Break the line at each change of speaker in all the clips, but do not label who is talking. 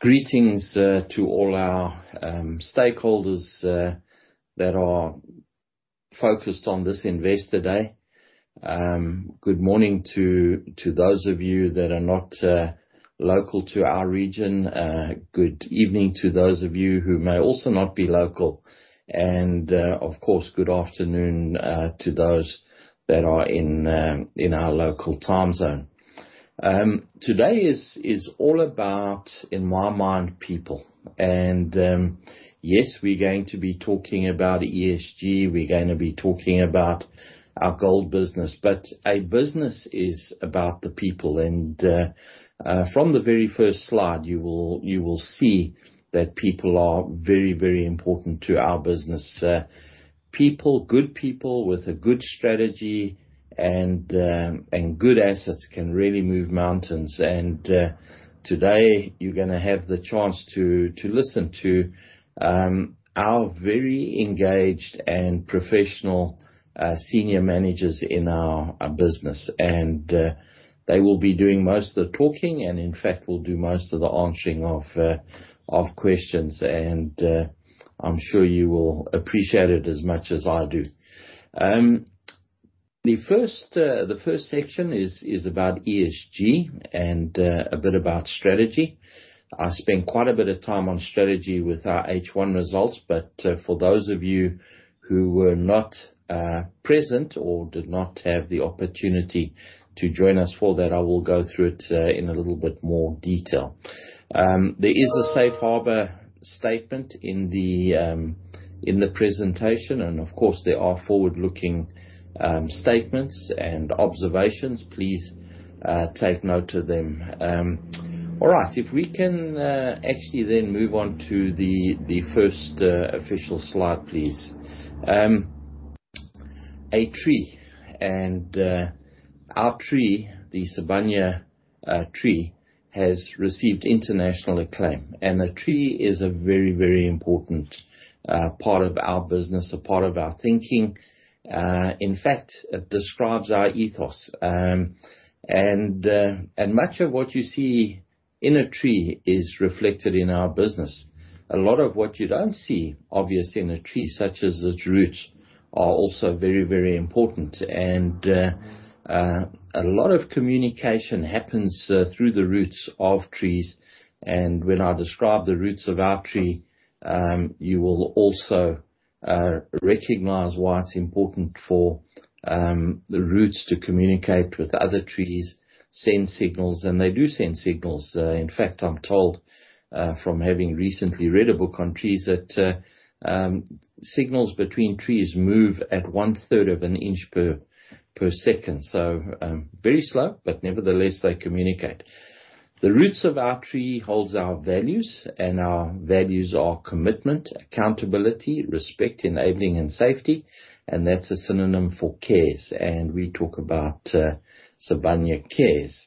Greetings to all our stakeholders that are focused on this Investor Day. Good morning to those of you that are not local to our region. Good evening to those of you who may also not be local. Of course, good afternoon to those that are in our local time zone. Today is all about, in my mind, people. Yes, we're going to be talking about ESG, we're going to be talking about our gold business. A business is about the people, and from the very first slide, you will see that people are very, very important to our business. People, good people with a good strategy and good assets can really move mountains. Today you're going to have the chance to listen to our very engaged and professional senior managers in our business. They will be doing most of the talking, and in fact, will do most of the answering of questions. I'm sure you will appreciate it as much as I do. The first section is about ESG and a bit about strategy. I spent quite a bit of time on strategy with our H1 results, but for those of you who were not present or did not have the opportunity to join us for that, I will go through it in a little bit more detail. There is a safe harbor statement in the presentation, and of course, there are forward-looking statements and observations. Please take note of them. All right. If we can actually then move on to the first official slide, please. A tree, our tree, the Sibanye tree, has received international acclaim. A tree is a very important part of our business, a part of our thinking. In fact, it describes our ethos. Much of what you see in a tree is reflected in our business. A lot of what you don't see, obviously, in a tree, such as its roots, are also very important. A lot of communication happens through the roots of trees. When I describe the roots of our tree, you will also recognize why it's important for the roots to communicate with other trees, send signals. They do send signals. In fact, I'm told from having recently read a book on trees that signals between trees move at one-third of an inch per second. Very slow, but nevertheless, they communicate. The roots of our tree hold our values. Our values are commitment, accountability, respect, enabling, and safety. That's a synonym for CARES. We talk about Sibanye CARES.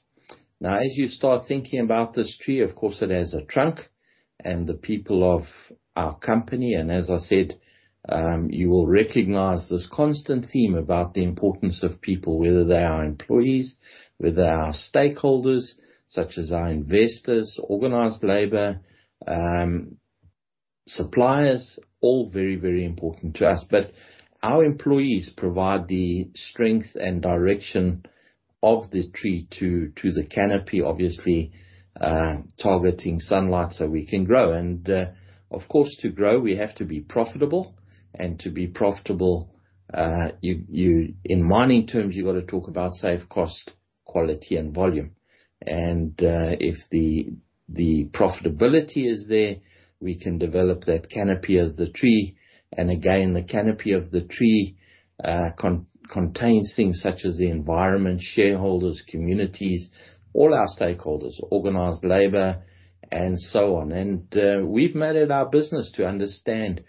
As you start thinking about this tree, of course, it has a trunk and the people of our company. As I said, you will recognize this constant theme about the importance of people, whether they are employees, whether they are stakeholders, such as our investors, organized labor, suppliers, all very, very important to us. Our employees provide the strength and direction of the tree to the canopy, obviously targeting sunlight so we can grow. Of course, to grow, we have to be profitable. To be profitable, in mining terms, you've got to talk about safe cost, quality, and volume. If the profitability is there, we can develop that canopy of the tree. Again, the canopy of the tree contains things such as the environment, shareholders, communities, all our stakeholders, organized labor, and so on. We've made it our business to understand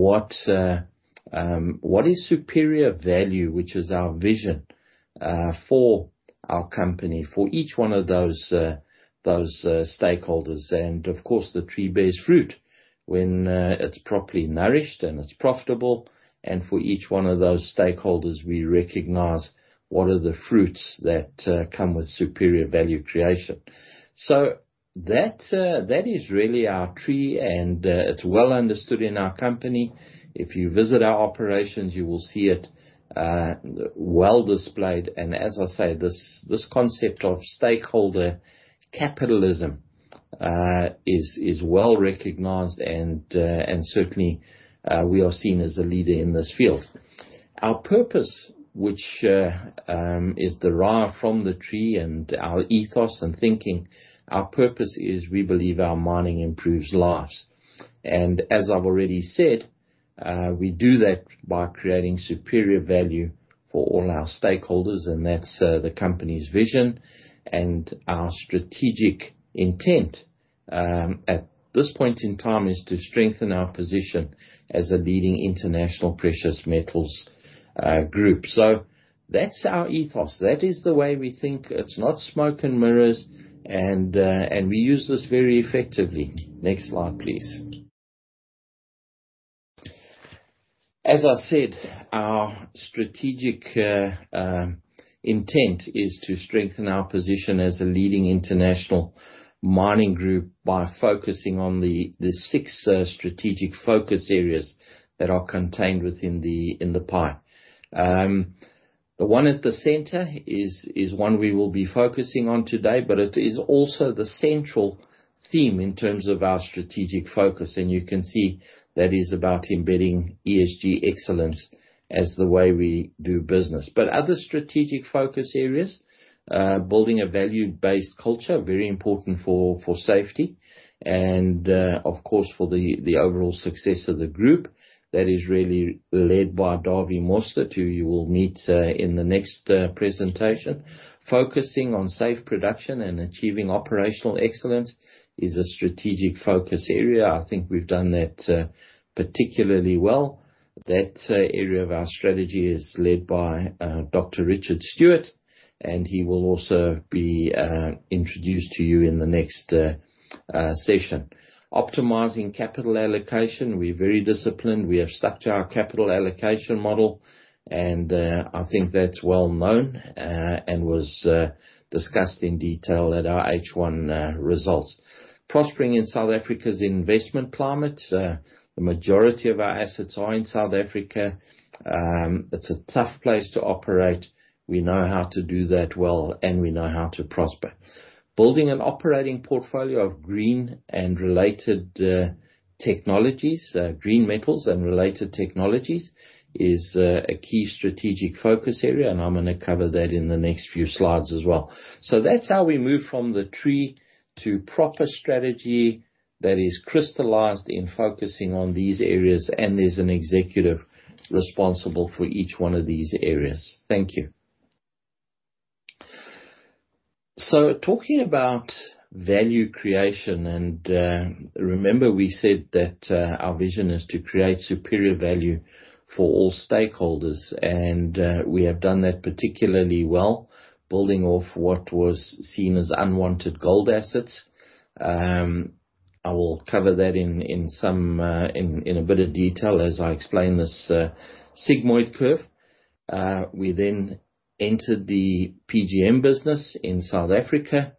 what is superior value, which is our vision for our company, for each one of those stakeholders. Of course, the tree bears fruit when it's properly nourished and it's profitable. For each one of those stakeholders, we recognize what are the fruits that come with superior value creation. That is really our tree, and it's well understood in our company. If you visit our operations, you will see it well displayed. As I say, this concept of stakeholder capitalism is well recognized and certainly, we are seen as a leader in this field. Our purpose, which is derived from the tree and our ethos and thinking, our purpose is we believe our Mining Improves Lives. As I've already said, we do that by creating superior value for all our stakeholders, and that's the company's vision. Our strategic intent at this point in time is to strengthen our position as a leading international precious metals group. That's our ethos. That is the way we think. It's not smoke and mirrors. We use this very effectively. Next slide, please. As I said, our strategic intent is to strengthen our position as a leading international mining group by focusing on the six strategic focus areas that are contained within the pie. The one at the center is one we will be focusing on today, but it is also the central theme in terms of our strategic focus, and you can see that is about embedding ESG excellence as the way we do business. Other strategic focus areas, building a value-based culture, very important for safety and, of course, for the overall success of the group. That is really led by Dawie Mostert, who you will meet in the next presentation. Focusing on safe production and achieving operational excellence is a strategic focus area. I think we've done that particularly well. That area of our strategy is led by Dr. Richard Stewart, and he will also be introduced to you in the next session. Optimizing capital allocation. We're very disciplined. We have stuck to our capital allocation model, and I think that's well-known, and was discussed in detail at our H1 results. Prospering in South Africa's investment climate. The majority of our assets are in South Africa. It's a tough place to operate. We know how to do that well, and we know how to prosper. Building an operating portfolio of green and related technologies, green metals and related technologies is a key strategic focus area. I'm going to cover that in the next few slides as well. That's how we move from the tree to proper strategy that is crystallized in focusing on these areas and there's an executive responsible for each one of these areas. Thank you. Talking about value creation. Remember we said that our vision is to create superior value for all stakeholders. We have done that particularly well, building off what was seen as unwanted gold assets. I will cover that in a bit of detail as I explain this sigmoid curve. We entered the PGM business in South Africa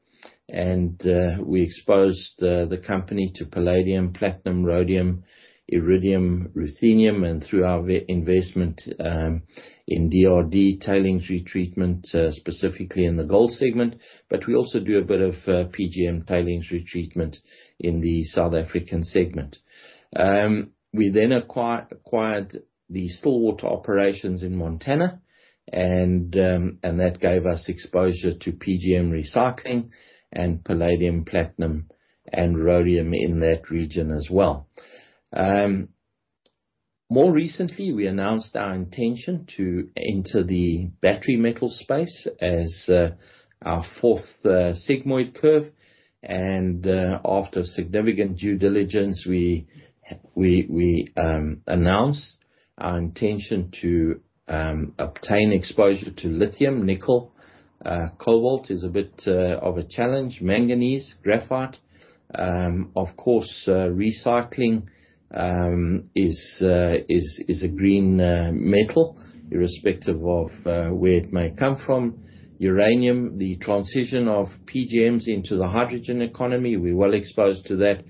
and we exposed the company to palladium, platinum, rhodium, iridium, ruthenium, and through our investment in DRDGOLD Tailings Retreatment, specifically in the gold segment, but we also do a bit of PGM tailings retreatment in the South African segment. We acquired the Stillwater operations in Montana, and that gave us exposure to PGM recycling and palladium, platinum, and rhodium in that region as well. More recently, we announced our intention to enter the battery metal space as our fourth sigmoid curve. After significant due diligence, we announced our intention to obtain exposure to lithium, nickel. Cobalt is a bit of a challenge. Manganese, graphite. Of course, recycling is a green metal irrespective of where it may come from. Uranium, the transition of PGMs into the hydrogen economy, we're well exposed to that.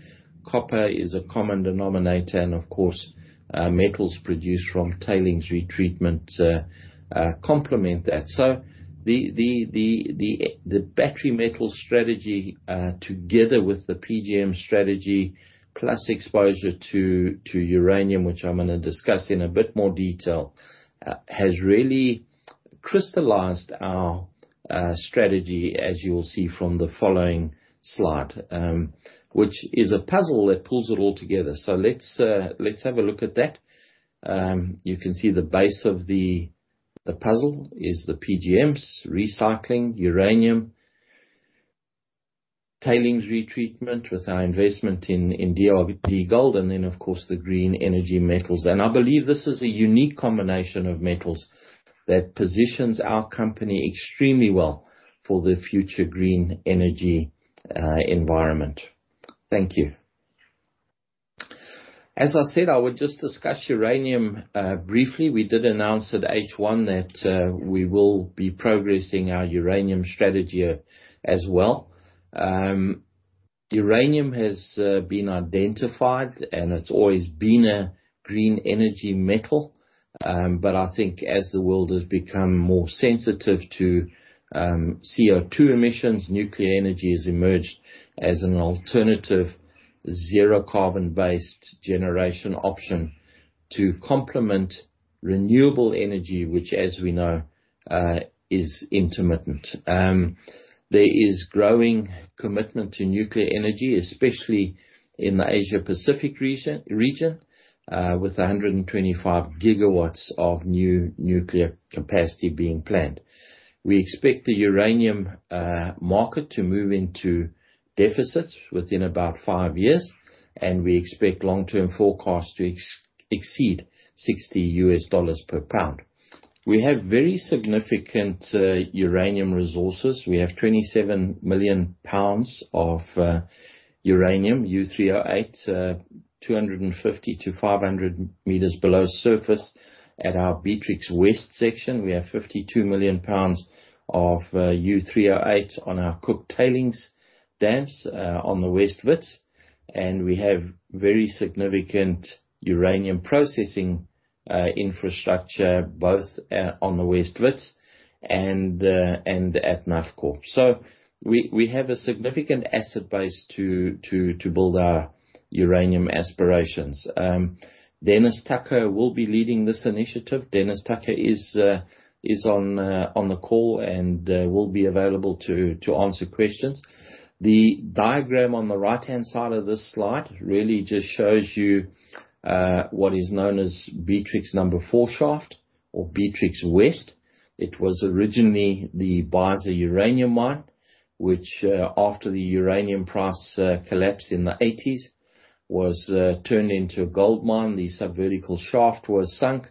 Copper is a common denominator and, of course, metals produced from tailings retreatment complement that. The battery metal strategy, together with the PGM strategy plus exposure to uranium, which I'm gonna discuss in a bit more detail, has really crystallized our strategy, as you will see from the following slide, which is a puzzle that pulls it all together. Let's have a look at that. You can see the base of the puzzle is the PGMs, recycling, uranium, tailings retreatment with our investment in DRDGOLD, and then, of course, the green energy metals. I believe this is a unique combination of metals that positions our company extremely well for the future green energy environment. Thank you. As I said, I would just discuss uranium briefly. We did announce at H1 that we will be progressing our uranium strategy as well. Uranium has been identified, it's always been a green energy metal. I think as the world has become more sensitive to CO2 emissions, nuclear energy has emerged as an alternative zero carbon-based generation option to complement renewable energy, which as we know, is intermittent. There is growing commitment to nuclear energy, especially in the Asia-Pacific region, with 125 GW of new nuclear capacity being planned. We expect the uranium market to move into deficits within about five years, and we expect long-term forecast to exceed $60 per pound. We have very significant uranium resources. We have 27 million pounds of uranium U3O8 250 m-500 m below surface at our Beatrix West section. We have 52 million pounds of U3O8 on our Cooke tailings dams on the West Wits, and we have very significant uranium processing infrastructure, both on the West Wits and at Nufcor. We have a significant asset base to build our uranium aspirations. Dennis Tucker will be leading this initiative. Dennis Tucker is on the call and will be available to answer questions. The diagram on the right-hand side of this slide really just shows you what is known as Beatrix Four shaft, or Beatrix West. It was originally the Beisa Uranium Mine, which after the uranium price collapse in the 1980s, was turned into a gold mine. The subvertical shaft was sunk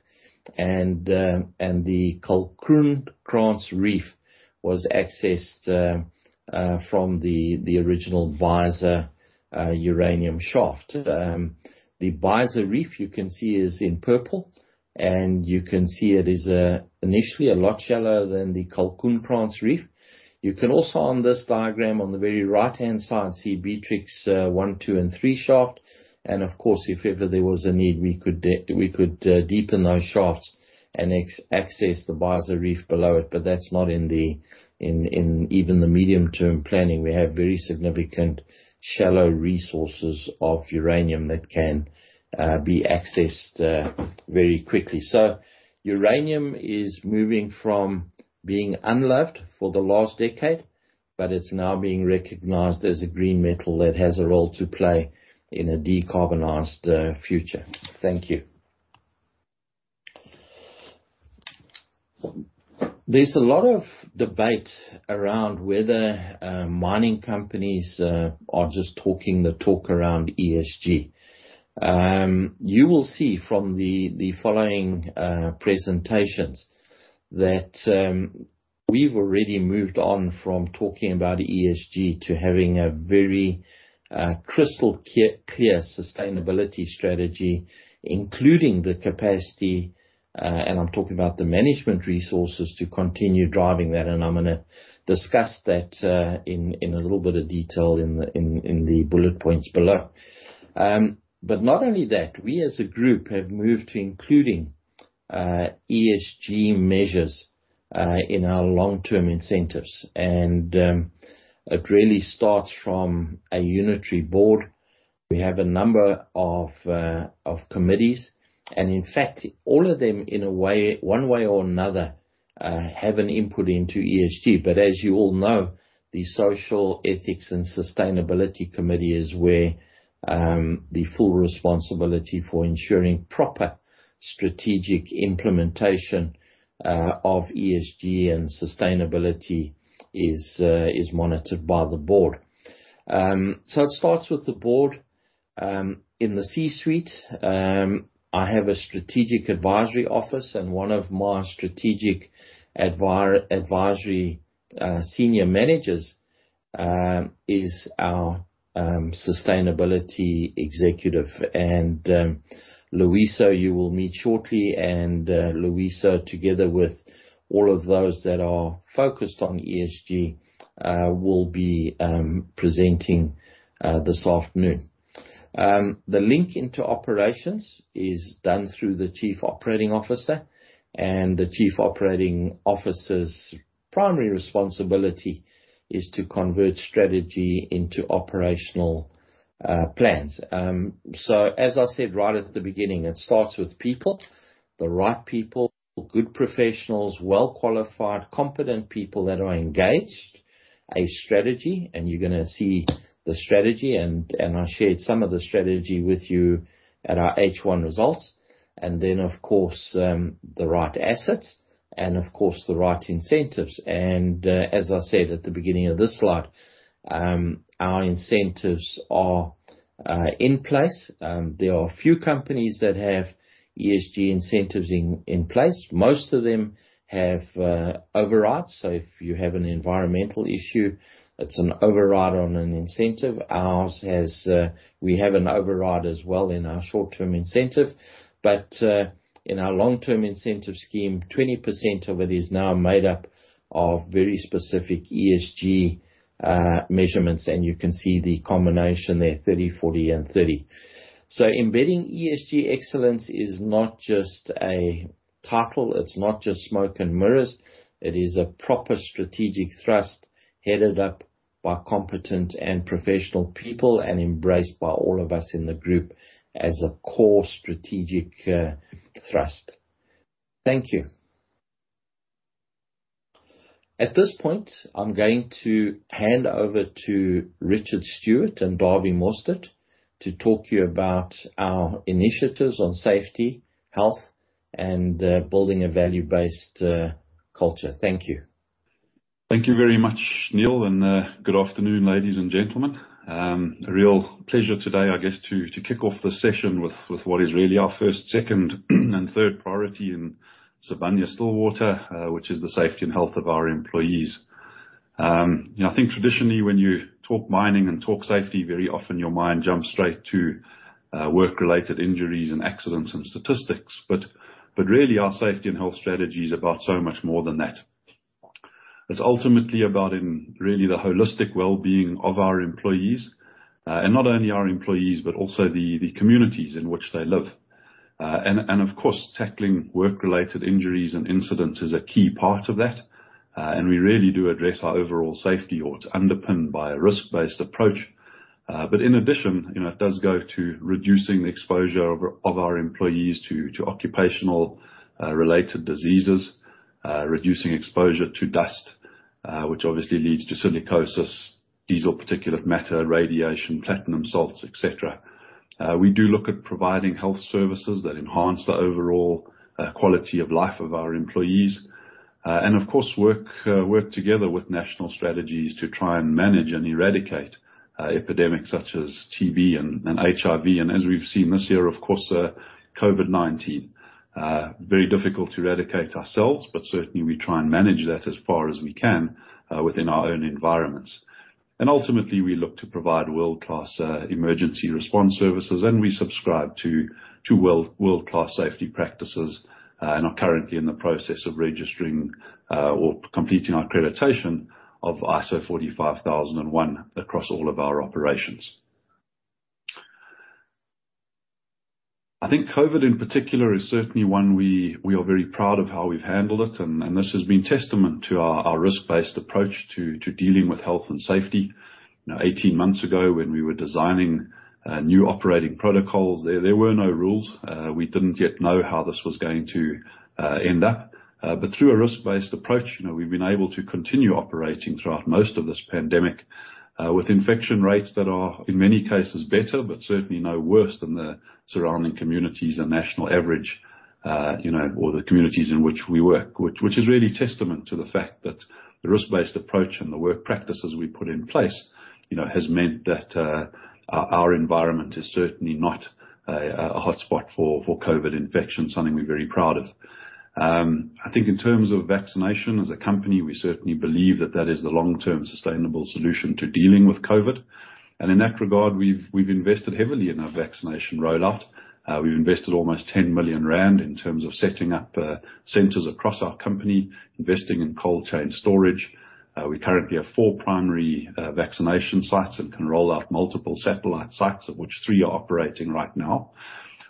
and the Kalkoenkrans Reef was accessed from the original Beisa uranium shaft. The Beisa Reef you can see is in purple, and you can see it is initially a lot shallower than the Kalkoenkrans Reef. You can also, on this diagram on the very right-hand side, see Beatrix One, Two, and Three shaft. Of course, if ever there was a need, we could deepen those shafts and access the Beisa Reef below it. That's not in even the medium-term planning. We have very significant shallow resources of uranium that can be accessed very quickly. Uranium is moving from being unloved for the last decade, but it's now being recognized as a green metal that has a role to play in a decarbonized future. Thank you. There is a lot of debate around whether mining companies are just talking the talk around ESG. You will see from the following presentations that we've already moved on from talking about ESG to having a very crystal-clear sustainability strategy, including the capacity, and I'm talking about the management resources, to continue driving that. I am going to discuss that in a little bit of detail in the bullet points below. Not only that, we as a group have moved to including ESG measures in our long-term incentives. It really starts from a unitary board. We have a number of committees, and in fact, all of them one way or another have an input into ESG. As you all know, the Social Ethics and Sustainability Committee is where the full responsibility for ensuring proper strategic implementation of ESG and sustainability is monitored by the board. It starts with the board. In the C-suite, I have a Strategic Advisory Office and one of my strategic advisory senior managers is our sustainability executive. Loyiso, you will meet shortly. Loyiso, together with all of those that are focused on ESG will be presenting this afternoon. The link into operations is done through the Chief Operating Officer, and the Chief Operating Officer's primary responsibility is to convert strategy into operational plans. As I said right at the beginning, it starts with people, the right people, good professionals, well-qualified, competent people that are engaged. A strategy, and you're going to see the strategy and I shared some of the strategy with you at our H1 results. Of course, the right assets and of course, the right incentives. As I said at the beginning of this slide, our incentives are in place. There are few companies that have ESG incentives in place. Most of them have overrides. If you have an environmental issue, it's an override on an incentive. We have an override as well in our short-term incentive. In our long-term incentive scheme, 20% of it is now made up of very specific ESG measurements. You can see the combination there, 30, 40, and 30. Embedding ESG excellence is not just a title. It's not just smoke and mirrors. It is a proper strategic thrust headed up by competent and professional people and embraced by all of us in the group as a core strategic thrust. Thank you. At this point, I am going to hand over to Richard Stewart and Dawie Mostert to talk to you about our initiatives on safety, health, and building a value-based culture. Thank you.
Thank you very much, Neal, good afternoon, ladies and gentlemen. A real pleasure today, I guess, to kick off the session with what is really our first, second and third priority in Sibanye-Stillwater, which is the safety and health of our employees. I think traditionally when you talk mining and talk safety, very often your mind jumps straight to work-related injuries and accidents and statistics. Really, our safety and health strategy is about so much more than that. It's ultimately about really the holistic wellbeing of our employees. Not only our employees, but also the communities in which they live. Of course, tackling work-related injuries and incidents is a key part of that. We really do address our overall safety audit underpinned by a risk-based approach. In addition, it does go to reducing the exposure of our employees to occupational-related diseases, reducing exposure to dust, which obviously leads to silicosis, diesel particulate matter, radiation, platinum salts, et cetera. We do look at providing health services that enhance the overall quality of life of our employees. Of course, work together with national strategies to try and manage and eradicate epidemics such as TB and HIV. As we've seen this year, of course, COVID-19. Very difficult to eradicate ourselves, but certainly we try and manage that as far as we can within our own environments. Ultimately, we look to provide world-class emergency response services, and we subscribe to two world-class safety practices, and are currently in the process of registering or completing our accreditation of ISO 45001 across all of our operations. I think COVID, in particular, is certainly one we are very proud of how we've handled it, and this has been testament to our risk-based approach to dealing with health and safety. 18 months ago, when we were designing new operating protocols, there were no rules. We didn't yet know how this was going to end up. Through a risk-based approach, we've been able to continue operating throughout most of this pandemic, with infection rates that are, in many cases, better, but certainly no worse than the surrounding communities and national average, or the communities in which we work, which is really testament to the fact that the risk-based approach and the work practices we put in place has meant that our environment is certainly not a hotspot for COVID infection, something we're very proud of. I think in terms of vaccination as a company, we certainly believe that that is the long-term sustainable solution to dealing with COVID. In that regard, we've invested heavily in our vaccination rollout. We've invested almost 10 million rand in terms of setting up centers across our company, investing in cold chain storage. We currently have four primary vaccination sites and can roll out multiple satellite sites, of which three are operating right now.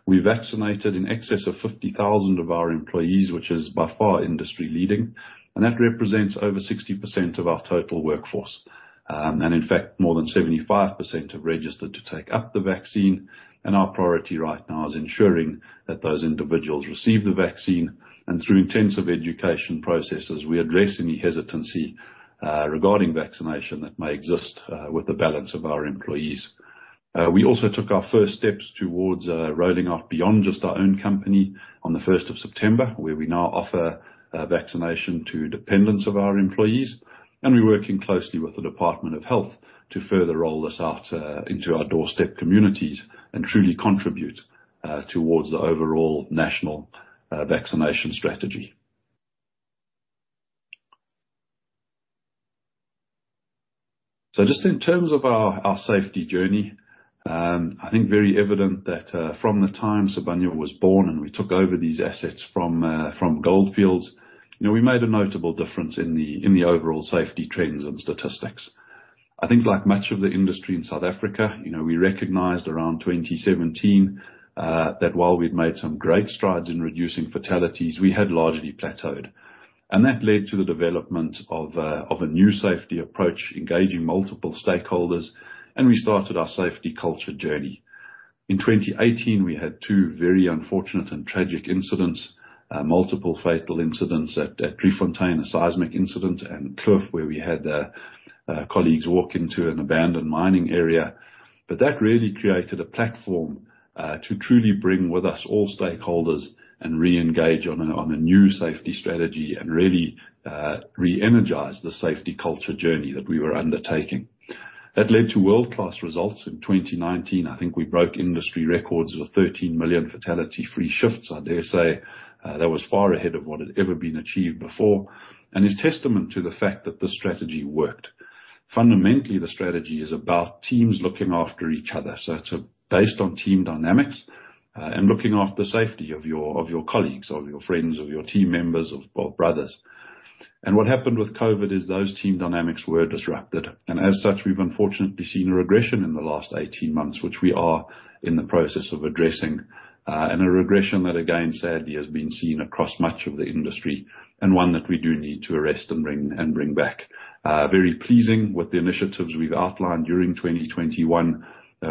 We vaccinated in excess of 50,000 of our employees, which is by far industry-leading, and that represents over 60% of our total workforce. In fact, more than 75% have registered to take up the vaccine. Our priority right now is ensuring that those individuals receive the vaccine. Through intensive education processes, we address any hesitancy regarding vaccination that may exist with the balance of our employees. We also took our first steps towards rolling out beyond just our own company on the 1st of September, where we now offer vaccination to dependents of our employees, and we're working closely with the Department of Health to further roll this out into our doorstep communities and truly contribute towards the overall national vaccination strategy. Just in terms of our safety journey, I think very evident that from the time Sibanye was born and we took over these assets from Gold Fields, we made a notable difference in the overall safety trends and statistics. I think like much of the industry in South Africa, we recognized around 2017 that while we'd made some great strides in reducing fatalities, we had largely plateaued. That led to the development of a new safety approach engaging multiple stakeholders, and we started our safety culture journey. In 2018, we had two very unfortunate and tragic incidents, multiple fatal incidents at Driefontein, a seismic incident, and Kloof, where we had colleagues walk into an abandoned mining area. That really created a platform to truly bring with us all stakeholders and reengage on a new safety strategy and really re-energize the safety culture journey that we were undertaking. That led to world-class results in 2019. I think we broke industry records of 13 million fatality-free shifts. I dare say that was far ahead of what had ever been achieved before, and is testament to the fact that this strategy worked. Fundamentally, the strategy is about teams looking after each other. It's based on team dynamics, and looking after the safety of your colleagues or your friends or your team members or brothers. What happened with COVID is those team dynamics were disrupted. As such, we've unfortunately seen a regression in the last 18 months, which we are in the process of addressing. A regression that, again, sadly, has been seen across much of the industry, and one that we do need to arrest and bring back. Very pleasing with the initiatives we've outlined during 2021.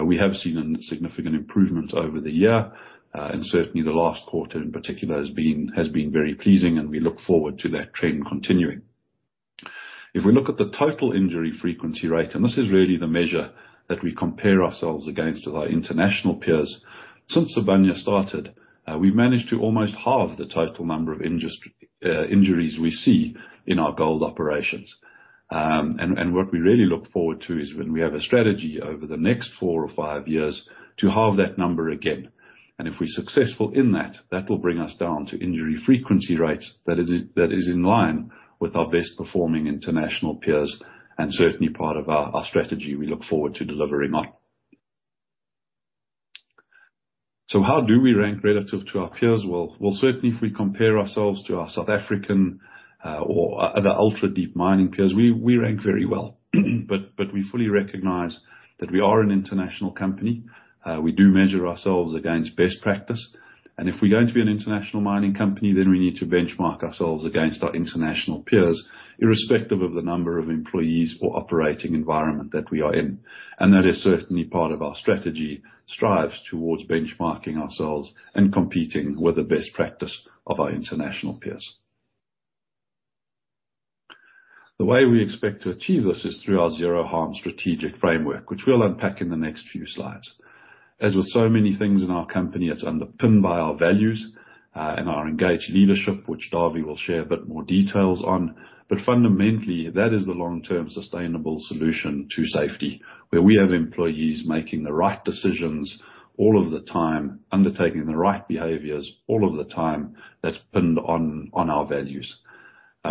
We have seen a significant improvement over the year, and certainly the last quarter in particular has been very pleasing, and we look forward to that trend continuing. If we look at the total injury frequency rate, this is really the measure that we compare ourselves against our international peers. Since Sibanye started, we've managed to almost halve the total number of injuries we see in our gold operations. What we really look forward to is when we have a strategy over the next four or five years to halve that number again. If we're successful in that will bring us down to injury frequency rates that is in line with our best performing international peers, and certainly part of our strategy we look forward to delivering on. How do we rank relative to our peers? Well, certainly if we compare ourselves to our South African or other ultra-deep mining peers, we rank very well. We fully recognize that we are an international company. We do measure ourselves against best practice, and if we're going to be an international mining company, then we need to benchmark ourselves against our international peers, irrespective of the number of employees or operating environment that we are in. That is certainly part of our strategy, strives towards benchmarking ourselves and competing with the best practice of our international peers. The way we expect to achieve this is through our Zero Harm strategic framework, which we will unpack in the next few slides. As with so many things in our company, it's underpinned by our values and our engaged leadership, which Dawie will share a bit more details on. Fundamentally, that is the long-term sustainable solution to safety, where we have employees making the right decisions all of the time, undertaking the right behaviors all of the time. That's pinned on our values.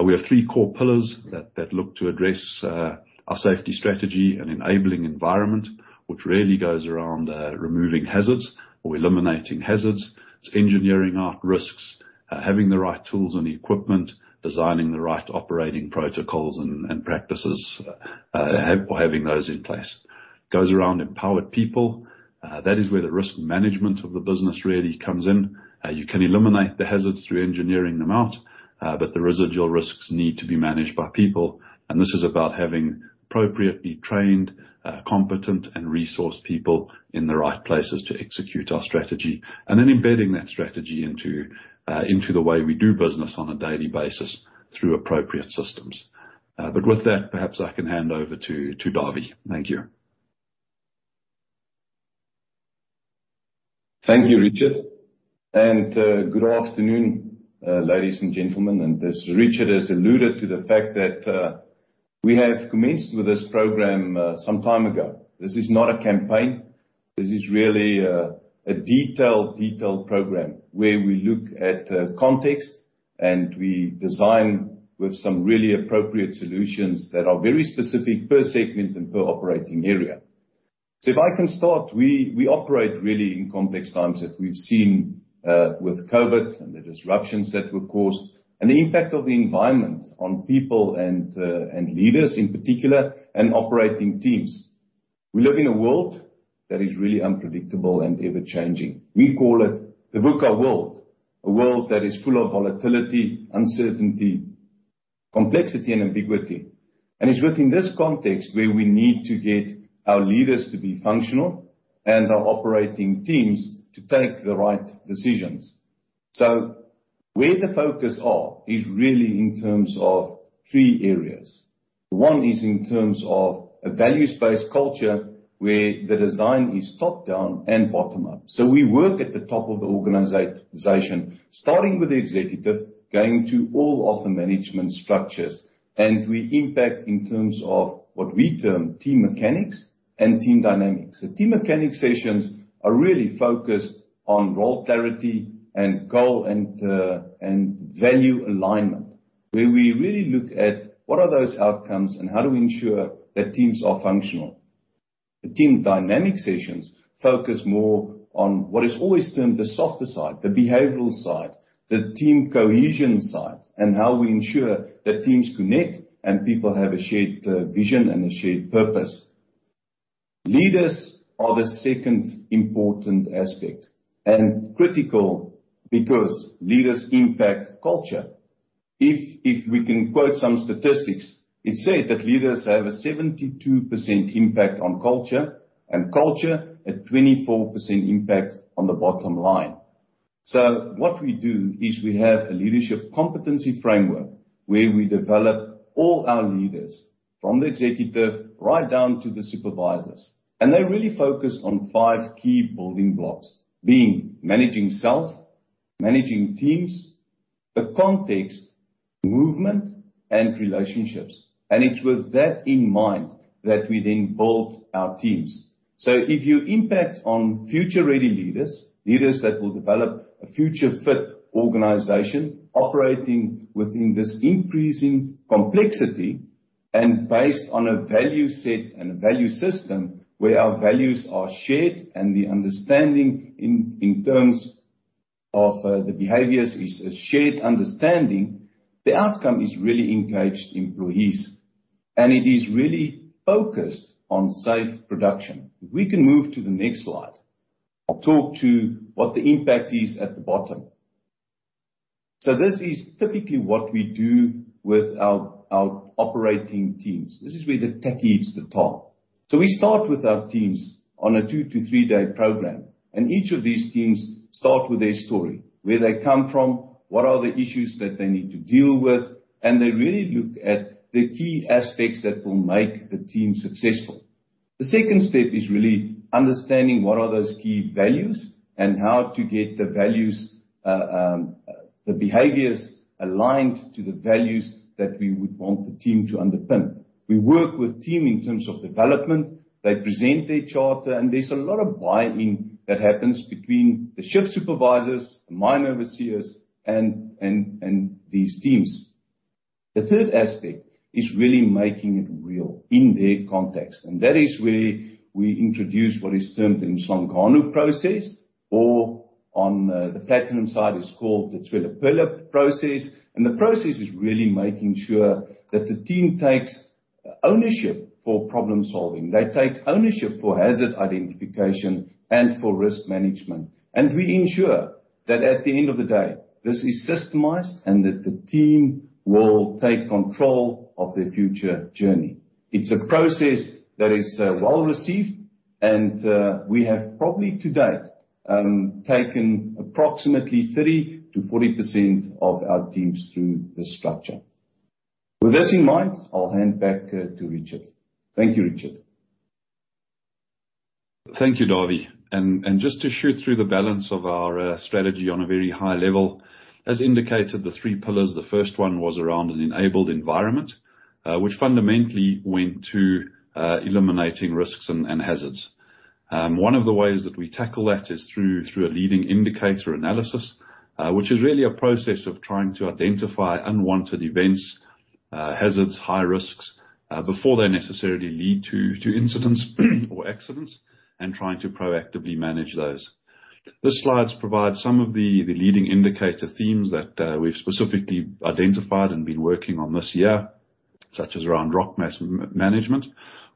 We have three core pillars that look to address our safety strategy and enabling environment, which really goes around removing hazards or eliminating hazards. It's engineering out risks, having the right tools and equipment, designing the right operating protocols and practices, or having those in place. Goes around empowered people. That is where the risk management of the business really comes in. You can eliminate the hazards through engineering them out, but the residual risks need to be managed by people. This is about having appropriately trained, competent, and resourced people in the right places to execute our strategy. Embedding that strategy into the way we do business on a daily basis through appropriate systems. With that, perhaps I can hand over to Dawie. Thank you.
Thank you, Richard. Good afternoon, ladies and gentlemen. As Richard has alluded to the fact that we have commenced with this program some time ago. This is not a campaign. This is really a detailed program, where we look at context, and we design with some really appropriate solutions that are very specific per segment and per operating area. If I can start, we operate really in complex times as we've seen with COVID and the disruptions that were caused, and the impact of the environment on people and leaders in particular, and operating teams. We live in a world that is really unpredictable and ever-changing. We call it the VUCA world, a world that is full of volatility, uncertainty, complexity, and ambiguity. It's within this context where we need to get our leaders to be functional and our operating teams to take the right decisions. Where the focus is really in terms of three areas. One is in terms of a values-based culture, where the design is top-down and bottom-up. We work at the top of the organization, starting with the executive, going to all of the management structures. We impact in terms of what we term team mechanics and team dynamics. The team mechanics sessions are really focused on role clarity and goal and value alignment, where we really look at what are those outcomes and how do we ensure that teams are functional. The team dynamic sessions focus more on what is always termed the softer side, the behavioral side, the team cohesion side, and how we ensure that teams connect and people have a shared vision and a shared purpose. Leaders are the second important aspect, and critical because leaders impact culture. If we can quote some statistics, it's said that leaders have a 72% impact on culture, and culture a 24% impact on the bottom line. What we do is we have a leadership competency framework where we develop all our leaders from the executive right down to the supervisors, and they really focus on five key building blocks, being managing self, managing teams, the context, movement, and relationships. It's with that in mind that we then build our teams. If you impact on future-ready leaders that will develop a future-fit organization operating within this increasing complexity and based on a value set and a value system where our values are shared and the understanding in terms of the behaviors is a shared understanding, the outcome is really engaged employees. It is really focused on safe production. If we can move to the next slide. I'll talk to what the impact is at the bottom. This is typically what we do with our operating teams. This is where the tekkie hits the tar. We start with our teams on a 2-3 day program, and each of these teams start with their story, where they come from, what are the issues that they need to deal with, and they really look at the key aspects that will make the team successful. The second step is really understanding what are those key values and how to get the behaviors aligned to the values that we would want the team to underpin. We work with team in terms of development. They present their charter, and there's a lot of buy-in that happens between the shift supervisors, the mine overseers, and these teams. The third aspect is really making it real in their context, and that is where we introduce what is termed the Insungano process, or on the platinum side, it's called the Tswelopele process. The process is really making sure that the team takes ownership for problem-solving. They take ownership for hazard identification and for risk management. We ensure that at the end of the day, this is systemized and that the team will take control of their future journey. It's a process that is well-received, and we have probably to date, taken approximately 30%-40% of our teams through this structure. With this in mind, I'll hand back to Richard. Thank you, Richard.
Thank you, Dawie. Just to shoot through the balance of our strategy on a very high level, as indicated, the three pillars, the first one was around an enabled environment, which fundamentally went to eliminating risks and hazards. One of the ways that we tackle that is through a leading indicator analysis, which is really a process of trying to identify unwanted events, hazards, high risks, before they necessarily lead to incidents or accidents, and trying to proactively manage those. This slide provides some of the leading indicator themes that we've specifically identified and been working on this year, such as around rock mass management,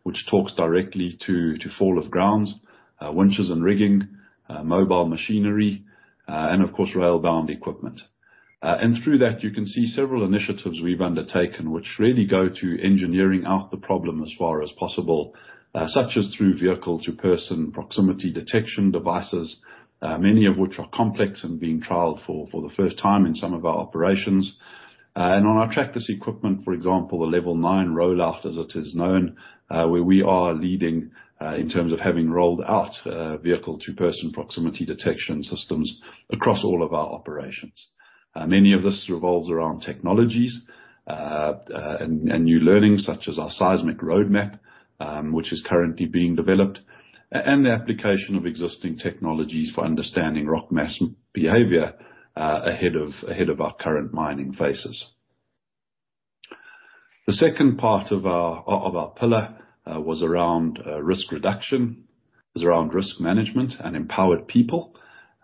which talks directly to fall of grounds, winches and rigging, mobile machinery, and of course, rail-bound equipment. Through that, you can see several initiatives we've undertaken which really go to engineering out the problem as far as possible, such as through vehicle-to-person proximity detection devices, many of which are complex and being trialed for the first time in some of our operations. On our trackless equipment, for example, the Level nine rollout that is known, where we are leading in terms of having rolled out vehicle-to-person proximity detection systems across all of our operations. Many of this revolves around technologies, and new learnings such as our seismic roadmap, which is currently being developed, and the application of existing technologies for understanding rock mass behavior ahead of our current mining phases. The second part of our pillar was around risk reduction, was around risk management and empowered people.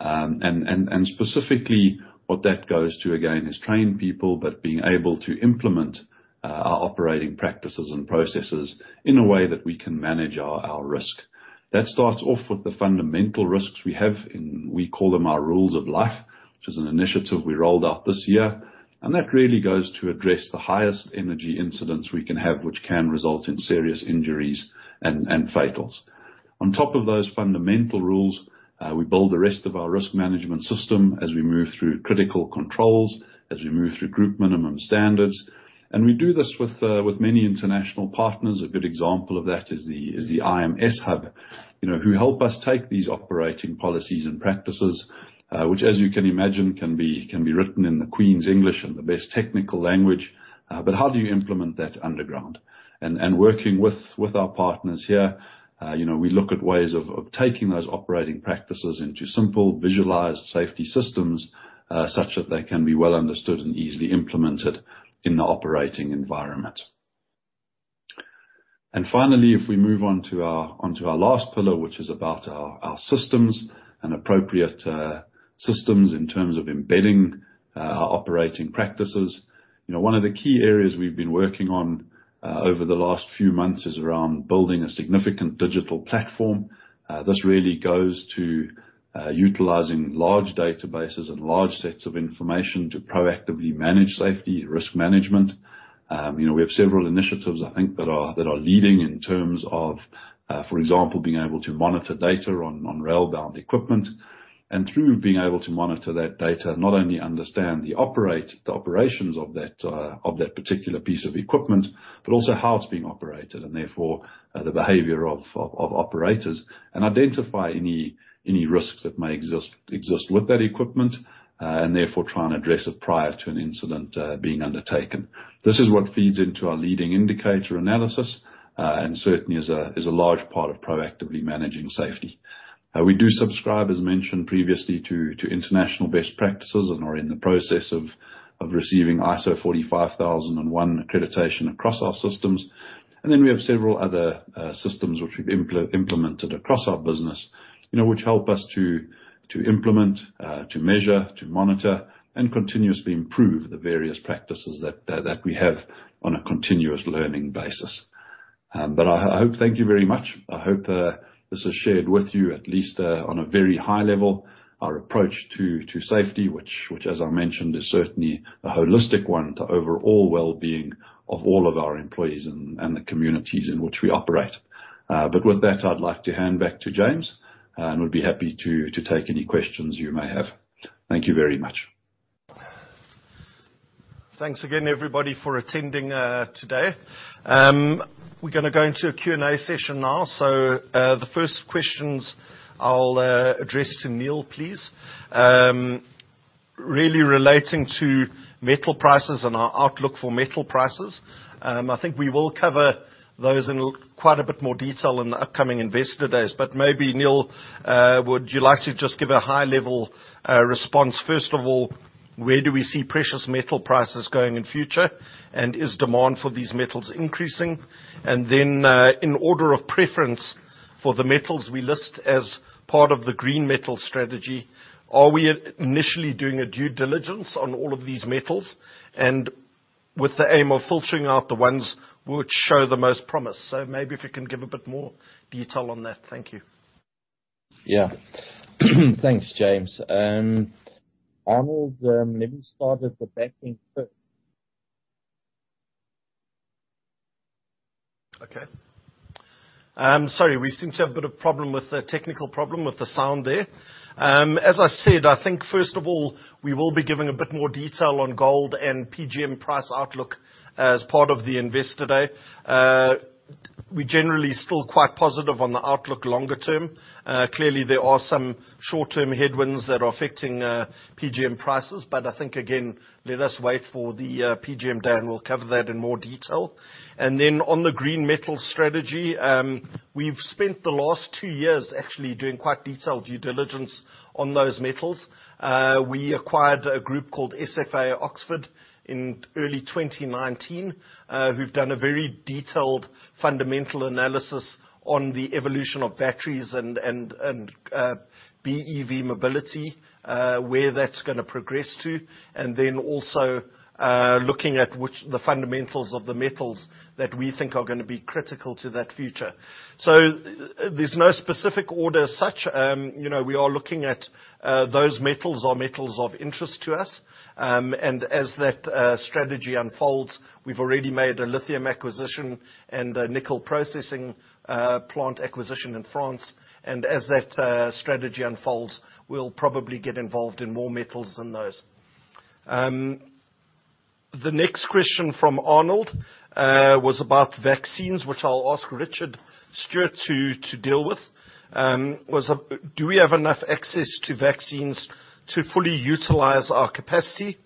Specifically what that goes to again is trained people, but being able to implement our operating practices and processes in a way that we can manage our risk. That starts off with the fundamental risks we have, and we call them our rules of life, which is an initiative we rolled out this year. That really goes to address the highest energy incidents we can have, which can result in serious injuries and fatals. On top of those fundamental rules, we build the rest of our risk management system as we move through critical controls, as we move through group minimum standards. We do this with many international partners. A good example of that is the IMS hub, who help us take these operating policies and practices, which as you can imagine, can be written in the Queen's English and the best technical language. How do you implement that underground? Working with our partners here, we look at ways of taking those operating practices into simple, visualized safety systems, such that they can be well understood and easily implemented in the operating environment. Finally, if we move on to our last pillar, which is about our systems and appropriate systems in terms of embedding our operating practices. One of the key areas we've been working on over the last few months is around building a significant digital platform. This really goes to utilizing large databases and large sets of information to proactively manage safety risk management. We have several initiatives I think that are leading in terms of, for example, being able to monitor data on rail-bound equipment. Through being able to monitor that data, not only understand the operations of that particular piece of equipment, but also how it's being operated, and therefore, the behavior of operators. Identify any risks that may exist with that equipment, and therefore, try and address it prior to an incident being undertaken. This is what feeds into our leading indicator analysis, and certainly is a large part of proactively managing safety. We do subscribe, as mentioned previously, to international best practices and are in the process of receiving ISO 45001 accreditation across our systems. Then we have several other systems which we've implemented across our business, which help us to implement, to measure, to monitor, and continuously improve the various practices that we have on a continuous learning basis. Thank you very much. I hope this is shared with you at least on a very high level, our approach to safety, which as I mentioned, is certainly a holistic one to overall wellbeing of all of our employees and the communities in which we operate. With that, I'd like to hand back to James, and would be happy to take any questions you may have. Thank you very much.
Thanks again, everybody, for attending today. We're going to go into a Q&A session now. The first questions I'll address to Neal, please. Really relating to metal prices and our outlook for metal prices. I think we will cover those in quite a bit more detail in the upcoming Investor Days. Maybe, Neal, would you like to just give a high-level response? First of all, where do we see precious metal prices going in future? Is demand for these metals increasing? In order of preference for the metals we list as part of the green metal strategy, are we initially doing a due diligence on all of these metals? With the aim of filtering out the ones which show the most promise. Maybe if you can give a bit more detail on that. Thank you.
Yeah. Thanks, James. Arnold, let me start with the.
Okay. Sorry. We seem to have a bit of a technical problem with the sound there. As I said, I think first of all, we will be giving a bit more detail on gold and PGM price outlook as part of the Investor Day. We're generally still quite positive on the outlook longer term. Clearly, there are some short-term headwinds that are affecting PGM prices. I think, again, let us wait for the PGM day, and we'll cover that in more detail. Then on the green metal strategy, we've spent the last two years actually doing quite detailed due diligence on those metals. We acquired a group called SFA (Oxford) in early 2019, who've done a very detailed fundamental analysis on the evolution of batteries and BEV mobility, where that's going to progress to, also looking at the fundamentals of the metals that we think are going to be critical to that future. There's no specific order as such. We are looking at those metals or metals of interest to us. As that strategy unfolds, we've already made a lithium acquisition and a nickel processing plant acquisition in France. As that strategy unfolds, we'll probably get involved in more metals than those. The next question from Arnold was about vaccines, which I'll ask Richard Stewart to deal with, do we have enough access to vaccines to fully utilize our capacity?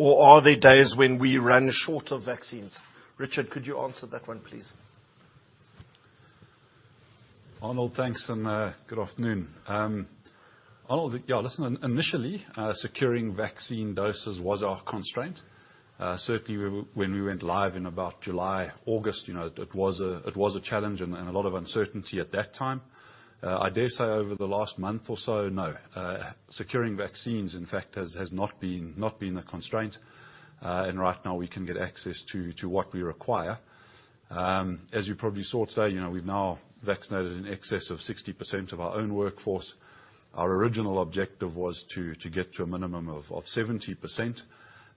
Are there days when we run short of vaccines? Richard, could you answer that one, please?
Arnold, thanks, good afternoon. Arnold, yeah, listen, initially, securing vaccine doses was our constraint. Certainly, when we went live in about July, August, it was a challenge and a lot of uncertainty at that time. I dare say over the last month or so, no. Securing vaccines, in fact, has not been a constraint. Right now, we can get access to what we require. As you probably saw today, we've now vaccinated in excess of 60% of our own workforce. Our original objective was to get to a minimum of 70%.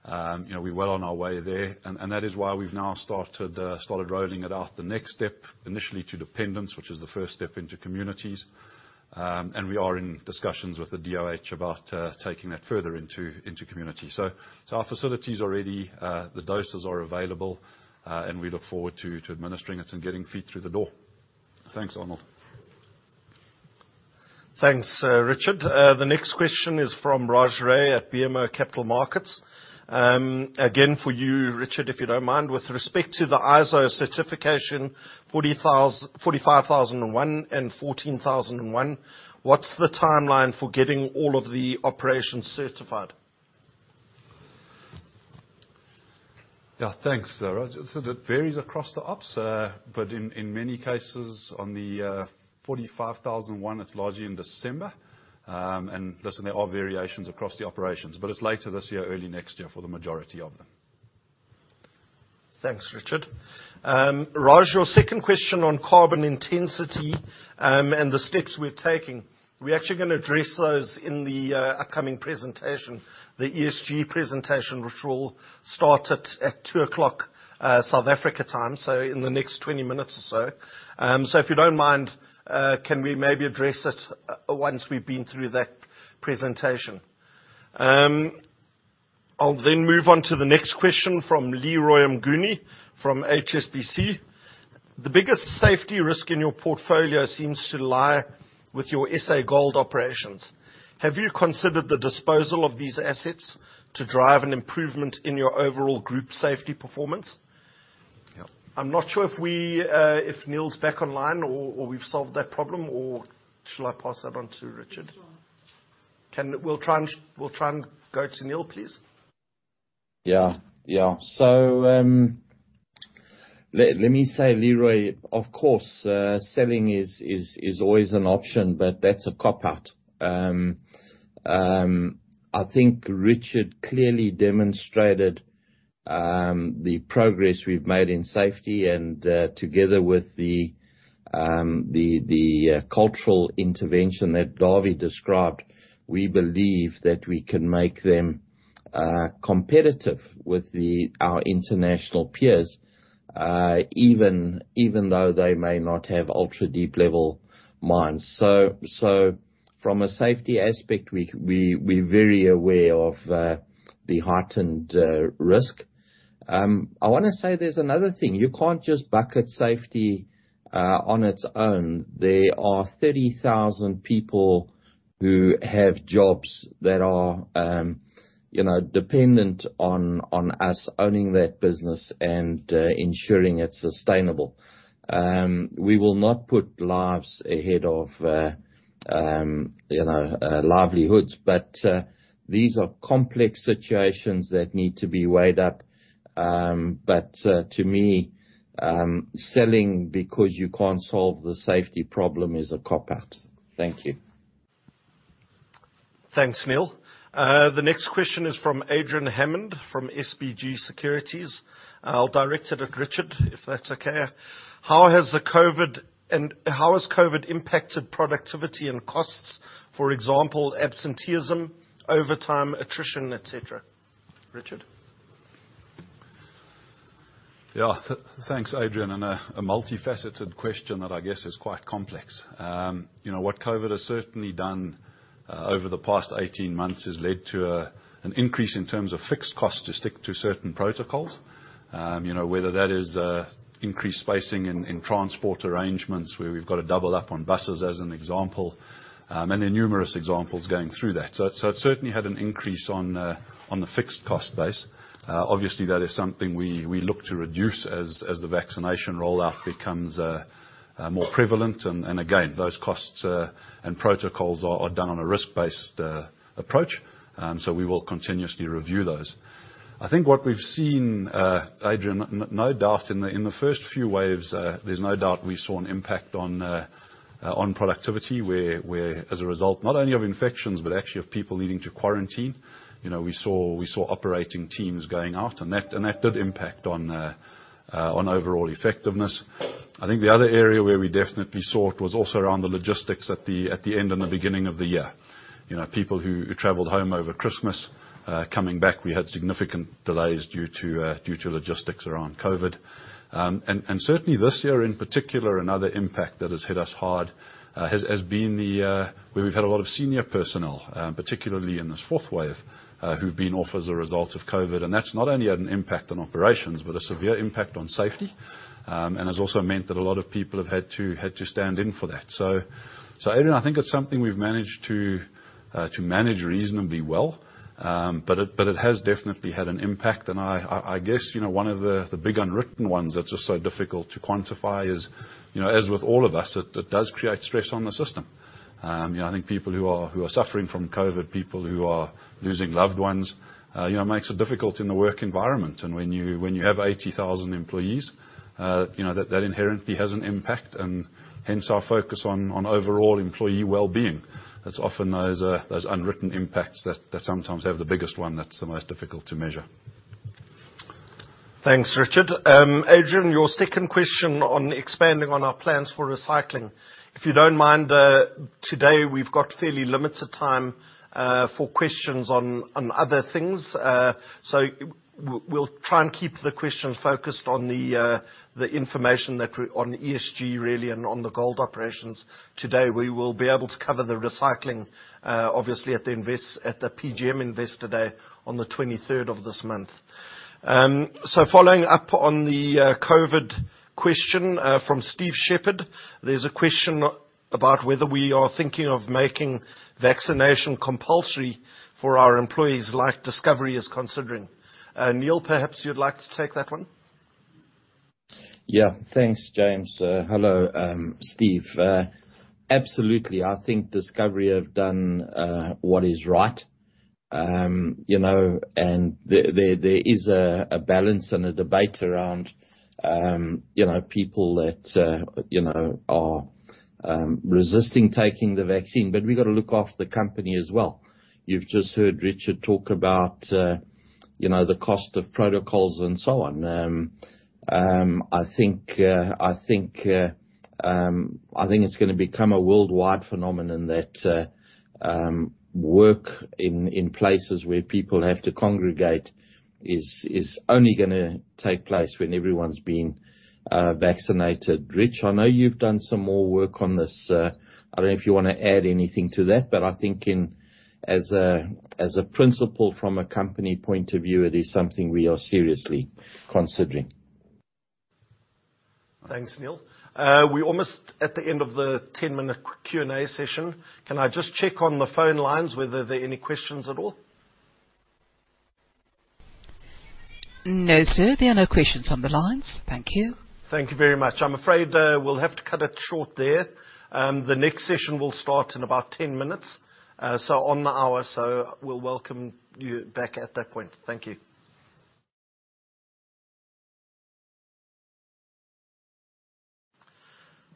We're well on our way there. That is why we've now started rolling it out the next step, initially to dependents, which is the first step into communities. We are in discussions with the DOH about taking that further into community. Our facilities are ready, the doses are available, and we look forward to administering it and getting feet through the door. Thanks, Arnold.
Thanks, Richard. The next question is from Raj Ray at BMO Capital Markets. Again, for you, Richard, if you don't mind. With respect to the ISO certification 45001 and 14001, what's the timeline for getting all of the operations certified?
Thanks, Raj. It varies across the ops but in many cases, on the ISO 45001, it's largely in December. Listen, there are variations across the operations, but it's later this year, early next year for the majority of them.
Thanks, Richard. Raj, your second question on carbon intensity and the steps we're taking, we're actually going to address those in the upcoming presentation, the ESG presentation, which will start at 2:00 South Africa time, so in the next 20 minutes or so. If you don't mind, can we maybe address it once we've been through that presentation? I'll then move on to the next question from Leroy Mnguni from HSBC. The biggest safety risk in your portfolio seems to lie with your S.A. Gold operations. Have you considered the disposal of these assets to drive an improvement in your overall group safety performance? I'm not sure if Neal's back online or we've solved that problem, or should I pass that on to Richard? We'll try and go to Neal, please.
Let me say, Leroy, of course, selling is always an option, but that's a cop-out. I think Richard clearly demonstrated the progress we've made in safety and together with the cultural intervention that Dawie described, we believe that we can make them competitive with our international peers, even though they may not have ultra-deep-level mines. From a safety aspect, we're very aware of the heightened risk. I want to say there's another thing. You can't just bucket safety on its own. There are 30,000 people who have jobs that are dependent on us owning that business and ensuring it's sustainable. We will not put lives ahead of livelihoods. These are complex situations that need to be weighed up. To me, selling because you can't solve the safety problem is a cop-out. Thank you.
Thanks, Neal. The next question is from Adrian Hammond from SBG Securities. I'll direct it at Richard, if that's okay. How has COVID impacted productivity and costs? For example, absenteeism, overtime, attrition, et cetera. Richard?
Thanks, Adrian. A multifaceted question that I guess is quite complex. What COVID has certainly done over the past 18 months has led to an increase in terms of fixed costs to stick to certain protocols. Whether that is increased spacing in transport arrangements where we've got to double up on buses, as an example. There are numerous examples going through that. It's certainly had an increase on the fixed cost base. Obviously, that is something we look to reduce as the vaccination rollout becomes more prevalent. Again, those costs and protocols are done on a risk-based approach. We will continuously review those. I think what we've seen, Adrian, in the first few waves, there's no doubt we saw an impact on productivity, where as a result, not only of infections, but actually of people needing to quarantine. We saw operating teams going out, and that did impact on overall effectiveness. I think the other area where we definitely saw it was also around the logistics at the end and the beginning of the year. People who traveled home over Christmas, coming back, we had significant delays due to logistics around COVID. Certainly this year in particular, another impact that has hit us hard, has been where we've had a lot of senior personnel, particularly in this fourth wave, who've been off as a result of COVID. That's not only had an impact on operations, but a severe impact on safety, and has also meant that a lot of people have had to stand in for that. Adrian, I think it's something we've managed to manage reasonably well. It has definitely had an impact. I guess one of the big unwritten ones that is just so difficult to quantify is, as with all of us, it does create stress on the system. I think people who are suffering from COVID, people who are losing loved ones, it makes it difficult in the work environment. When you have 80,000 employees, that inherently has an impact and hence our focus on overall employee wellbeing. It is often those unwritten impacts that sometimes have the biggest one that is the most difficult to measure.
Thanks, Richard. Adrian, your second question on expanding on our plans for recycling. If you don't mind, today we've got fairly limited time for questions on other things. We'll try and keep the questions focused on the information on ESG, really, and on the gold operations today. We will be able to cover the recycling obviously at the PGM Investor Day on the 23rd of this month. Following up on the COVID question from Steve Shepherd, there's a question about whether we are thinking of making vaccination compulsory for our employees, like Discovery is considering. Neal, perhaps you'd like to take that one.
Thanks, James. Hello, Steve. Absolutely. I think Discovery have done what is right. There is a balance and a debate around people that are resisting taking the vaccine, but we've got to look after the company as well. You've just heard Richard talk about the cost of protocols and so on. I think it's going to become a worldwide phenomenon that work in places where people have to congregate is only going to take place when everyone's been vaccinated. Rich, I know you've done some more work on this. I don't know if you want to add anything to that, but I think as a principle from a company point of view, it is something we are seriously considering.
Thanks, Neal. We're almost at the end of the 10-minute Q&A session. Can I just check on the phone lines whether there are any questions at all?
No, sir. There are no questions on the lines. Thank you.
Thank you very much. I'm afraid we'll have to cut it short there. The next session will start in about 10 minutes, so on the hour. We'll welcome you back at that point. Thank you.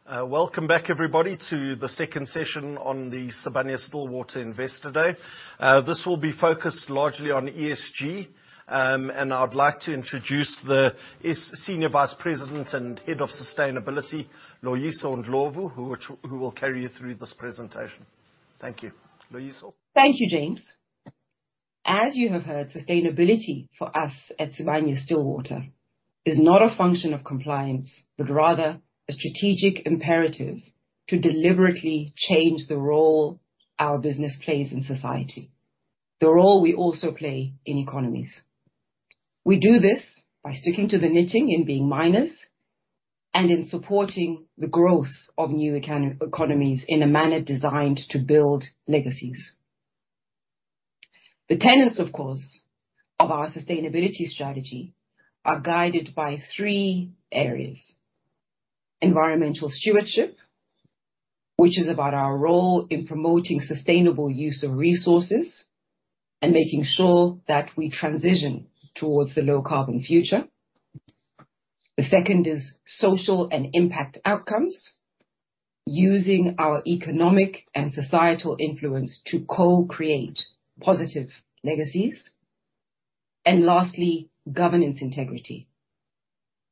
Welcome back, everybody, to the second session on the Sibanye-Stillwater Investor Day. This will be focused largely on ESG. I would like to introduce the Senior Vice President and Head of Sustainability, Loyiso Ndlovu, who will carry you through this presentation. Thank you. Loyiso.
Thank you, James. As you have heard, sustainability for us at Sibanye-Stillwater is not a function of compliance, but rather a strategic imperative to deliberately change the role our business plays in society. The role we also play in economies. We do this by sticking to the knitting in being miners, and in supporting the growth of new economies in a manner designed to build legacies. The tenets, of course, of our sustainability strategy are guided by three areas. Environmental stewardship, which is about our role in promoting sustainable use of resources and making sure that we transition towards the low carbon future. The second is social and impact outcomes, using our economic and societal influence to co-create positive legacies. Lastly, governance integrity.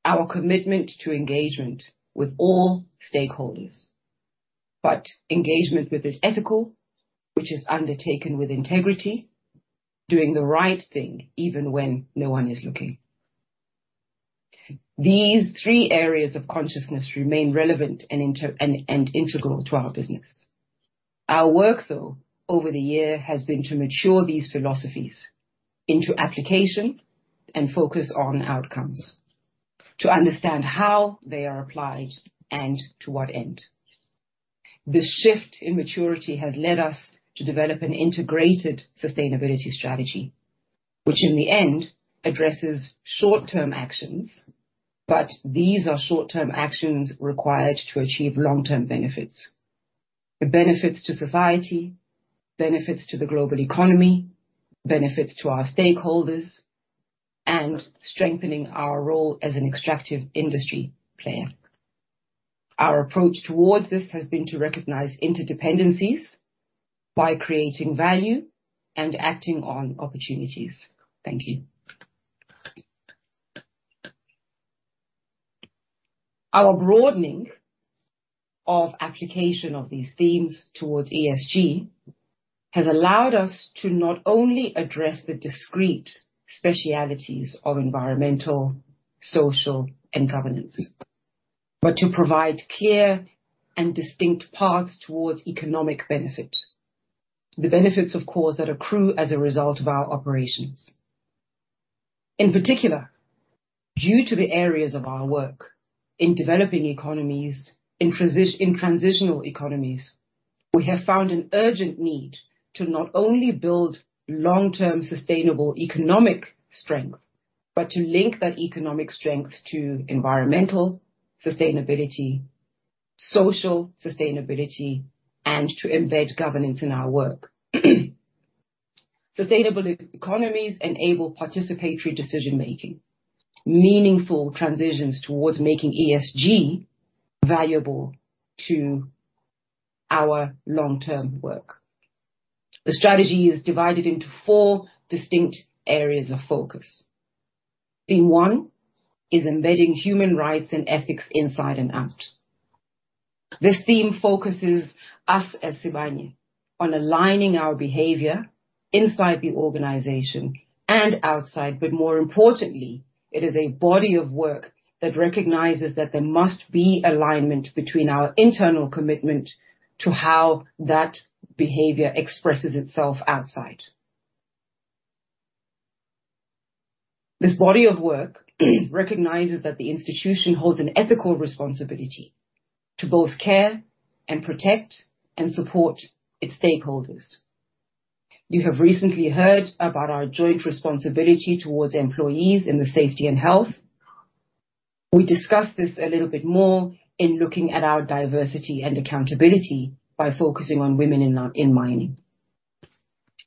Our commitment to engagement with all stakeholders, but engagement that is ethical, which is undertaken with integrity, doing the right thing even when no one is looking. These three areas of consciousness remain relevant and integral to our business. Our work, though, over the year has been to mature these philosophies into application and focus on outcomes. To understand how they are applied and to what end. This shift in maturity has led us to develop an integrated sustainability strategy, which in the end addresses short-term actions, but these are short-term actions required to achieve long-term benefits. The benefits to society, benefits to the global economy, benefits to our stakeholders, and strengthening our role as an extractive industry player. Our approach towards this has been to recognize interdependencies by creating value and acting on opportunities. Thank you. Our broadening of application of these themes towards ESG has allowed us to not only address the discrete specialties of environmental, social, and governance, but to provide clear and distinct paths towards economic benefit. The benefits, of course, that accrue as a result of our operations. In particular, due to the areas of our work in developing economies, in transitional economies, we have found an urgent need to not only build long-term sustainable economic strength, but to link that economic strength to environmental sustainability, social sustainability, and to embed governance in our work. Sustainable economies enable participatory decision-making, meaningful transitions towards making ESG valuable to our long-term work. The strategy is divided into four distinct areas of focus. Theme one is embedding human rights and ethics inside and out. This theme focuses us as Sibanye on aligning our behavior inside the organization and outside, but more importantly, it is a body of work that recognizes that there must be alignment between our internal commitment to how that behavior expresses itself outside. This body of work recognizes that the institution holds an ethical responsibility to both care and protect and support its stakeholders. You have recently heard about our joint responsibility towards employees in the safety and health. We discuss this a little bit more in looking at our diversity and accountability by focusing on women in mining.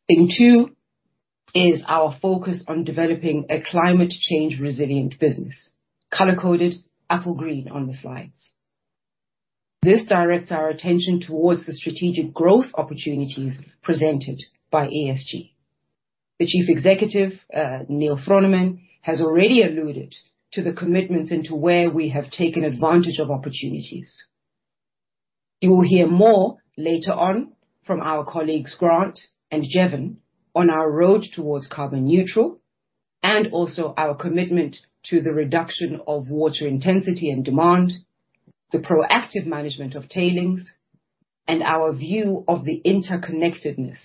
Theme two is our focus on developing a climate change resilient business, color-coded apple green on the slides. This directs our attention towards the strategic growth opportunities presented by ESG. The Chief Executive, Neal Froneman, has already alluded to the commitments and to where we have taken advantage of opportunities. You will hear more later on from our colleagues, Grant and Jevon, on our road towards carbon neutral, and also our commitment to the reduction of water intensity and demand, the proactive management of tailings, and our view of the interconnectedness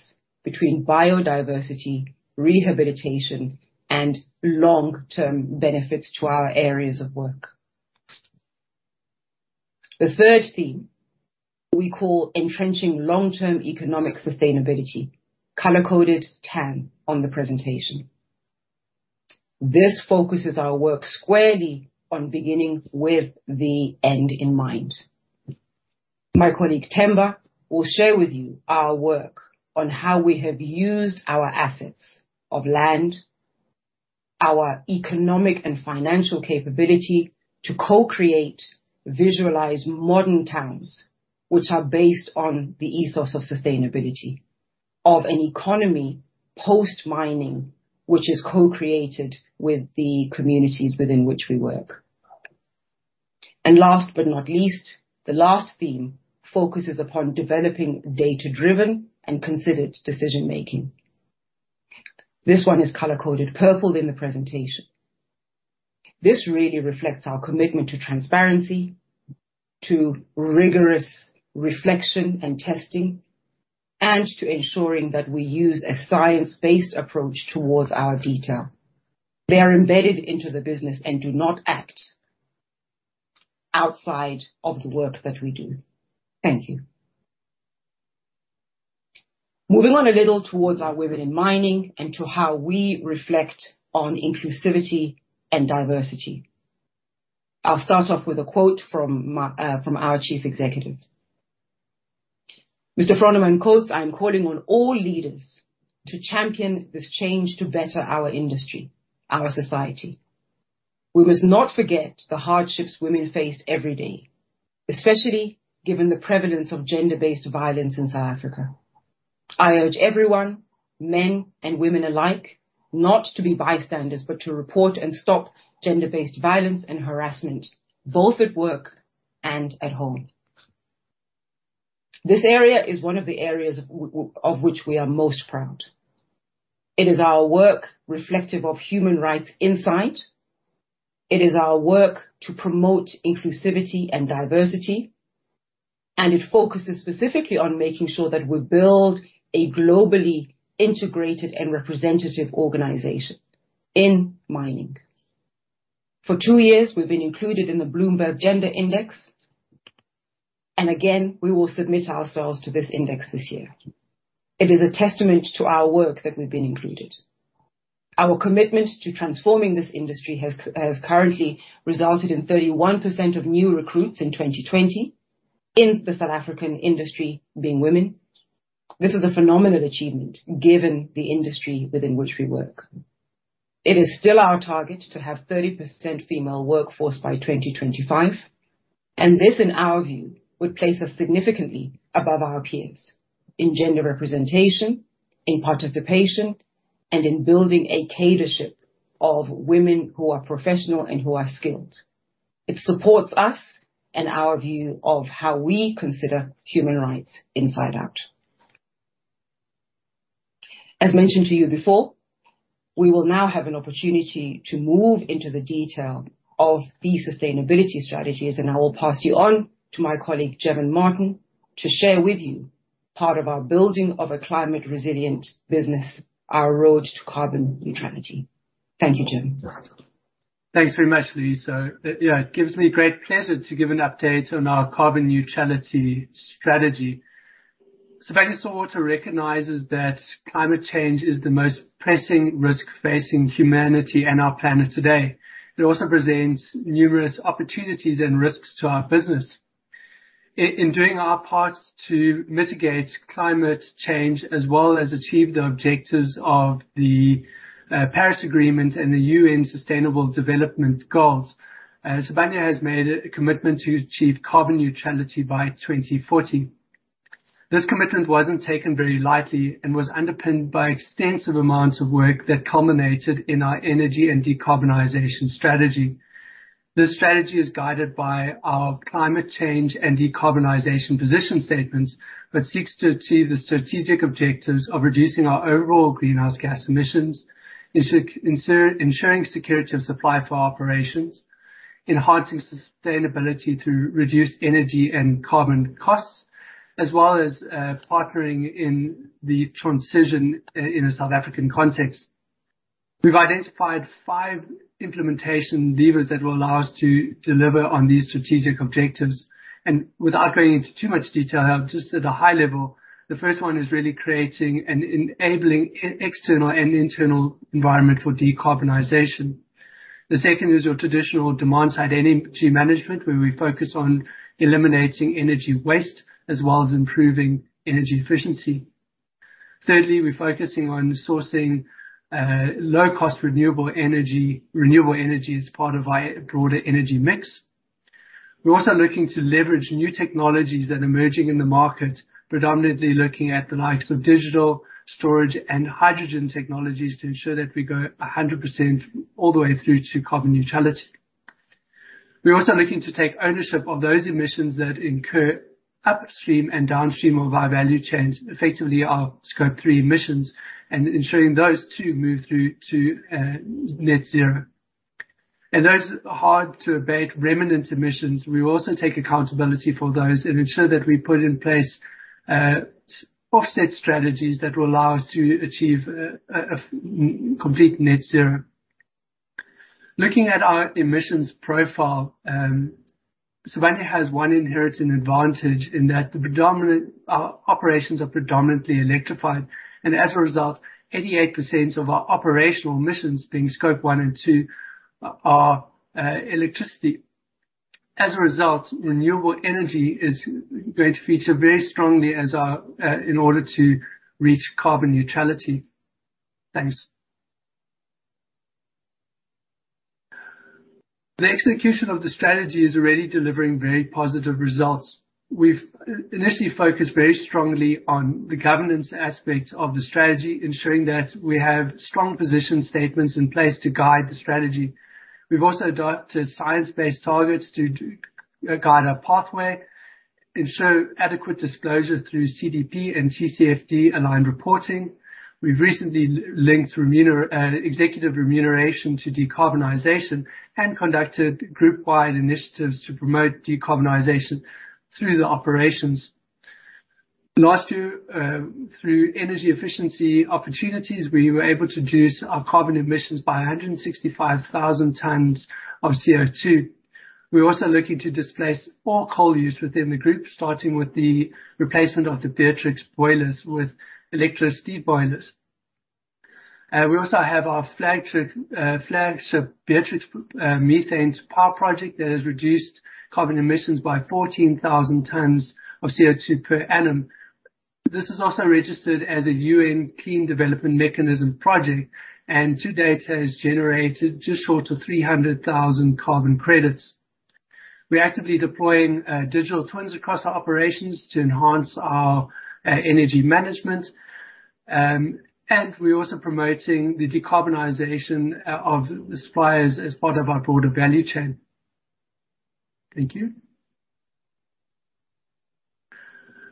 between biodiversity, rehabilitation, and long-term benefits to our areas of work. The third theme we call entrenching long-term economic sustainability, color-coded tan on the presentation. This focuses our work squarely on beginning with the end in mind. My colleague, Themba, will share with you our work on how we have used our assets of land, our economic and financial capability to co-create visualized modern towns, which are based on the ethos of sustainability, of an economy post-mining, which is co-created with the communities within which we work. Last but not least, the last theme focuses upon developing data-driven and considered decision-making. This one is color-coded purple in the presentation. This really reflects our commitment to transparency, to rigorous reflection and testing, and to ensuring that we use a science-based approach towards our detail. They are embedded into the business and do not act outside of the work that we do. Thank you. Moving on a little towards our women in mining and to how we reflect on inclusivity and diversity. I'll start off with a quote from our Chief Executive, Mr. Froneman quotes: "I'm calling on all leaders to champion this change to better our industry, our society. We must not forget the hardships women face every day, especially given the prevalence of gender-based violence in South Africa. I urge everyone, men and women alike, not to be bystanders, but to report and stop gender-based violence and harassment, both at work and at home. This area is one of the areas of which we are most proud. It is our work reflective of human rights insight. It is our work to promote inclusivity and diversity, and it focuses specifically on making sure that we build a globally integrated and representative organization in mining. For two years, we've been included in the Bloomberg Gender-Equality Index, and again, we will submit ourselves to this index this year. It is a testament to our work that we've been included. Our commitment to transforming this industry has currently resulted in 31% of new recruits in 2020 in the South African industry being women. This is a phenomenal achievement given the industry within which we work. It is still our target to have 30% female workforce by 2025, and this, in our view, would place us significantly above our peers in gender representation, in participation, and in building a leadership of women who are professional and who are skilled. It supports us and our view of how we consider human rights inside out. As mentioned to you before, we will now have an opportunity to move into the detail of these sustainability strategies, and I will pass you on to my colleague, Jevon Martin, to share with you part of our building of a climate-resilient business, our road to carbon neutrality. Thank you, Jevon.
Thanks very much, Loyiso. It gives me great pleasure to give an update on our carbon neutrality strategy. Sibanye-Stillwater recognizes that climate change is the most pressing risk facing humanity and our planet today. It also presents numerous opportunities and risks to our business. In doing our part to mitigate climate change as well as achieve the objectives of the Paris Agreement and the UN Sustainable Development Goals, Sibanye has made a commitment to achieve carbon neutrality by 2040. This commitment wasn't taken very lightly and was underpinned by extensive amounts of work that culminated in our energy and decarbonization strategy. This strategy is guided by our climate change and decarbonization position statements, but seeks to achieve the strategic objectives of reducing our overall greenhouse gas emissions, ensuring security of supply for our operations, enhancing sustainability through reduced energy and carbon costs, as well as partnering in the transition in a South African context. We've identified five implementation levers that will allow us to deliver on these strategic objectives, and without going into too much detail, just at a high level, the first one is really creating and enabling an external and internal environment for decarbonization. The second is your traditional demand-side energy management, where we focus on eliminating energy waste as well as improving energy efficiency. Thirdly, we're focusing on sourcing low-cost renewable energy as part of our broader energy mix. We're also looking to leverage new technologies that are emerging in the market, predominantly looking at the likes of digital storage and hydrogen technologies to ensure that we go 100% all the way through to carbon neutrality. We're also looking to take ownership of those emissions that incur upstream and downstream of our value chains, effectively our Scope 3 emissions, and ensuring those two move through to net zero. Those hard-to-abate remnant emissions, we also take accountability for those and ensure that we put in place offset strategies that will allow us to achieve a complete net zero. Looking at our emissions profile, Sibanye has one inherent advantage in that our operations are predominantly electrified, and as a result, 88% of our operational emissions being Scope 1 and 2 are electricity. As a result, renewable energy is going to feature very strongly in order to reach carbon neutrality. Thanks. The execution of the strategy is already delivering very positive results. We've initially focused very strongly on the governance aspect of the strategy, ensuring that we have strong position statements in place to guide the strategy. We've also adopted science-based targets to guide our pathway, ensure adequate disclosure through CDP and TCFD-aligned reporting. We've recently linked executive remuneration to decarbonization and conducted group-wide initiatives to promote decarbonization through the operations. Last year, through energy efficiency opportunities, we were able to reduce our carbon emissions by 165,000 tons of CO2. We're also looking to displace all coal use within the group, starting with the replacement of the Beatrix boilers with electricity boilers. We also have our flagship Beatrix methane to power project that has reduced carbon emissions by 14,000 tons of CO2 per annum. This is also registered as a UN Clean Development Mechanism project, and to date has generated just short of 300,000 carbon credits. We are actively deploying digital twins across our operations to enhance our energy management, and we're also promoting the decarbonization of suppliers as part of our broader value chain. Thank you.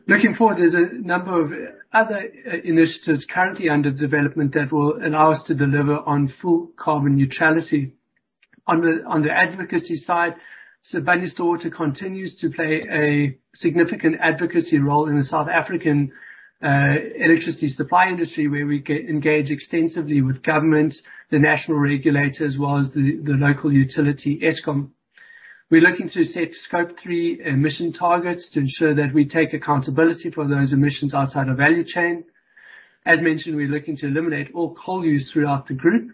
Looking forward, there's a number of other initiatives currently under development that will allow us to deliver on full carbon neutrality. On the advocacy side, Sibanye-Stillwater continues to play a significant advocacy role in the South African electricity supply industry, where we engage extensively with government, the national regulators, as well as the local utility, Eskom. We are looking to set Scope 3 emission targets to ensure that we take accountability for those emissions outside our value chain. As mentioned, we are looking to eliminate all coal use throughout the group.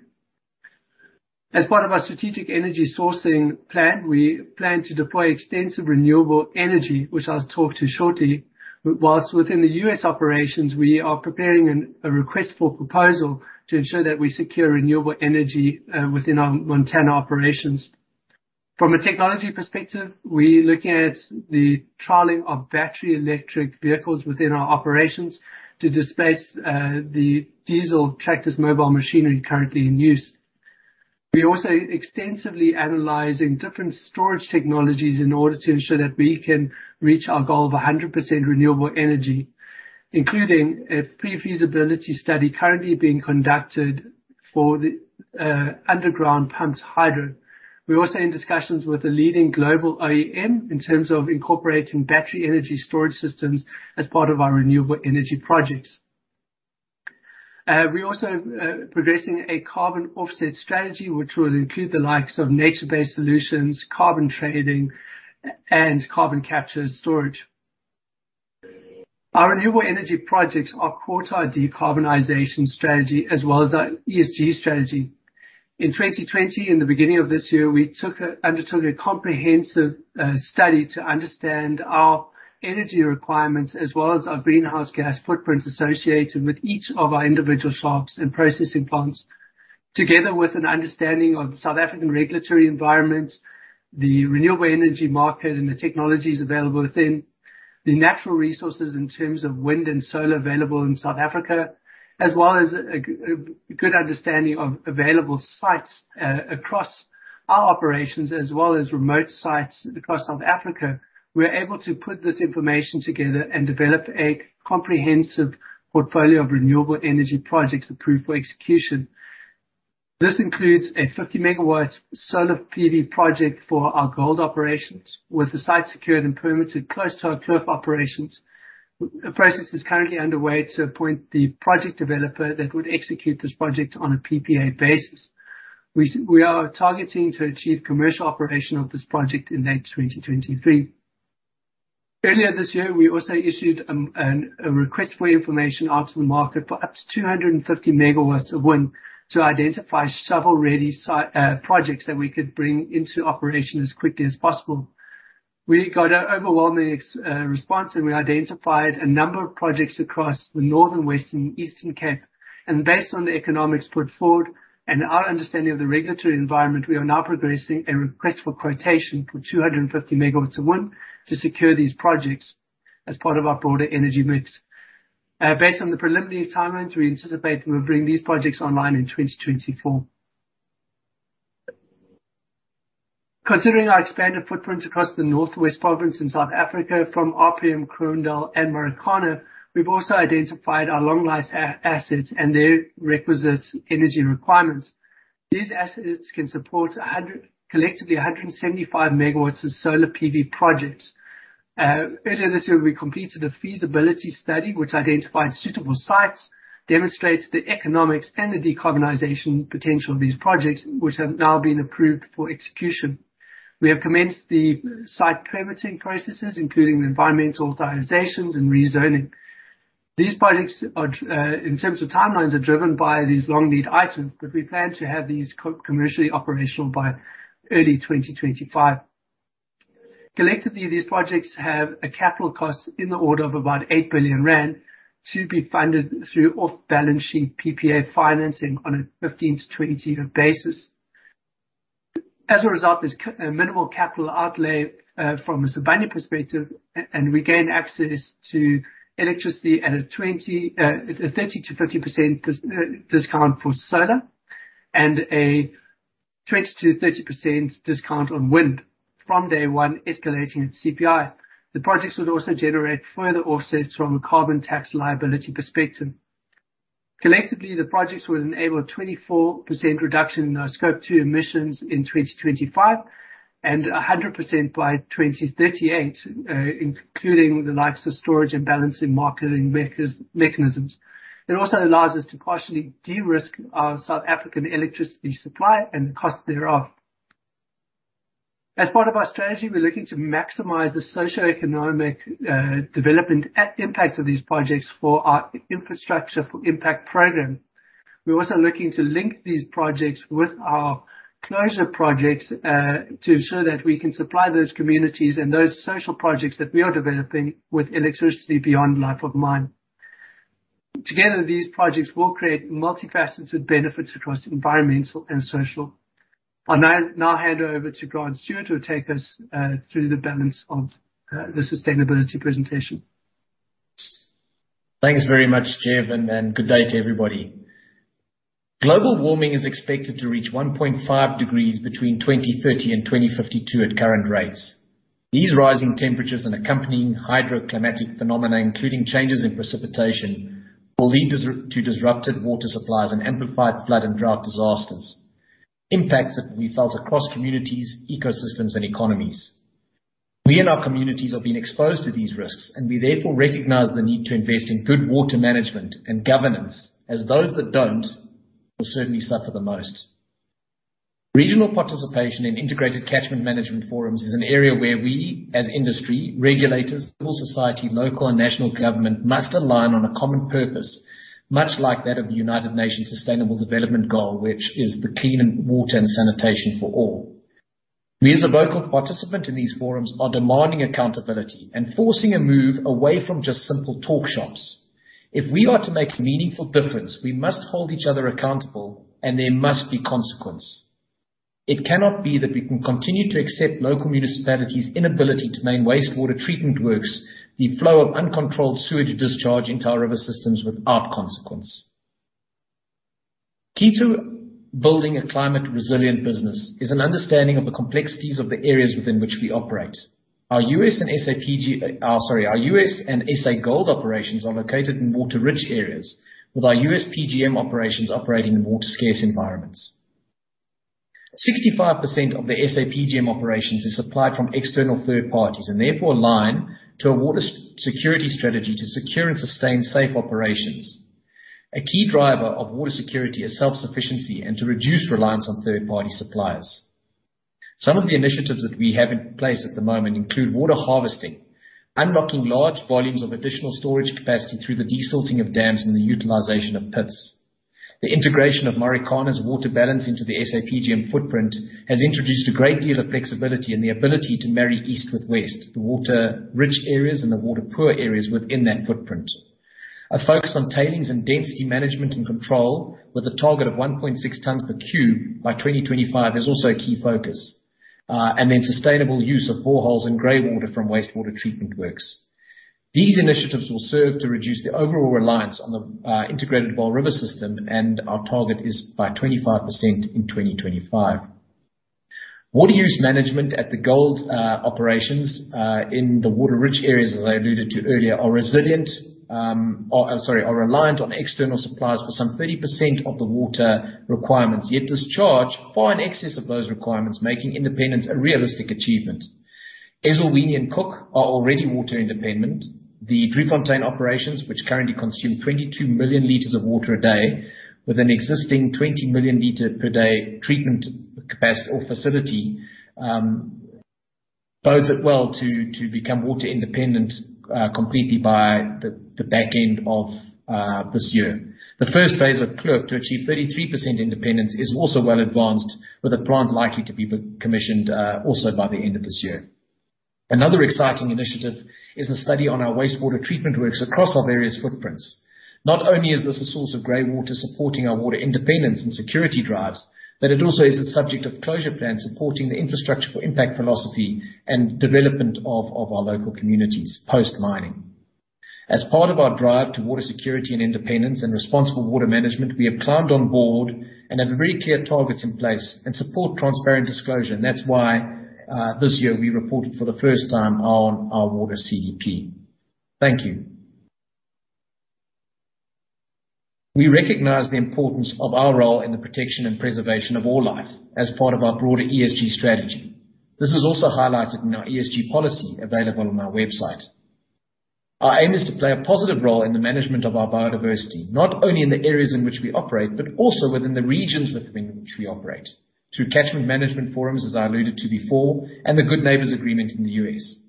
As part of our strategic energy sourcing plan, we plan to deploy extensive renewable energy, which I'll talk to shortly. Within the U.S. operations, we are preparing a request for proposal to ensure that we secure renewable energy within our Montana operations. From a technology perspective, we are looking at the trialing of battery electric vehicles within our operations to displace the diesel tractors mobile machinery currently in use. We're also extensively analyzing different storage technologies in order to ensure that we can reach our goal of 100% renewable energy, including a pre-feasibility study currently being conducted for the underground pumped hydro. We're also in discussions with a leading global OEM in terms of incorporating battery energy storage systems as part of our renewable energy projects. We're also progressing a carbon offset strategy, which will include the likes of nature-based solutions, carbon trading and carbon capture and storage. Our renewable energy projects are core to our decarbonization strategy as well as our ESG strategy. In 2020, in the beginning of this year, we undertook a comprehensive study to understand our energy requirements as well as our greenhouse gas footprints associated with each of our individual shafts and processing plants. Together with an understanding of the South African regulatory environment, the renewable energy market, and the technologies available within, the natural resources in terms of wind and solar available in South Africa, as well as a good understanding of available sites across our operations, as well as remote sites across South Africa, we are able to put this information together and develop a comprehensive portfolio of renewable energy projects approved for execution. This includes a 50 MW solar PV project for our gold operations, with the site secured and permitted close to our Kloof operations. A process is currently underway to appoint the project developer that would execute this project on a PPA basis. We are targeting to achieve commercial operation of this project in late 2023. Earlier this year, we also issued a request for information out to the market for up to 250 MW of wind to identify shovel-ready site projects that we could bring into operation as quickly as possible. We got an overwhelming response, and we identified a number of projects across the Northern, Western, Eastern Cape, and based on the economics put forward and our understanding of the regulatory environment, we are now progressing a request for quotation for 250 MW of wind to secure these projects as part of our broader energy mix. Based on the preliminary timelines, we anticipate we'll bring these projects online in 2024. Considering our expanded footprint across the North West Province in South Africa from RPM Kroondal and Marikana, we've also identified our long-life assets and their requisite energy requirements. These assets can support, collectively, 175 megawatts of solar PV projects. Earlier this year, we completed a feasibility study which identified suitable sites, demonstrates the economics and the decarbonization potential of these projects, which have now been approved for execution. We have commenced the site permitting processes, including the environmental authorizations and rezoning. These projects, in terms of timelines, are driven by these long-lead items, but we plan to have these commercially operational by early 2025. Collectively, these projects have a capital cost in the order of about 8 billion rand to be funded through off-balance sheet PPA financing on a 15-20 year basis. There's minimal capital outlay from a Sibanye perspective. We gain access to electricity at a 30%-50% discount for solar and a 20%-30% discount on wind from day one, escalating at CPI. The projects would also generate further offsets from a carbon tax liability perspective. The projects will enable a 24% reduction in our Scope 2 emissions in 2025 and 100% by 2038, including the likes of storage and balancing marketing mechanisms. It also allows us to partially de-risk our South African electricity supply and cost thereof. Part of our strategy, we're looking to maximize the socioeconomic development and impacts of these projects for our Infrastructure for Impact program. We're also looking to link these projects with our closure projects, to ensure that we can supply those communities and those social projects that we are developing with electricity beyond life of mine. These projects will create multifaceted benefits across environmental and social. I'll now hand over to Grant Stuart to take us through the balance of the sustainability presentation.
Thanks very much, Jevon, and good day to everybody. Global warming is expected to reach 1.5 degrees between 2030 and 2052 at current rates. These rising temperatures and accompanying hydroclimatic phenomena, including changes in precipitation, will lead to disrupted water supplies and amplified flood and drought disasters. Impacts that will be felt across communities, ecosystems, and economies. We in our communities are being exposed to these risks. We therefore recognize the need to invest in good water management and governance as those that don't will certainly suffer the most. Regional participation in integrated catchment management forums is an area where we as industry, regulators, civil society, local and national government, must align on a common purpose, much like that of the United Nations Sustainable Development Goal, which is the clean water and sanitation for all. We, as a vocal participant in these forums, are demanding accountability and forcing a move away from just simple talk shops. If we are to make meaningful difference, we must hold each other accountable, and there must be consequence. It cannot be that we can continue to accept local municipalities' inability to man wastewater treatment works, the flow of uncontrolled sewage discharging to our river systems without consequence. Key to building a climate-resilient business is an understanding of the complexities of the areas within which we operate. Our U.S. and S.A. gold operations are located in water-rich areas, with our U.S. PGM operations operating in water-scarce environments. 65% of the S.A. PGM operations is supplied from external third parties and therefore align to a water security strategy to secure and sustain safe operations. A key driver of water security is self-sufficiency and to reduce reliance on third-party suppliers. Some of the initiatives that we have in place at the moment include water harvesting, unlocking large volumes of additional storage capacity through the desilting of dams and the utilization of pits. The integration of Marikana's water balance into the SA PGM footprint has introduced a great deal of flexibility and the ability to marry east with west, the water-rich areas and the water-poor areas within that footprint. A focus on tailings and density management and control with a target of 1.6 tons per cube by 2025 is also a key focus. Sustainable use of boreholes and greywater from wastewater treatment works. These initiatives will serve to reduce the overall reliance on the Integrated Vaal River system, and our target is by 25% in 2025. Water use management at the gold operations, in the water-rich areas, as I alluded to earlier, are reliant on external suppliers for some 30% of the water requirements, yet discharge far in excess of those requirements, making independence a realistic achievement. Ezulwini and Cooke are already water independent. The Driefontein operations, which currently consume 22 million liters of water a day with an existing 20 million liters per day treatment capacity or facility, bodes it well to become water independent completely by the back end of this year. The first phase of Keliber to achieve 33% independence is also well advanced, with a plant likely to be commissioned also by the end of this year. Another exciting initiative is a study on our wastewater treatment works across our various footprints. Not only is this a source of greywater supporting our water independence and security drives, but it also is a subject of closure plans supporting the infrastructure for impact philosophy and development of our local communities post-mining. As part of our drive to water security and independence and responsible water management, we have climbed on board and have very clear targets in place and support transparent disclosure. That's why, this year, we reported for the first time on our water CDP. Thank you. We recognize the importance of our role in the protection and preservation of all life as part of our broader ESG strategy. This is also highlighted in our ESG policy available on our website. Our aim is to play a positive role in the management of our biodiversity, not only in the areas in which we operate, but also within the regions within which we operate. Through catchment management forums, as I alluded to before, and the Good Neighbor Agreement in the U.S.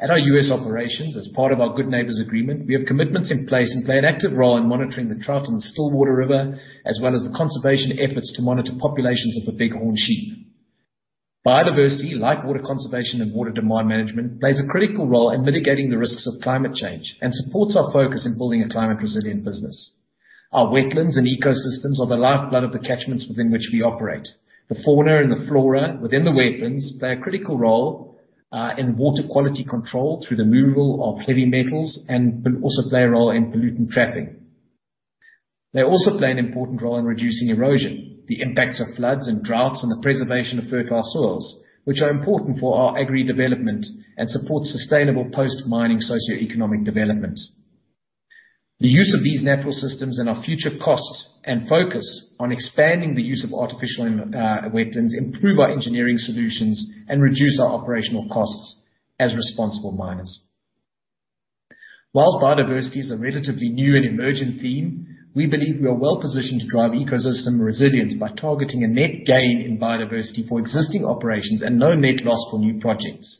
At our U.S. operations, as part of our Good Neighbor Agreement, we have commitments in place and play an active role in monitoring the trout in the Stillwater River, as well as the conservation efforts to monitor populations of the bighorn sheep. Biodiversity, like water conservation and water demand management, plays a critical role in mitigating the risks of climate change and supports our focus in building a climate-resilient business. Our wetlands and ecosystems are the lifeblood of the catchments within which we operate. The fauna and the flora within the wetlands play a critical role in water quality control through the removal of heavy metals and also play a role in pollutant trapping. They also play an important role in reducing erosion, the impacts of floods and droughts, and the preservation of fertile soils, which are important for our agri development and support sustainable post-mining socioeconomic development. The use of these natural systems and our future costs and focus on expanding the use of artificial wetlands improve our engineering solutions and reduce our operational costs as responsible miners. While biodiversity is a relatively new and emerging theme, we believe we are well-positioned to drive ecosystem resilience by targeting a net gain in biodiversity for existing operations and no net loss for new projects.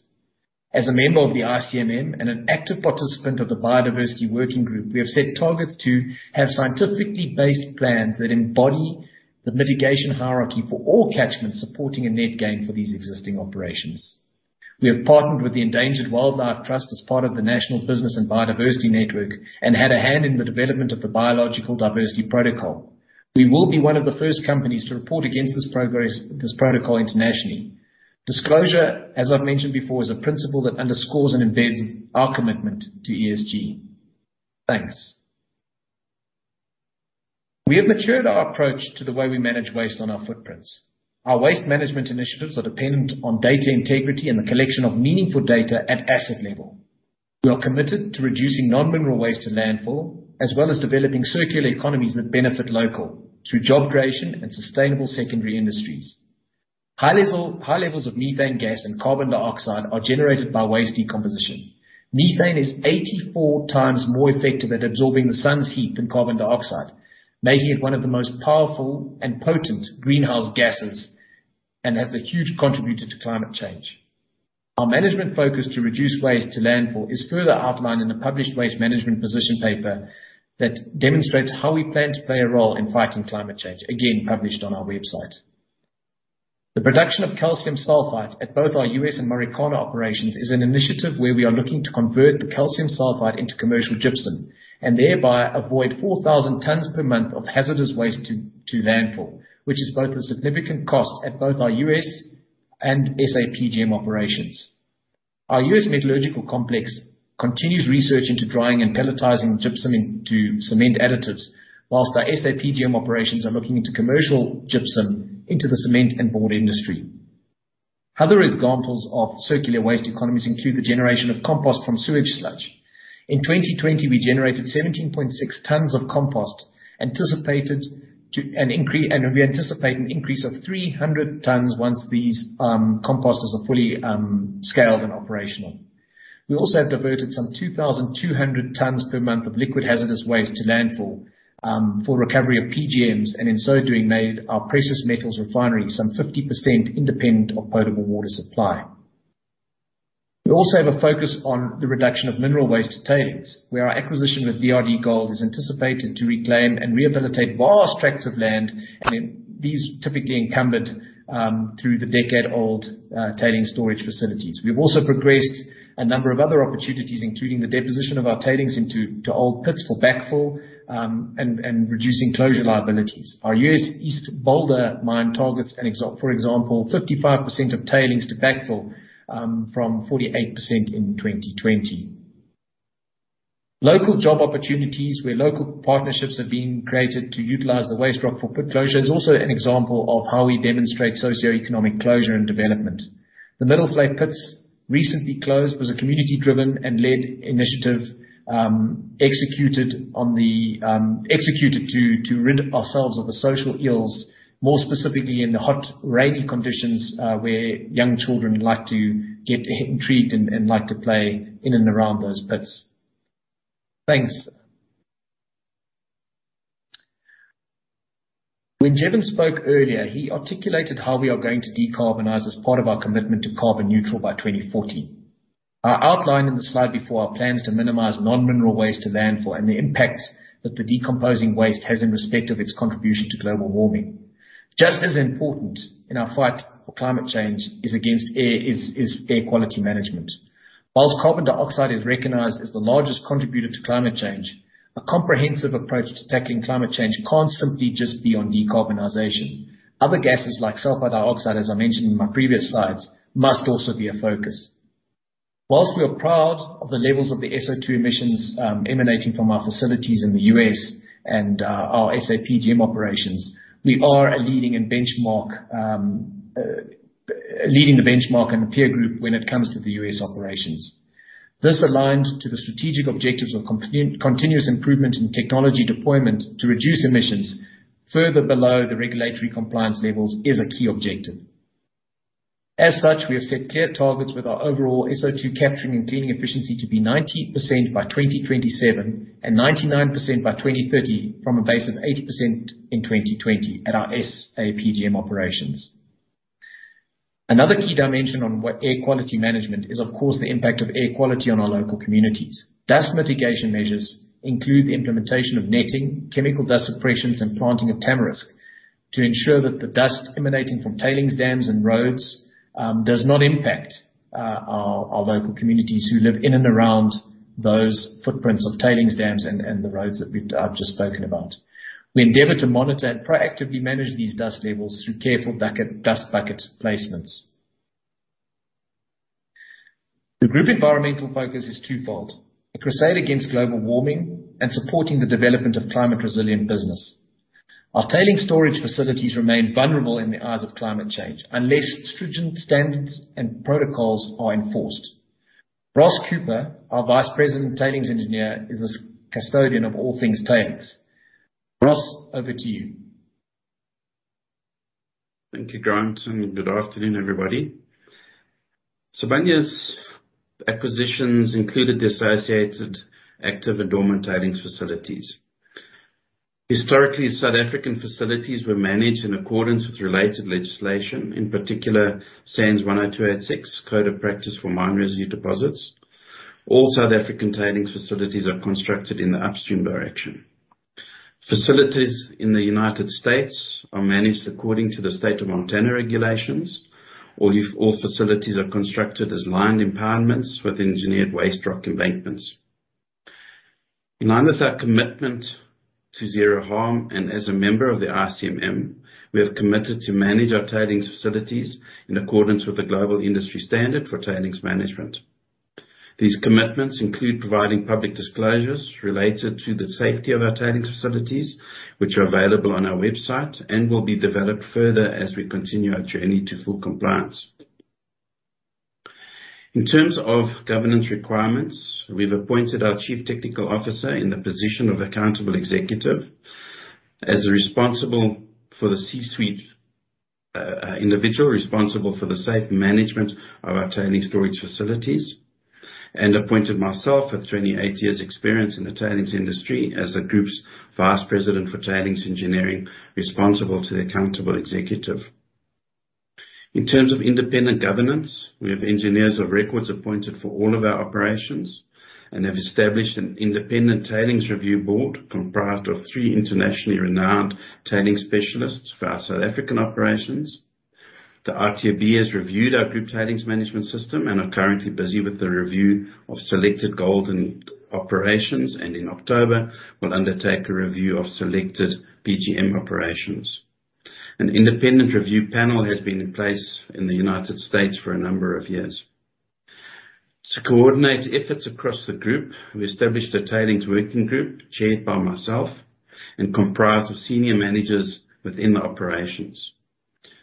As a member of the ICMM and an active participant of the Biodiversity Working Group, we have set targets to have scientifically based plans that embody the mitigation hierarchy for all catchments supporting a net gain for these existing operations. We have partnered with the Endangered Wildlife Trust as part of the National Business and Biodiversity Network and had a hand in the development of the Biological Diversity Protocol. We will be one of the first companies to report against this protocol internationally. Disclosure, as I've mentioned before, is a principle that underscores and embeds our commitment to ESG. Thanks. We have matured our approach to the way we manage waste on our footprints. Our waste management initiatives are dependent on data integrity and the collection of meaningful data at asset level. We are committed to reducing non-mineral waste to landfill, as well as developing circular economies that benefit local through job creation and sustainable secondary industries. High levels of methane gas and carbon dioxide are generated by waste decomposition. Methane is 84x more effective at absorbing the sun's heat than carbon dioxide, making it one of the most powerful and potent greenhouse gases and has a huge contributor to climate change. Our management focus to reduce waste to landfill is further outlined in the published waste management position paper that demonstrates how we plan to play a role in fighting climate change, again, published on our website. The production of calcium sulfite at both our U.S. and Marikana operations is an initiative where we are looking to convert the calcium sulfite into commercial gypsum and thereby avoid 4,000 tons per month of hazardous waste to landfill, which is both a significant cost at both our U.S. and SA PGM operations. Our U.S. metallurgical complex continues research into drying and pelletizing gypsum into cement additives, whilst our SA PGM operations are looking into commercial gypsum into the cement and board industry. Other examples of circular waste economies include the generation of compost from sewage sludge. In 2020, we generated 17.6 tons of compost. We anticipate an increase of 300 tons once these composts are fully scaled and operational. We also have diverted some 2,200 tons per month of liquid hazardous waste to landfill for recovery of PGMs. In so doing, made our precious metals refinery some 50% independent of potable water supply. We also have a focus on the reduction of mineral waste to tailings, where our acquisition with DRDGOLD is anticipated to reclaim and rehabilitate vast tracts of land. These are typically encumbered through the decade-old tailings storage facilities. We've also progressed a number of other opportunities, including the deposition of our tailings into old pits for backfill, and reducing closure liabilities. Our U.S. East Boulder mine targets, for example, 55% of tailings to backfill, from 48% in 2020. Local job opportunities where local partnerships have been created to utilize the waste rock for pit closure is also an example of how we demonstrate socioeconomic closure and development. The Middelvlei pits recently closed was a community-driven and led initiative executed to rid ourselves of the social ills, more specifically in the hot, rainy conditions, where young children like to get intrigued and like to play in and around those pits. Thanks. When Jevon spoke earlier, he articulated how we are going to decarbonize as part of our commitment to carbon neutral by 2040. I outlined in the slide before our plans to minimize non-mineral waste to landfill and the impact that the decomposing waste has in respect of its contribution to global warming. Just as important in our fight for climate change is air quality management. Whilst carbon dioxide is recognized as the largest contributor to climate change, a comprehensive approach to tackling climate change can't simply just be on decarbonization. Other gases like sulfur dioxide, as I mentioned in my previous slides, must also be a focus. Whilst we are proud of the levels of the SO2 emissions emanating from our facilities in the U.S. and our SA PGM operations, we are leading the benchmark in a peer group when it comes to the U.S. operations. This aligns to the strategic objectives of continuous improvement in technology deployment to reduce emissions further below the regulatory compliance levels is a key objective. As such, we have set clear targets with our overall SO2 capturing and cleaning efficiency to be 90% by 2027 and 99% by 2030 from a base of 80% in 2020 at our SA PGM operations. Another key dimension on air quality management is, of course, the impact of air quality on our local communities. Dust mitigation measures include the implementation of netting, chemical dust suppressions, and planting of tamarisk to ensure that the dust emanating from tailings dams and roads does not impact our local communities who live in and around those footprints of tailings dams and the roads that I've just spoken about. We endeavor to monitor and proactively manage these dust levels through careful dust bucket placements. The group environmental focus is twofold: a crusade against global warming and supporting the development of climate-resilient business. Our tailings storage facilities remain vulnerable in the eyes of climate change unless stringent standards and protocols are enforced. Ross Cooper, our Vice President Tailings Engineer, is a custodian of all things tailings. Ross, over to you
Thank you, Grant, and good afternoon, everybody. Sibanye's acquisitions included the associated active and dormant tailings facilities. Historically, South African facilities were managed in accordance with related legislation, in particular, SANS 10286: Code of practice for mine residue deposits. All South African tailings facilities are constructed in the upstream direction. Facilities in the U.S. are managed according to the state of Montana regulations. All facilities are constructed as lined impoundments with engineered waste rock embankments. In line with our commitment to zero harm, and as a member of the ICMM, we have committed to manage our tailings facilities in accordance with the Global Industry Standard on Tailings Management. These commitments include providing public disclosures related to the safety of our tailings facilities, which are available on our website, and will be developed further as we continue our journey to full compliance. In terms of governance requirements, we've appointed our Chief Technical Officer in the position of accountable executive as responsible for the C-suite, individual responsible for the safe management of our tailings storage facilities, and appointed myself, with 28 years experience in the tailings industry, as the Group Vice President for Tailings Engineering, responsible to the accountable executive. In terms of independent governance, we have engineers of records appointed for all of our operations, and have established an independent tailings review board comprised of three internationally renowned tailings specialists for our South African operations. The ITRB has reviewed our group tailings management system and are currently busy with the review of selected gold operations, and in October will undertake a review of selected PGM operations. An independent review panel has been in place in the U.S. for a number of years. To coordinate efforts across the group, we established a tailings working group chaired by myself and comprised of senior managers within the operations.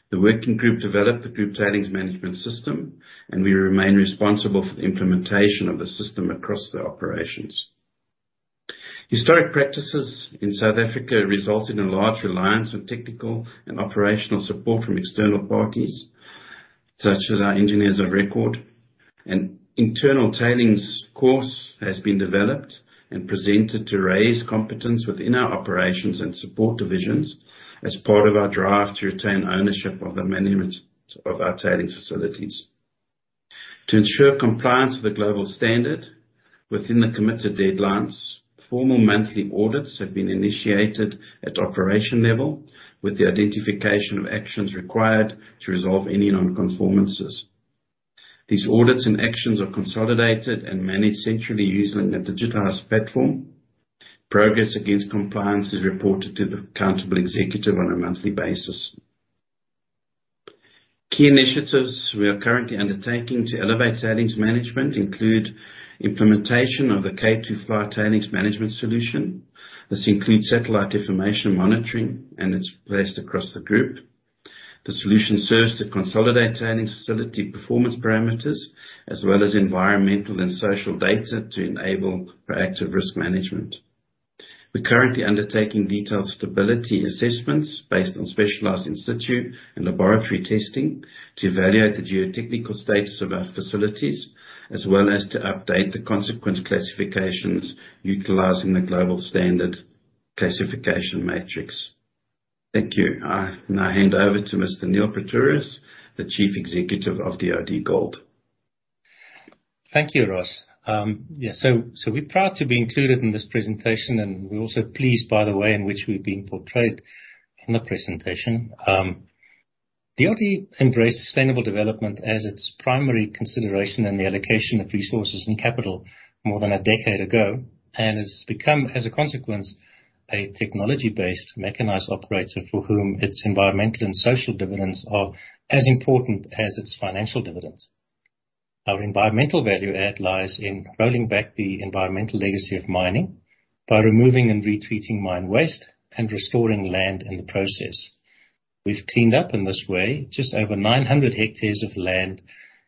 The working group developed the group tailings management system, and we remain responsible for the implementation of the system across the operations. Historic practices in South Africa result in a large reliance on technical and operational support from external parties, such as our engineers of record. An internal tailings course has been developed and presented to raise competence within our operations and support divisions as part of our drive to retain ownership of the management of our tailings facilities. To ensure compliance with the global standard within the committed deadlines, formal monthly audits have been initiated at operation level, with the identification of actions required to resolve any non-conformances. These audits and actions are consolidated and managed centrally using a digitalized platform. Progress against compliance is reported to the accountable executive on a monthly basis. Key initiatives we are currently undertaking to elevate tailings management include implementation of the K2fly tailings management solution. This includes satellite information monitoring. It's placed across the group. The solution serves to consolidate tailings facility performance parameters, as well as environmental and social data to enable proactive risk management. We're currently undertaking detailed stability assessments based on specialized in situ and laboratory testing to evaluate the geotechnical status of our facilities, as well as to update the consequence classifications utilizing the global standard classification matrix. Thank you. I now hand over to Mr. Niël Pretorius, the Chief Executive of DRDGOLD.
Thank you, Ross. We're proud to be included in this presentation, and we're also pleased by the way in which we're being portrayed in the presentation. DRD embraced sustainable development as its primary consideration in the allocation of resources and capital more than a decade ago, and has become, as a consequence, a technology-based, mechanized operator for whom its environmental and social dividends are as important as its financial dividends. Our environmental value add lies in rolling back the environmental legacy of mining by removing and retreating mine waste and restoring land in the process. We've cleaned up, in this way, just over 900 hectares of land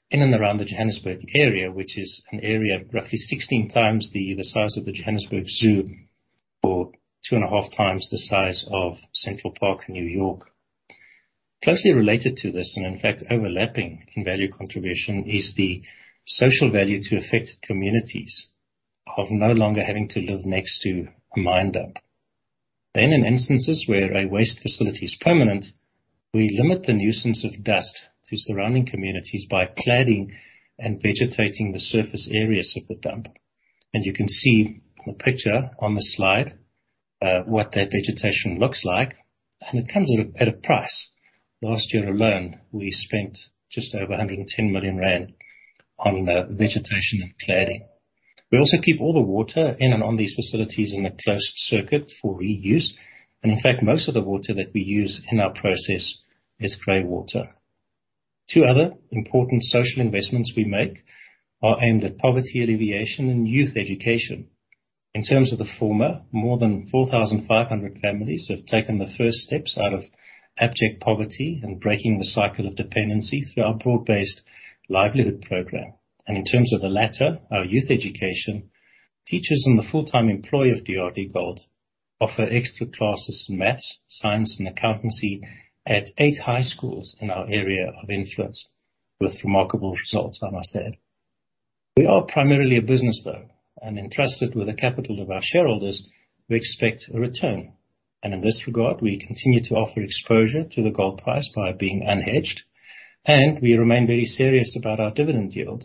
in and around the Johannesburg area, which is an area roughly 16x the size of the Johannesburg Zoo, or 2.5x The size of Central Park in New York. Closely related to this, and in fact overlapping in value contribution, is the social value to affected communities of no longer having to live next to a mine dump. In instances where a waste facility is permanent, we limit the nuisance of dust to surrounding communities by cladding and vegetating the surface areas of the dump. You can see the picture on the slide, what that vegetation looks like, and it comes at a price. Last year alone, we spent just over 110 million rand on vegetation and cladding. We also keep all the water in and on these facilities in a closed circuit for reuse. In fact, most of the water that we use in our process is gray water. Two other important social investments we make are aimed at poverty alleviation and youth education. In terms of the former, more than 4,500 families have taken the first steps out of abject poverty and breaking the cycle of dependency through our broad-based livelihood program. In terms of the latter, our youth education, teachers and the full-time employee of DRDGOLD offer extra classes in math, science, and accountancy at eight high schools in our area of influence with remarkable results, I must add. We are primarily a business, though, and entrusted with the capital of our shareholders, we expect a return. In this regard, we continue to offer exposure to the gold price by being unhedged, and we remain very serious about our dividend yield.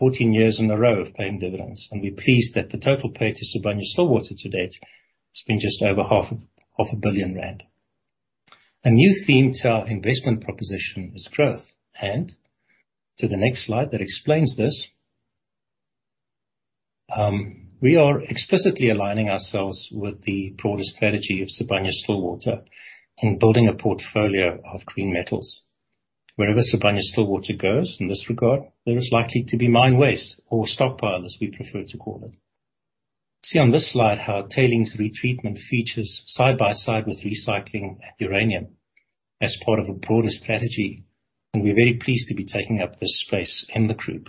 14 years in a row of paying dividends, and we're pleased that the total paid to Sibanye-Stillwater to date has been just over 500 million rand. A new theme to our investment proposition is growth. To the next slide that explains this, we are explicitly aligning ourselves with the broader strategy of Sibanye-Stillwater in building a portfolio of green metals. Wherever Sibanye-Stillwater goes in this regard, there is likely to be mine waste or stockpile, as we prefer to call it. See on this slide how tailings retreatment features side by side with recycling uranium as part of a broader strategy, and we're very pleased to be taking up this space in the group.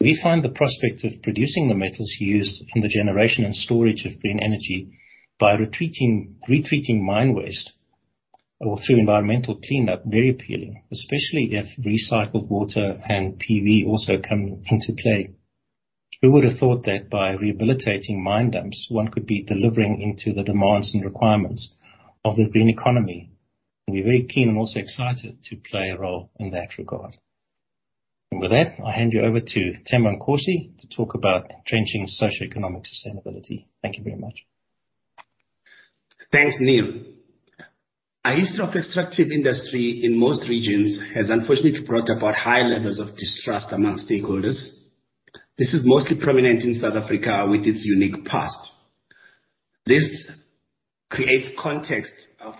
We find the prospect of producing the metals used in the generation and storage of green energy by retreating mine waste or through environmental cleanup very appealing, especially if recycled water and PV also come into play. Who would've thought that by rehabilitating mine dumps, one could be delivering into the demands and requirements of the green economy? We're very keen and also excited to play a role in that regard. With that, I hand you over to Themba Nkosi to talk about entrenching socioeconomic sustainability. Thank you very much.
Thanks, Neal. A history of extractive industry in most regions has unfortunately brought about high levels of distrust among stakeholders. This is mostly prominent in South Africa with its unique past. This creates context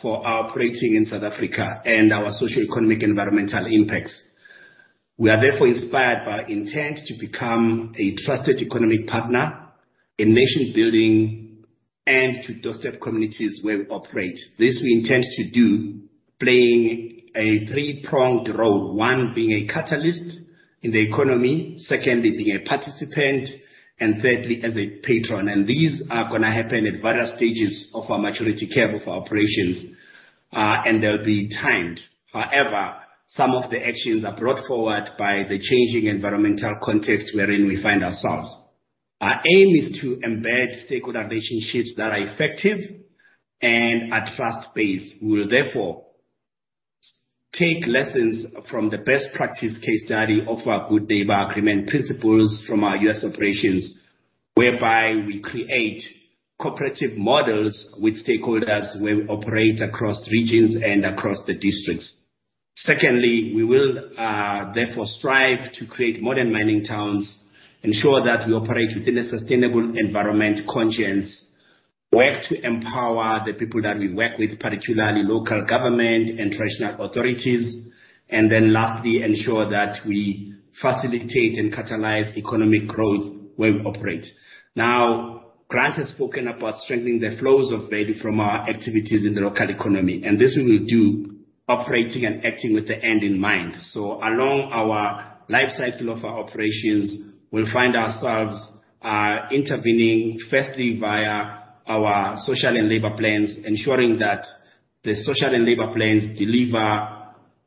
for our operating in South Africa and our socioeconomic environmental impacts. We are therefore inspired by intent to become a trusted economic partner in nation building and to those communities where we operate. This we intend to do playing a three-pronged role, one being a catalyst in the economy, secondly, being a participant, and thirdly, as a patron. These are gonna happen at various stages of our maturity curve of our operations, and they'll be timed. However, some of the actions are brought forward by the changing environmental context wherein we find ourselves. Our aim is to embed stakeholder relationships that are effective and are trust-based. We will therefore take lessons from the best practice case study of our Good Neighbor Agreement principles from our U.S. operations, whereby we create cooperative models with stakeholders where we operate across regions and across the districts. Secondly, we will, therefore, strive to create modern mining towns, ensure that we operate within a sustainable environment conscience, work to empower the people that we work with, particularly local government and traditional authorities, and then lastly, ensure that we facilitate and catalyze economic growth where we operate. Now, Grant has spoken about strengthening the flows of value from our activities in the local economy, and this we will do operating and acting with the end in mind. Along our life cycle of our operations, we'll find ourselves intervening firstly via our social and labor plans, ensuring that the social and labor plans deliver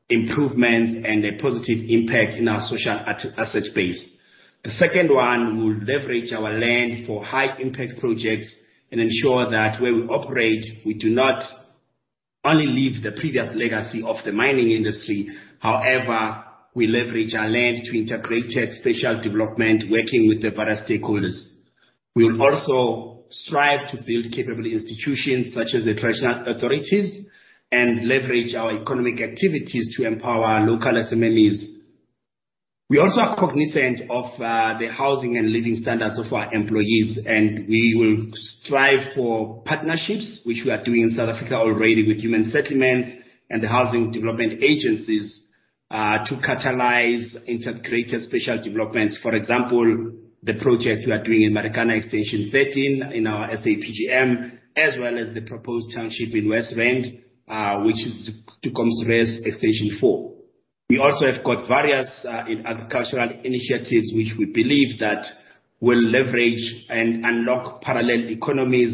improvements and a positive impact in our social asset base. The second one will leverage our land for high-impact projects and ensure that where we operate, we do not only leave the previous legacy of the mining industry, however, we leverage our land to integrated spatial development, working with the various stakeholders. We will also strive to build capable institutions such as the traditional authorities and leverage our economic activities to empower local SMEs. We also are cognizant of the housing and living standards of our employees, and we will strive for partnerships, which we are doing in South Africa already with human settlements and the housing development agencies, to catalyze integrated spatial developments. For example, the project we are doing in Marikana Extension 13 in our SA PGM, as well as the proposed township in West Rand, which is to come, is Extension four. We also have got various agricultural initiatives which we believe that will leverage and unlock parallel economies,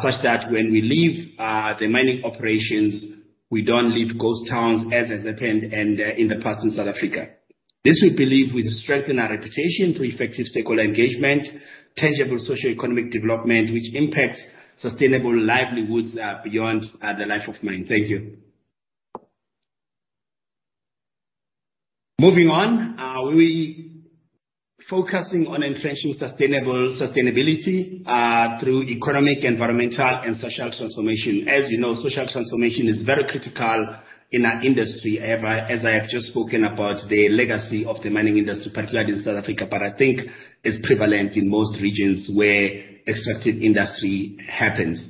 such that when we leave the mining operations, we don't leave ghost towns as has happened and in the past in South Africa. This we believe will strengthen our reputation through effective stakeholder engagement, tangible socioeconomic development which impacts sustainable livelihoods beyond the life of mine. Thank you. Moving on. We are focusing on entrenching sustainability through economic, environmental, and social transformation. As you know, social transformation is very critical in our industry as I have just spoken about the legacy of the mining industry, particularly in South Africa, but I think it's prevalent in most regions where extractive industry happens.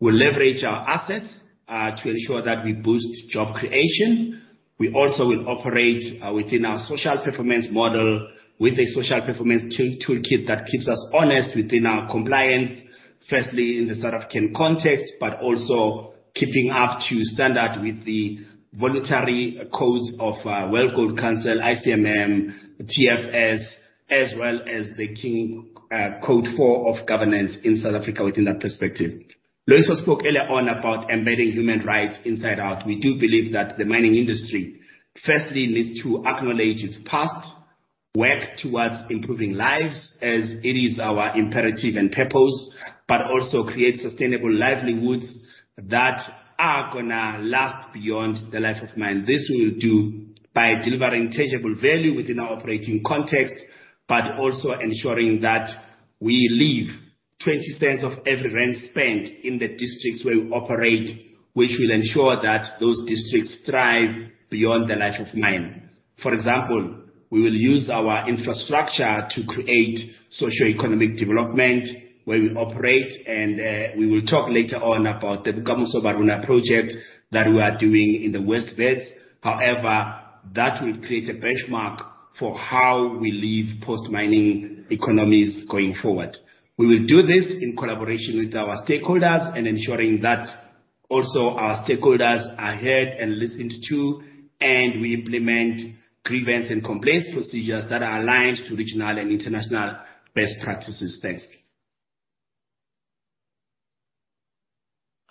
We'll leverage our assets, to ensure that we boost job creation. We also will operate within our social performance model with a social performance toolkit that keeps us honest within our compliance, firstly, in the South African context, but also keeping up to standard with the voluntary codes of World Gold Council, ICMM, GFS, as well as the King IV Code of governance in South Africa within that perspective. Loyiso also spoke earlier on about embedding human rights inside out. We do believe that the mining industry firstly needs to acknowledge its past, work towards improving lives as it is our imperative and purpose, but also create sustainable livelihoods that are going to last beyond the life of mine. This we'll do by delivering tangible value within our operating context, but also ensuring that we leave 0.20 of every rand spent in the districts where we operate, which will ensure that those districts thrive beyond the life of mine. For example, we will use our infrastructure to create socioeconomic development where we operate, and we will talk later on about the Bokamoso Ba Rona project that we are doing in the West Rand. However, that will create a benchmark for how we leave post-mining economies going forward. We will do this in collaboration with our stakeholders and ensuring that also our stakeholders are heard and listened to, and we implement grievance and complaints procedures that are aligned to regional and international best practices.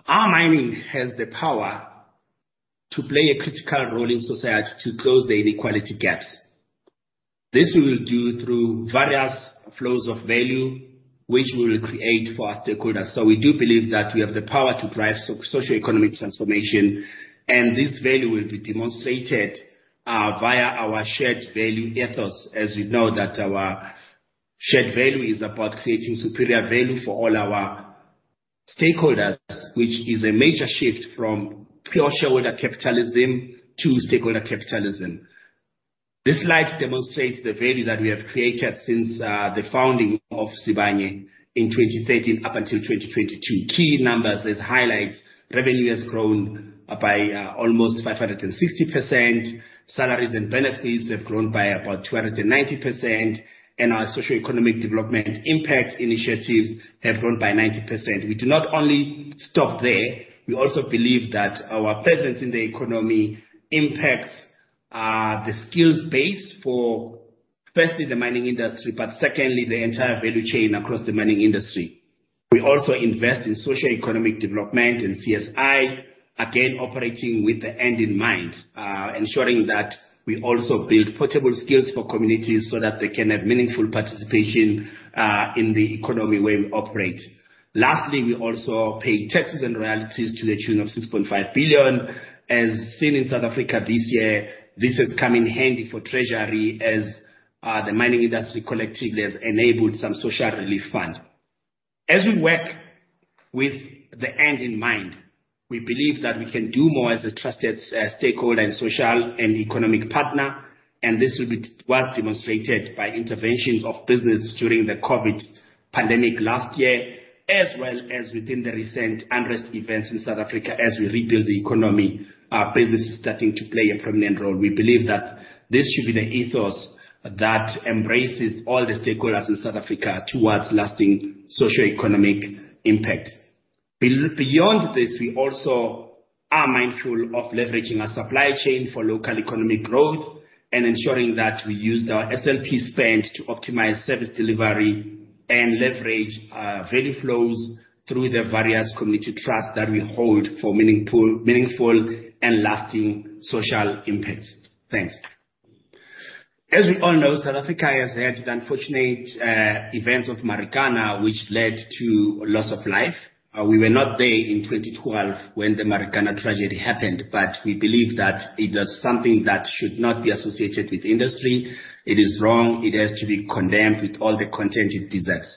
Thanks. Our mining has the power to play a critical role in society to close the inequality gaps. This we will do through various flows of value, which we'll create for our stakeholders. We do believe that we have the power to drive socioeconomic transformation, and this value will be demonstrated via our shared value ethos. As you know that our shared value is about creating superior value for all our stakeholders, which is a major shift from pure shareholder capitalism to stakeholder capitalism. This slide demonstrates the value that we have created since the founding of Sibanye in 2013 up until 2022. Key numbers, as highlights, revenue has grown by almost 560%, salaries and benefits have grown by about 290%, and our socioeconomic development impact initiatives have grown by 90%. We do not only stop there. We also believe that our presence in the economy impacts the skills base for, firstly, the mining industry, but secondly, the entire value chain across the mining industry. We also invest in socioeconomic development and CSI, again, operating with the end in mind, ensuring that we also build portable skills for communities so that they can have meaningful participation in the economy where we operate. Lastly, we also pay taxes and royalties to the tune of 6.5 billion. As seen in South Africa this year, this has come in handy for treasury as the mining industry collectively has enabled some social relief fund. As we work with the end in mind, we believe that we can do more as a trusted stakeholder and social and economic partner, and this was demonstrated by interventions of business during the COVID pandemic last year, as well as within the recent unrest events in South Africa. As we rebuild the economy, business is starting to play a prominent role. We believe that this should be the ethos that embraces all the stakeholders in South Africa towards lasting socioeconomic impact. Beyond this, we also are mindful of leveraging our supply chain for local economic growth and ensuring that we use our SLP spend to optimize service delivery and leverage value flows through the various community trusts that we hold for meaningful and lasting social impact. Thanks. As we all know, South Africa has had the unfortunate events of Marikana, which led to loss of life. We were not there in 2012 when the Marikana tragedy happened, but we believe that it is something that should not be associated with industry. It is wrong. It has to be condemned with all the contempt it deserves.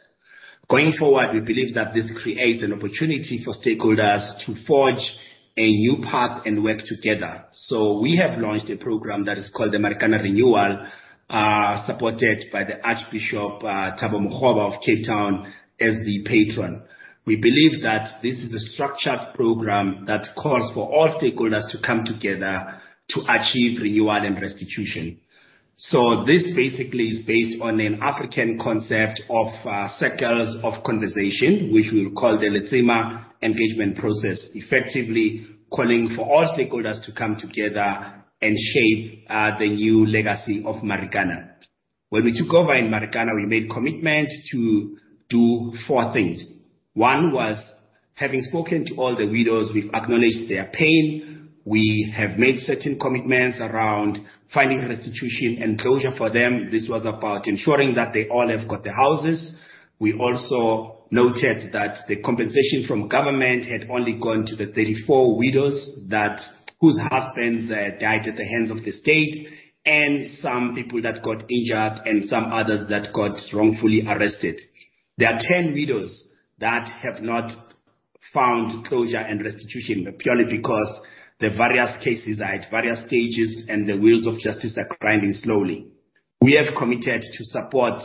Going forward, we believe that this creates an opportunity for stakeholders to forge a new path and work together. We have launched a program that is called the Marikana Renewal, supported by the Archbishop Thabo Makgoba of Cape Town as the patron. We believe that this is a structured program that calls for all stakeholders to come together to achieve renewal and restitution. This basically is based on an African concept of circles of conversation, which we'll call the Letsema Engagement Process, effectively calling for all stakeholders to come together and shape the new legacy of Marikana. When we took over in Marikana, we made commitment to do four things. One was, having spoken to all the widows, we've acknowledged their pain. We have made certain commitments around finding restitution and closure for them. This was about ensuring that they all have got the houses. We also noted that the compensation from government had only gone to the 34 widows whose husbands had died at the hands of the state and some people that got injured and some others that got wrongfully arrested. There are 10 widows that have not found closure and restitution purely because the various cases are at various stages and the wheels of justice are grinding slowly. We have committed to support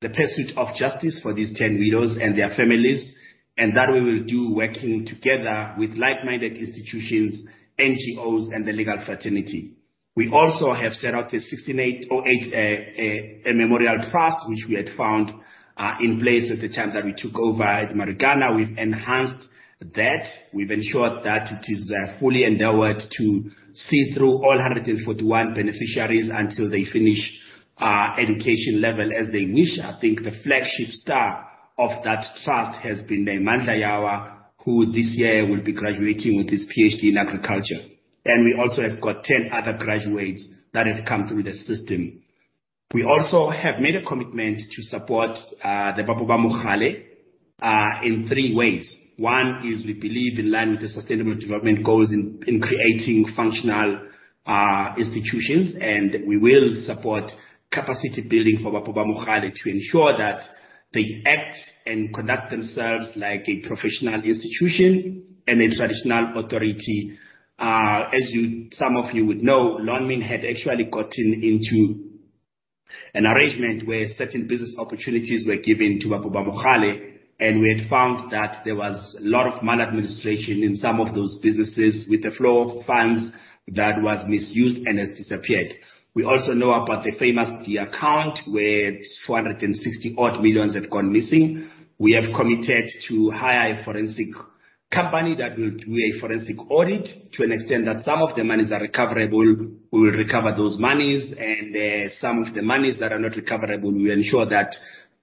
the pursuit of justice for these 10 widows and their families, and that we will do working together with like-minded institutions, NGOs, and the legal fraternity. We also have set out a Sixteen-Eight Memorial Trust, which we had found in place at the time that we took over at Marikana. We've enhanced that. We've ensured that it is fully endowed to see through all 141 beneficiaries until they finish education level as they wish. I think the flagship star of that trust has been Mandla Yawa, who this year will be graduating with his PhD in agriculture. We also have got 10 other graduates that have come through the system. We also have made a commitment to support the Bapo Ba Mogale in three ways. One is we believe in line with the Sustainable Development Goals in creating functional institutions. We will support capacity building for Bapo Ba Mogale to ensure that they act and conduct themselves like a professional institution and a traditional authority. As some of you would know, Lonmin had actually gotten into an arrangement where certain business opportunities were given to Bapo Ba Mogale. We had found that there was a lot of maladministration in some of those businesses with the flow of funds that was misused and has disappeared. We also know about the famous D account where 460 million have gone missing. We have committed to hire a forensic company that will do a forensic audit. To an extent that some of the monies are recoverable, we will recover those monies. Some of the monies that are not recoverable, we ensure that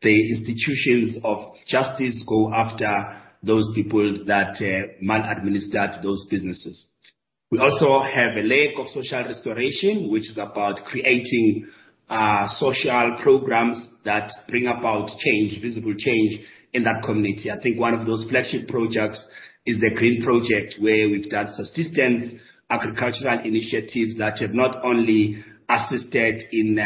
the institutions of justice go after those people that maladministrated those businesses. We also have a leg of social restoration, which is about creating social programs that bring about change, visible change, in that community. I think one of those flagship projects is the Green Project, where we've done subsistence agricultural initiatives that have not only assisted in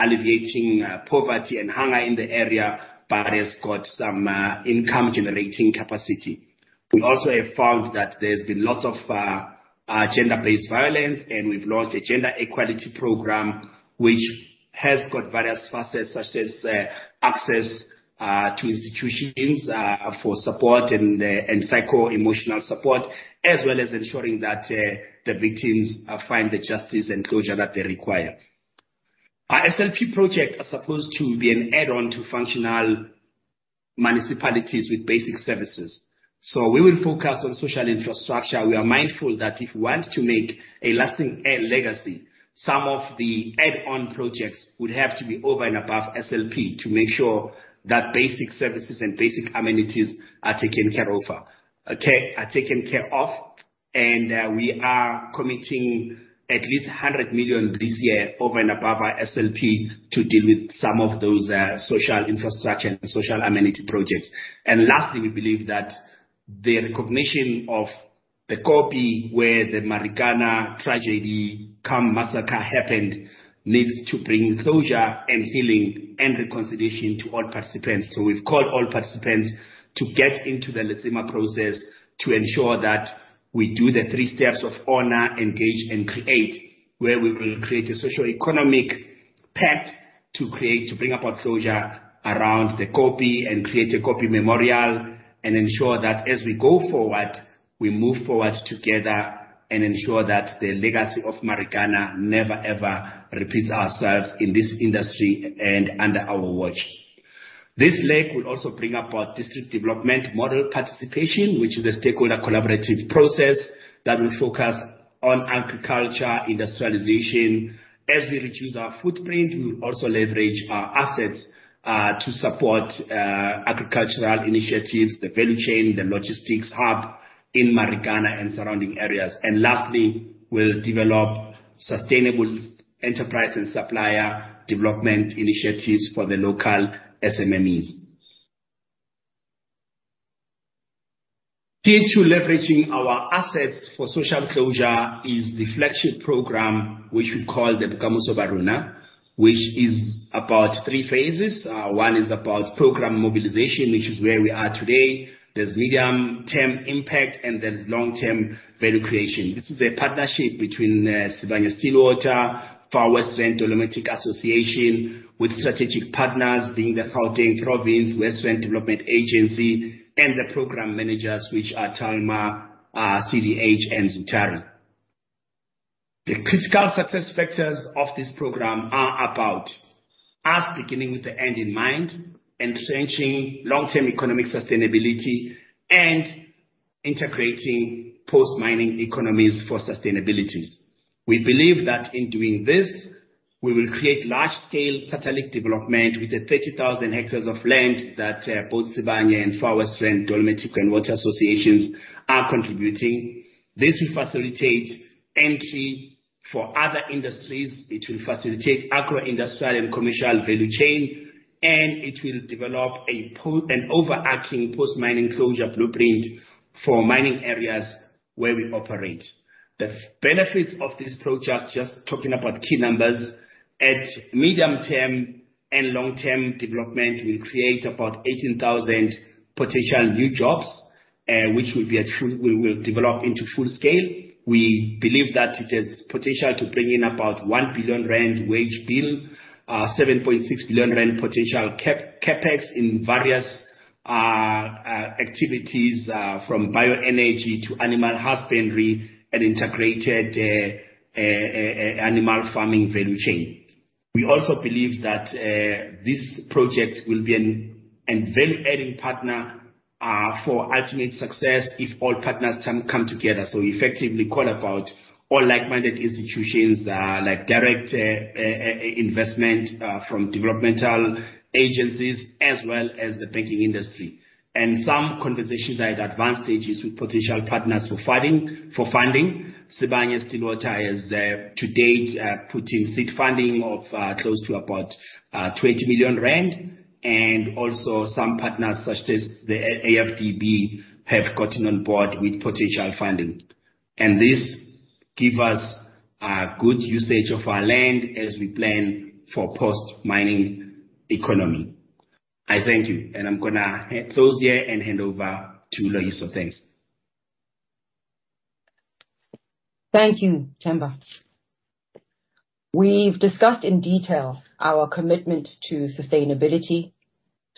alleviating poverty and hunger in the area, but it has got some income-generating capacity. We also have found that there's been lots of gender-based violence, we've launched a Gender Equality Program, which has got various facets such as access to institutions for support and psychoemotional support, as well as ensuring that the victims find the justice and closure that they require. Our SLP project is supposed to be an add-on to functional municipalities with basic services. We will focus on social infrastructure. We are mindful that if we want to make a lasting legacy, some of the add-on projects would have to be over and above SLP to make sure that basic services and basic amenities are taken care of. We are committing at least 100 million this year over and above our SLP to deal with some of those social infrastructure and social amenity projects. Lastly, we believe that the recognition of the koppie where the Marikana tragedy cum massacre happened needs to bring closure and healing and reconciliation to all participants. We've called all participants to get into the Letsema process to ensure that we do the three steps of honor, engage, and create, where we will create a socioeconomic pact to bring about closure around the koppie and create a koppie memorial and ensure that as we go forward, we move forward together and ensure that the legacy of Marikana never ever repeats ourselves in this industry and under our watch. This leg will also bring about district development model participation, which is a stakeholder collaborative process that will focus on agriculture industrialization. As we reduce our footprint, we will also leverage our assets to support agricultural initiatives, the value chain, the logistics hub in Marikana and surrounding areas. Lastly, we'll develop sustainable enterprise and supplier development initiatives for the local SMEs. Key to leveraging our assets for social closure is the flagship program, which we call the Bokamoso Ba Rona program, which is about three phases. One is about program mobilization, which is where we are today. There's medium-term impact, and there's long-term value creation. This is a partnership between Sibanye-Stillwater, Far West Rand Dolomitic Water Association, with strategic partners being the Gauteng Province, West Rand Development Agency, and the program managers, which are TALMAR, CDH, and Zutari. The critical success factors of this program are about us beginning with the end in mind entrenching long-term economic sustainability and integrating post-mining economies for sustainabilities. We believe that in doing this, we will create large-scale satellite development with the 30,000 hectares of land that both Sibanye and Far West Rand Dolomitic Water Association are contributing. This will facilitate entry for other industries. It will facilitate agro-industrial and commercial value chain, and it will develop an overarching post-mining closure blueprint for mining areas where we operate. The benefits of this project, just talking about key numbers, at medium-term and long-term development, we create about 18,000 potential new jobs. Which we will develop into full scale. We believe that it has potential to bring in about 1 billion rand wage bill, 7.6 billion rand potential CapEx in various activities from bioenergy to animal husbandry and integrated animal farming value chain. We also believe that this project will be an invaluable funding partner for ultimate success if all partners can come together. Effectively call about all like-minded institutions, like direct investment from developmental agencies as well as the banking industry. Some conversations are at advanced stages with potential partners for funding. Sibanye-Stillwater has, to date, put in seed funding of close to about 20 million rand, and also some partners such as the AFDB have gotten on board with potential funding. This give us a good usage of our land as we plan for post-mining economy. I thank you, and I'm going to close here and hand over to Loyiso. Thanks.
Thank you, Themba. We've discussed in detail our commitment to sustainability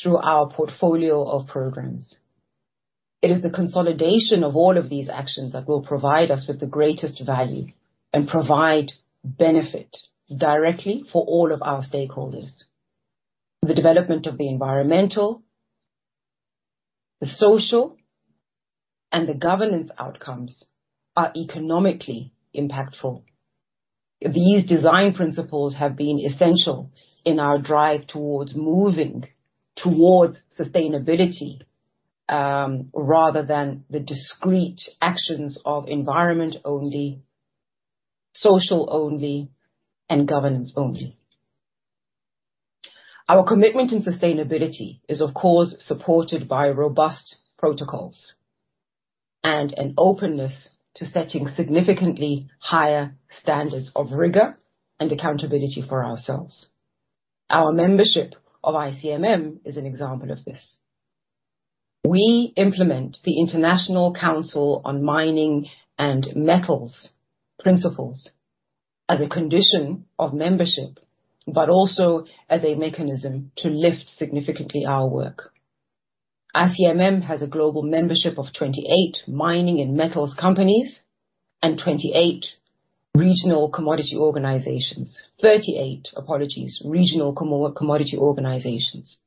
through our portfolio of programs. It is the consolidation of all of these actions that will provide us with the greatest value and provide benefit directly for all of our stakeholders. The development of the environmental, the social, and the governance outcomes are economically impactful. These design principles have been essential in our drive towards moving towards sustainability, rather than the discrete actions of environment only, social only, and governance only. Our commitment to sustainability is, of course, supported by robust protocols and an openness to setting significantly higher standards of rigor and accountability for ourselves. Our membership of ICMM is an example of this. We implement the International Council on Mining and Metals principles as a condition of membership, but also as a mechanism to lift significantly our work. ICMM has a global membership of 28 mining and metals companies and 28 regional commodity organizations. 38, apologies, regional commodity organizations.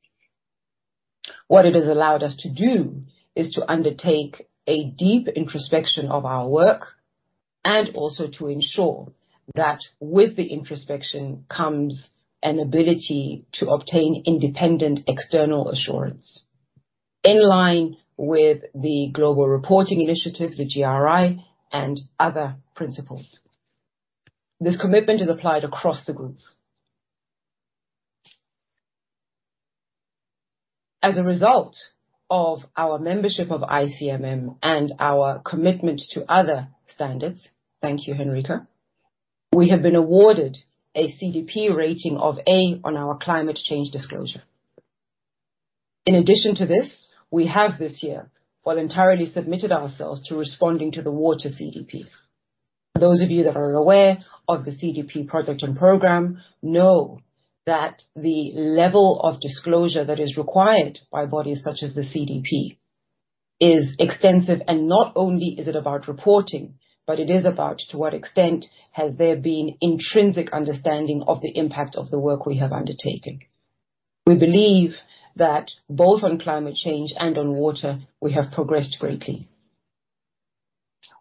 What it has allowed us to do is to undertake a deep introspection of our work and also to ensure that with the introspection comes an ability to obtain independent external assurance in line with the Global Reporting Initiative, the GRI, and other principles. This commitment is applied across the groups. As a result of our membership of ICMM and our commitment to other standards, thank you, Henrika, we have been awarded a CDP rating of A on our climate change disclosure. In addition to this, we have this year voluntarily submitted ourselves to responding to the Water CDP. Those of you that are aware of the CDP project and program know that the level of disclosure that is required by bodies such as the CDP is extensive, and not only is it about reporting, but it is about to what extent has there been intrinsic understanding of the impact of the work we have undertaken. We believe that both on climate change and on water, we have progressed greatly.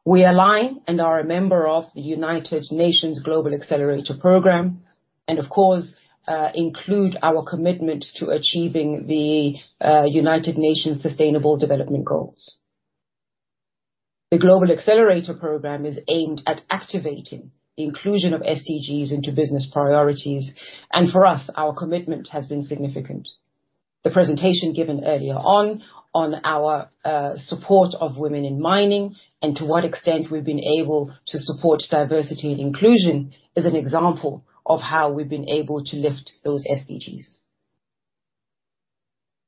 We align and are a member of the United Nations Global Accelerator Program and of course, include our commitment to achieving the United Nations Sustainable Development Goals. The Global Accelerator Program is aimed at activating the inclusion of SDGs into business priorities, and for us, our commitment has been significant. The presentation given earlier on our support of women in mining and to what extent we've been able to support diversity and inclusion is an example of how we've been able to lift those SDGs.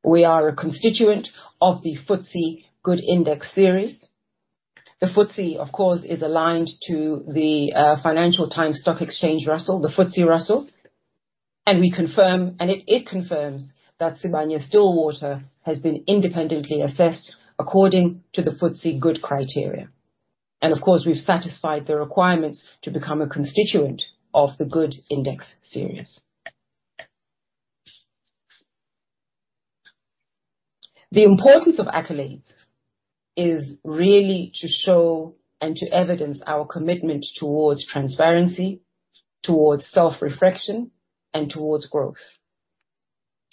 We are a constituent of the FTSE4Good Index Series. The FTSE, of course, is aligned to the Financial Times Stock Exchange Russell, the FTSE Russell, and it confirms that Sibanye-Stillwater has been independently assessed according to the FTSE4Good criteria. Of course, we've satisfied the requirements to become a constituent of the FTSE4Good Index Series. The importance of accolades is really to show and to evidence our commitment towards transparency, towards self-reflection, and towards growth.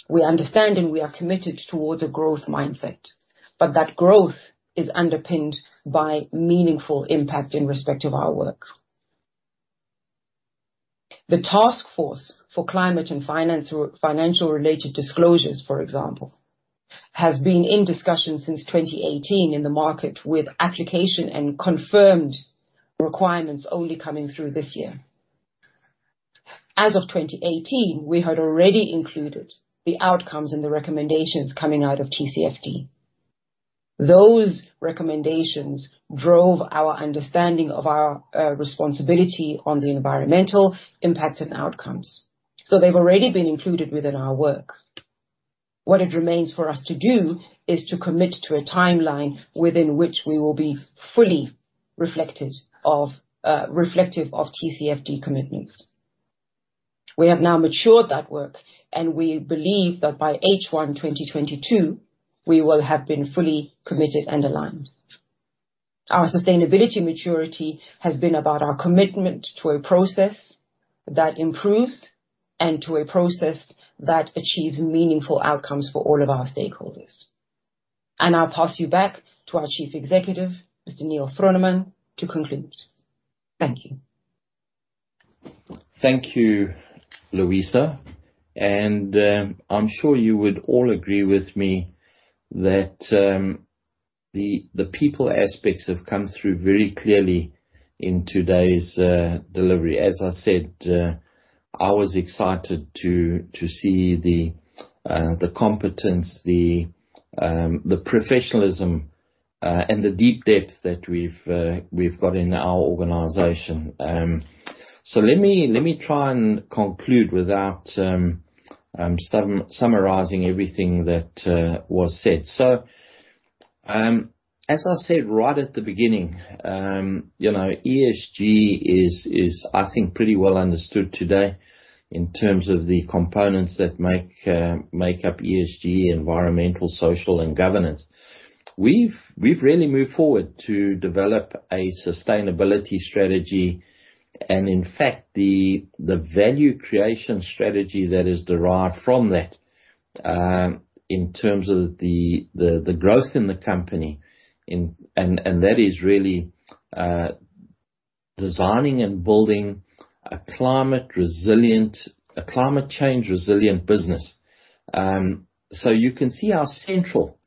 We understand and we are committed towards a growth mindset, but that growth is underpinned by meaningful impact in respect of our work. The task force for climate and financial related disclosures, for example, has been in discussion since 2018 in the market with application and confirmed requirements only coming through this year. As of 2018, we had already included the outcomes and the recommendations coming out of TCFD. Those recommendations drove our understanding of our responsibility on the environmental impact and outcomes. They've already been included within our work. What it remains for us to do is to commit to a timeline within which we will be fully reflective of TCFD commitments. We have now matured that work, and we believe that by H1 2022, we will have been fully committed and aligned. Our sustainability maturity has been about our commitment to a process that improves and to a process that achieves meaningful outcomes for all of our stakeholders. I'll pass you back to our Chief Executive, Mr. Neal Froneman, to conclude. Thank you.
Thank you, Loyiso. I'm sure you would all agree with me that the people aspects have come through very clearly in today's delivery. As I said, I was excited to see the competence, the professionalism, and the deep depth that we've got in our organization. Let me try and conclude without summarizing everything that was said. As I said right at the beginning, ESG is, I think, pretty well understood today in terms of the components that make up ESG, environmental, social, and governance. We've really moved forward to develop a sustainability strategy and, in fact, the value creation strategy that is derived from that in terms of the growth in the company. That is really designing and building a climate change resilient business. You can see how central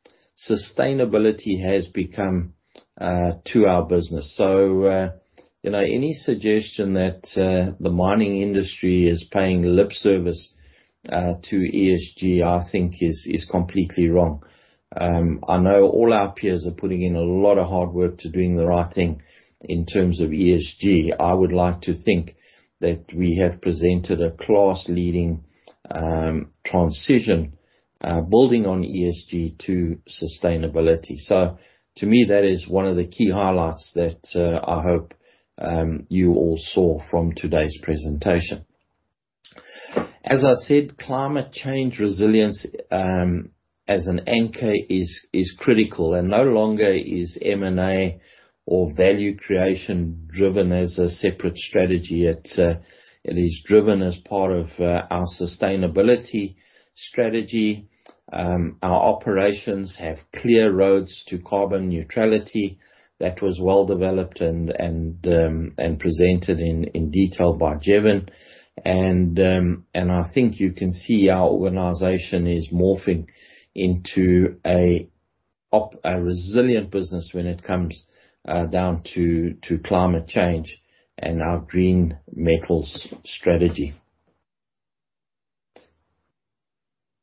sustainability has become to our business. Any suggestion that the mining industry is paying lip service to ESG, I think is completely wrong. I know all our peers are putting in a lot of hard work to doing the right thing in terms of ESG. I would like to think that we have presented a class-leading transition, building on ESG to sustainability. To me, that is one of the key highlights that I hope you all saw from today's presentation. As I said, climate change resilience as an anchor is critical. No longer is M&A or value creation driven as a separate strategy. It is driven as part of our sustainability strategy. Our operations have clear roads to carbon neutrality that was well-developed and presented in detail by Jevon. I think you can see our organization is morphing into a resilient business when it comes down to climate change and our green metals strategy.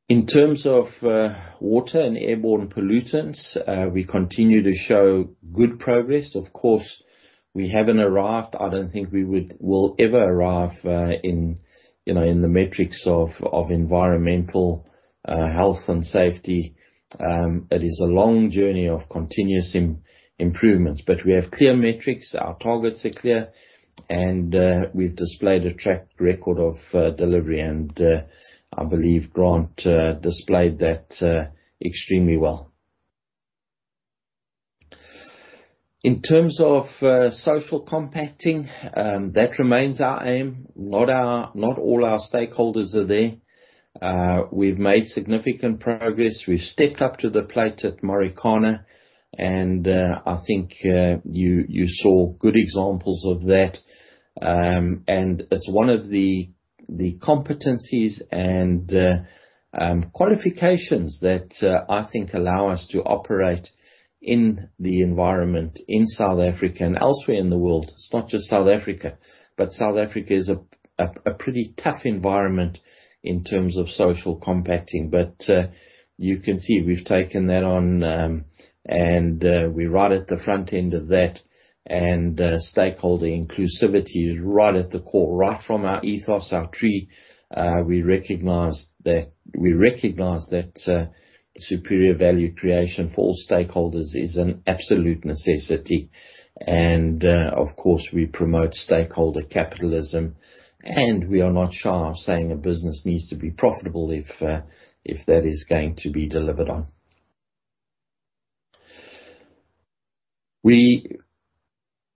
In terms of water and airborne pollutants, we continue to show good progress. Of course, we haven't arrived. I don't think we will ever arrive in the metrics of environmental health and safety. It is a long journey of continuous improvements, but we have clear metrics. Our targets are clear, and we've displayed a track record of delivery, and I believe Grant displayed that extremely well. In terms of social compacting, that remains our aim. Not all our stakeholders are there. We've made significant progress. We've stepped up to the plate at Marikana, and I think you saw good examples of that. It's one of the competencies and qualifications that I think allow us to operate in the environment in South Africa and elsewhere in the world. It's not just South Africa, but South Africa is a pretty tough environment in terms of social compacting. You can see we've taken that on, and we're right at the front end of that, and stakeholder inclusivity is right at the core, right from our ethos, our tree. We recognize that superior value creation for all stakeholders is an absolute necessity. Of course, we promote stakeholder capitalism, and we are not shy of saying a business needs to be profitable if that is going to be delivered on.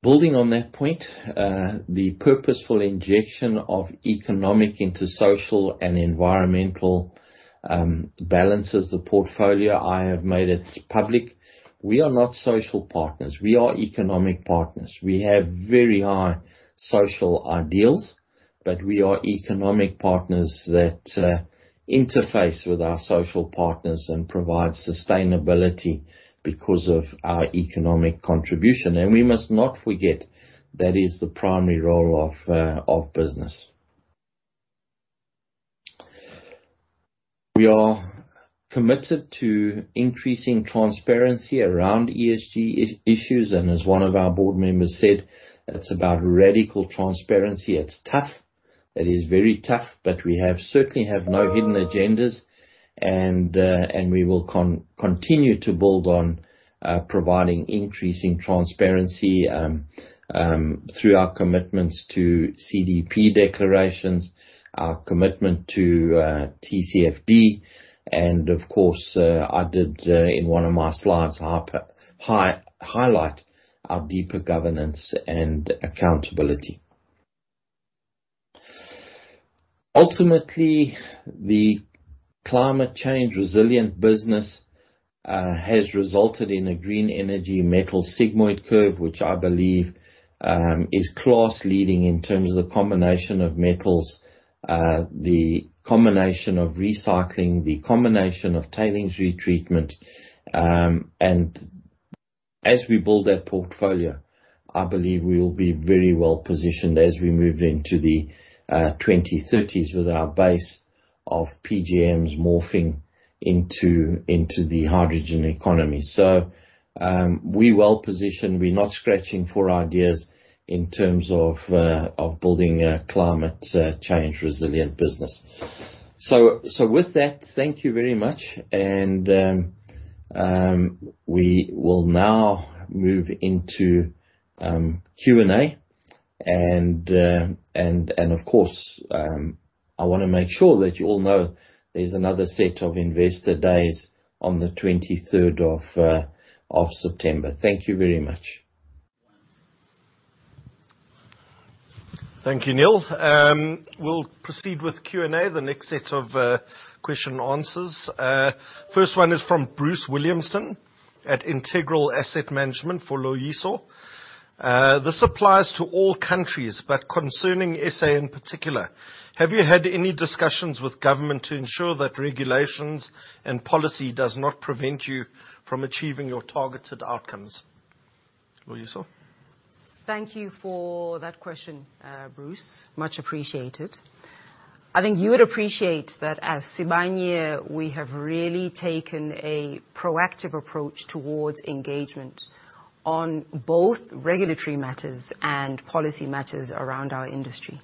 Building on that point, the purposeful injection of economic into social and environmental balances the portfolio. I have made it public. We are not social partners. We are economic partners. We have very high social ideals, but we are economic partners that interface with our social partners and provide sustainability because of our economic contribution. We must not forget that is the primary role of business. We are committed to increasing transparency around ESG issues, as one of our board members said, it's about radical transparency. It's tough. It is very tough, but we certainly have no hidden agendas and we will continue to build on providing increasing transparency through our commitments to CDP declarations, our commitment to TCFD, and of course, I did, in one of my slides, highlight our deeper governance and accountability. Ultimately, the climate change resilient business has resulted in a green energy metal sigmoid curve, which I believe is class-leading in terms of the combination of metals, the combination of recycling, the combination of tailings retreatment. As we build that portfolio, I believe we will be very well positioned as we move into the 2030s with our base of PGMs morphing into the hydrogen economy. We're well-positioned. We're not scratching for ideas in terms of building a climate change resilient business. With that, thank you very much. We will now move into Q&A and, of course, I want to make sure that you all know there's another set of investor days on the 23rd of September. Thank you very much.
Thank you, Neal. We'll proceed with Q&A, the next set of question and answers. First one is from Bruce Williamson at Integral Asset Management for Loyiso. This applies to all countries, but concerning SA in particular. Have you had any discussions with government to ensure that regulations and policy does not prevent you from achieving your targeted outcomes? Loyiso.
Thank you for that question, Bruce. Much appreciated. I think you would appreciate that as Sibanye, we have really taken a proactive approach towards engagement on both regulatory matters and policy matters around our industry.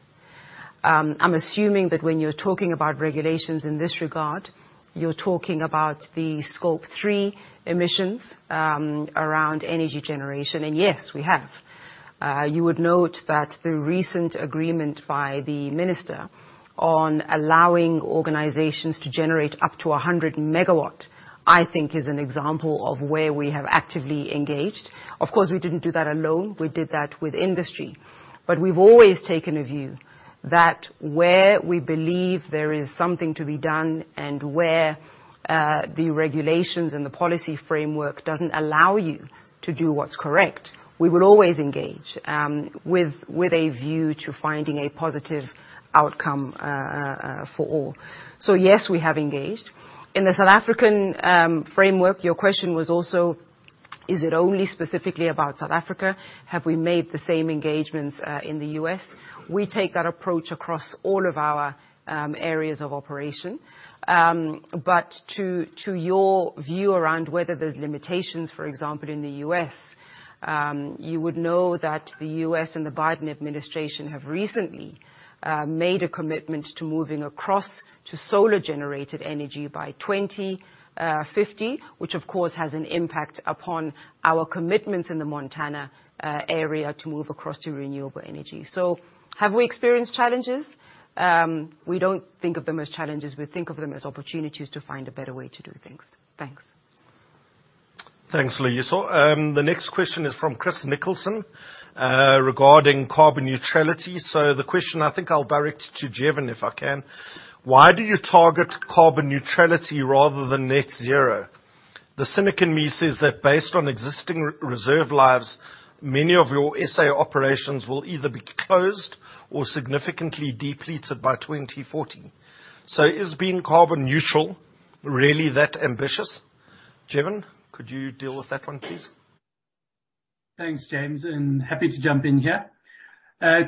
I'm assuming that when you're talking about regulations in this regard, you're talking about the Scope 3 emissions around energy generation, and yes, we have. You would note that the recent agreement by the minister on allowing organizations to generate up to 100 megawatts, I think, is an example of where we have actively engaged. Of course, we didn't do that alone. We did that with industry. We've always taken a view that where we believe there is something to be done and where the regulations and the policy framework doesn't allow you to do what's correct, we will always engage with a view to finding a positive outcome for all. Yes, we have engaged. In the South African framework, your question was also, is it only specifically about South Africa? Have we made the same engagements in the U.S.? We take that approach across all of our areas of operation. To your view around whether there's limitations, for example, in the U.S., you would know that the U.S. and the Biden administration have recently made a commitment to moving across to solar-generated energy by 2050, which of course has an impact upon our commitments in the Montana area to move across to renewable energy. Have we experienced challenges? We don't think of them as challenges. We think of them as opportunities to find a better way to do things. Thanks.
Thanks, Loyiso. The next question is from Chris Nicholson regarding carbon neutrality. The question, I think I'll direct to Jevon if I can. Why do you target carbon neutrality rather than net zero? The cynic in me says that based on existing reserve lives, many of your S.A. operations will either be closed or significantly depleted by 2040. Is being carbon neutral really that ambitious? Jevon, could you deal with that one, please?
Thanks, James. Happy to jump in here.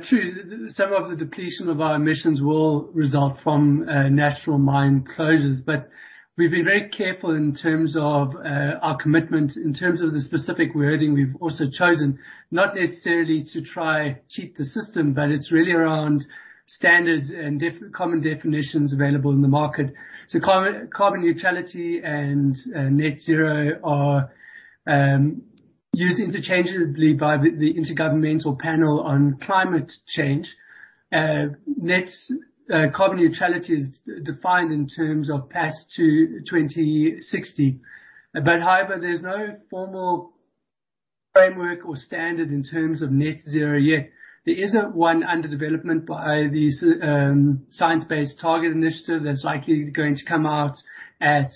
True, some of the depletion of our emissions will result from natural mine closures, but we've been very careful in terms of our commitment, in terms of the specific wording we've also chosen, not necessarily to try cheat the system, but it's really around standards and common definitions available in the market. Carbon neutrality and net zero are used interchangeably by the Intergovernmental Panel on Climate Change. Net carbon neutrality is defined in terms of path to 2060. However, there's no formal framework or standard in terms of net zero yet. There is one under development by the Science Based Targets initiative that's likely going to come out at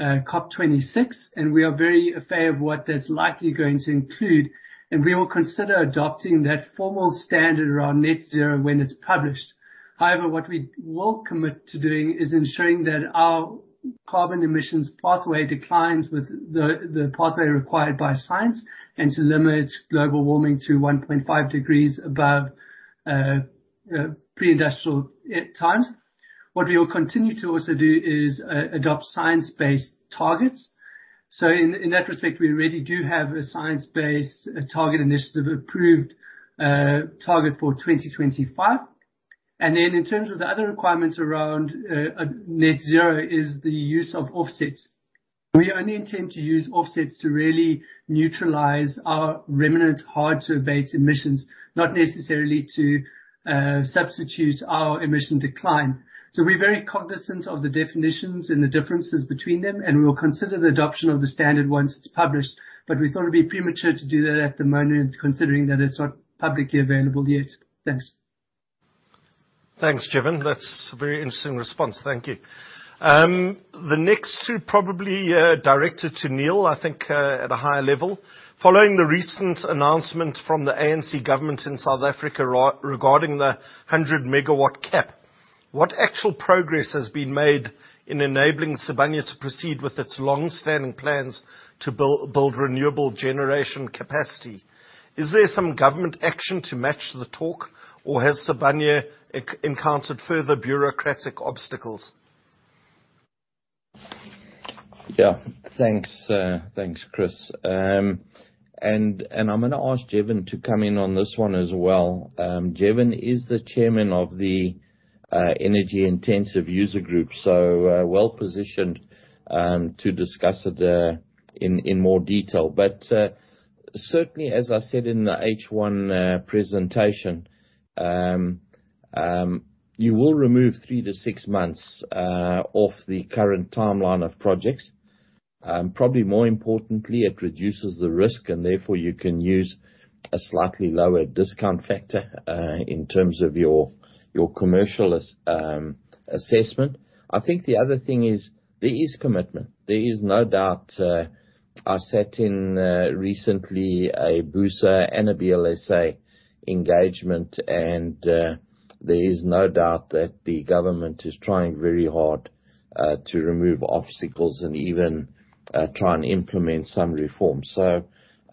COP26, and we are very aware of what that's likely going to include, and we will consider adopting that formal standard around net zero when it's published. What we will commit to doing is ensuring that our carbon emissions pathway declines with the pathway required by science and to limit global warming to 1.5 degrees above pre-industrial times. What we will continue to also do is adopt science-based targets. In that respect, we already do have a Science Based Targets initiative approved target for 2025. In terms of the other requirements around net zero is the use of offsets. We only intend to use offsets to really neutralize our remnant hard-to-abate emissions, not necessarily to substitute our emission decline. We're very cognizant of the definitions and the differences between them, and we will consider the adoption of the standard once it's published, but we thought it'd be premature to do that at the moment, considering that it's not publicly available yet. Thanks.
Thanks, Jevon. That's a very interesting response. Thank you. The next two probably directed to Neal, I think, at a higher level. Following the recent announcement from the ANC government in South Africa regarding the 100 MW cap, what actual progress has been made in enabling Sibanye to proceed with its longstanding plans to build renewable generation capacity? Is there some government action to match the talk, or has Sibanye encountered further bureaucratic obstacles?
Yeah. Thanks, Chris. I'm going to ask Jevon to come in on this one as well. Jevon is the chairman of the Energy Intensive User Group, so well-positioned to discuss it in more detail. Certainly as I said in the H1 presentation, you will remove three to six months off the current timeline of projects. Probably more importantly, it reduces the risk and therefore you can use a slightly lower discount factor, in terms of your commercial assessment. I think the other thing is there is commitment. There is no doubt. I sat in, recently, a BUSA and a BLSA engagement and there is no doubt that the government is trying very hard to remove obstacles and even try and implement some reforms.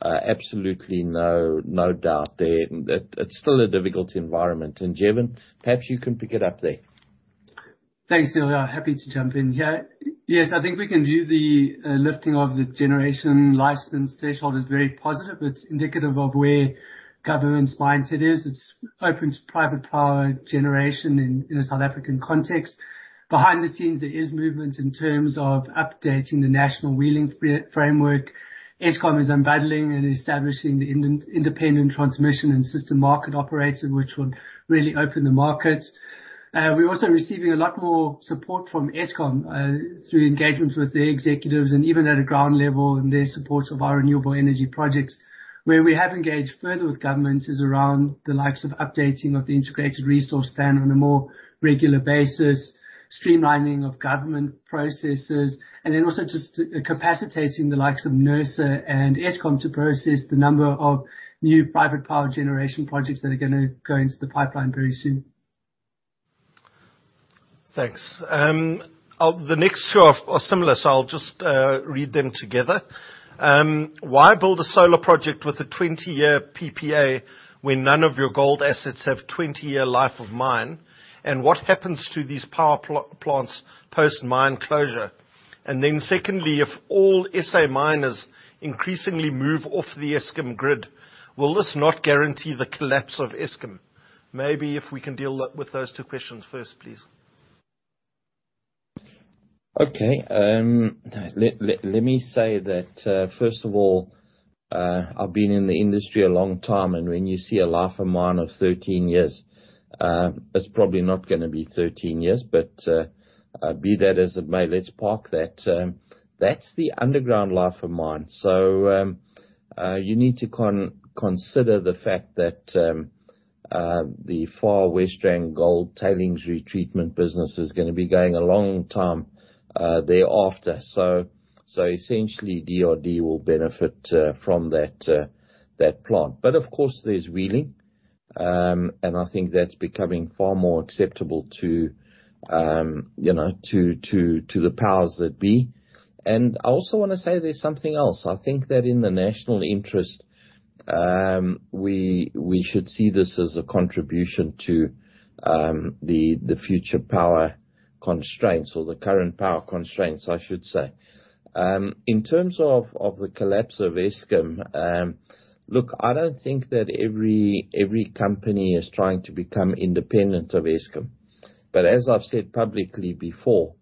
Absolutely no doubt there. It's still a difficult environment. Jevon, perhaps you can pick it up there.
Thanks, Neal. Happy to jump in. I think we can view the lifting of the generation license threshold as very positive. It's indicative of where government's mindset is. It opens private power generation in a South African context. Behind the scenes, there is movement in terms of updating the national wheeling framework. Eskom is unbundling and establishing the independent transmission and system market operator, which would really open the markets. We're also receiving a lot more support from Eskom through engagement with their executives and even at a ground level in their support of our renewable energy projects. Where we have engaged further with governments is around the likes of updating of the Integrated Resource Plan on a more regular basis, streamlining of government processes, and then also just capacitating the likes of NERSA and Eskom to process the number of new private power generation projects that are going to go into the pipeline very soon.
Thanks. The next two are similar, so I'll just read them together. Why build a solar project with a 20-year PPA when none of your gold assets have 20-year life of mine? What happens to these power plants post mine closure? Secondly, if all SA miners increasingly move off the Eskom grid, will this not guarantee the collapse of Eskom? Maybe if we can deal with those two questions first, please.
Let me say that, first of all, I've been in the industry a long time, and when you see a life of mine of 13 years, it's probably not gonna be 13 years, but be that as it may, let's park that. That's the underground life of mine. You need to consider the fact that the Far West Rand gold tailings retreatment business is gonna be going a long time thereafter. DRD will benefit from that plant. There's wheeling, and I think that's becoming far more acceptable to the powers that be. I also want to say there's something else. I think that in the national interest, we should see this as a contribution to the future power constraints or the current power constraints, I should say. In terms of the collapse of Eskom, look, I don't think that every company is trying to become independent of Eskom. As I've said publicly before,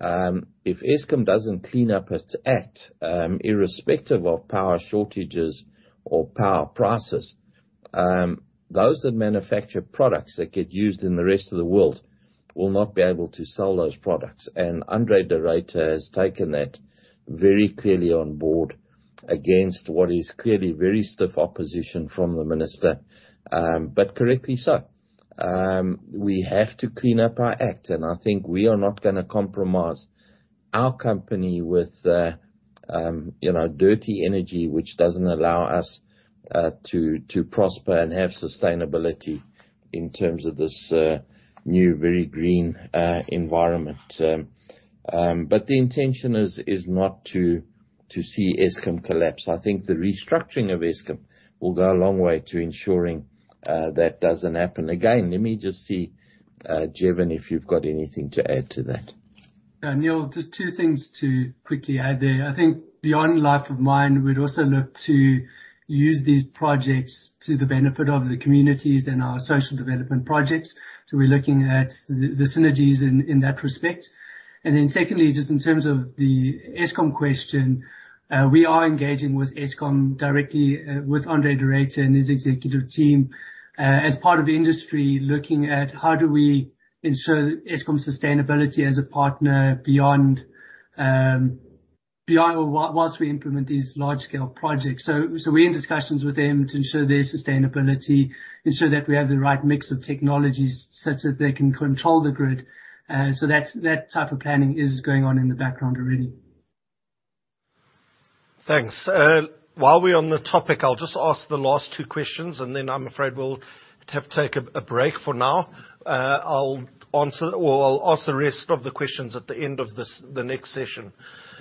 if Eskom doesn't clean up its act, irrespective of power shortages or power prices, those that manufacture products that get used in the rest of the world will not be able to sell those products. André de Ruyter has taken that very clearly on board against what is clearly very stiff opposition from the minister, but correctly so. We have to clean up our act, and I think we are not gonna compromise our company with dirty energy, which doesn't allow us to prosper and have sustainability in terms of this new very green environment. To see Eskom collapse. I think the restructuring of Eskom will go a long way to ensuring that doesn't happen. Again, let me just see, Jevon, if you've got anything to add to that.
Yeah, Neal, just two things to quickly add there. I think beyond life of mine, we'd also look to use these projects to the benefit of the communities and our social development projects. We're looking at the synergies in that respect. Secondly, just in terms of the Eskom question, we are engaging with Eskom directly, with André de Ruyter and his executive team, as part of the industry, looking at how do we ensure Eskom sustainability as a partner beyond or whilst we implement these large-scale projects. We're in discussions with them to ensure their sustainability, ensure that we have the right mix of technologies such that they can control the grid. That type of planning is going on in the background already.
Thanks. While we're on the topic, I'll just ask the last two questions, and then I'm afraid we'll have to take a break for now. I'll ask the rest of the questions at the end of the next session.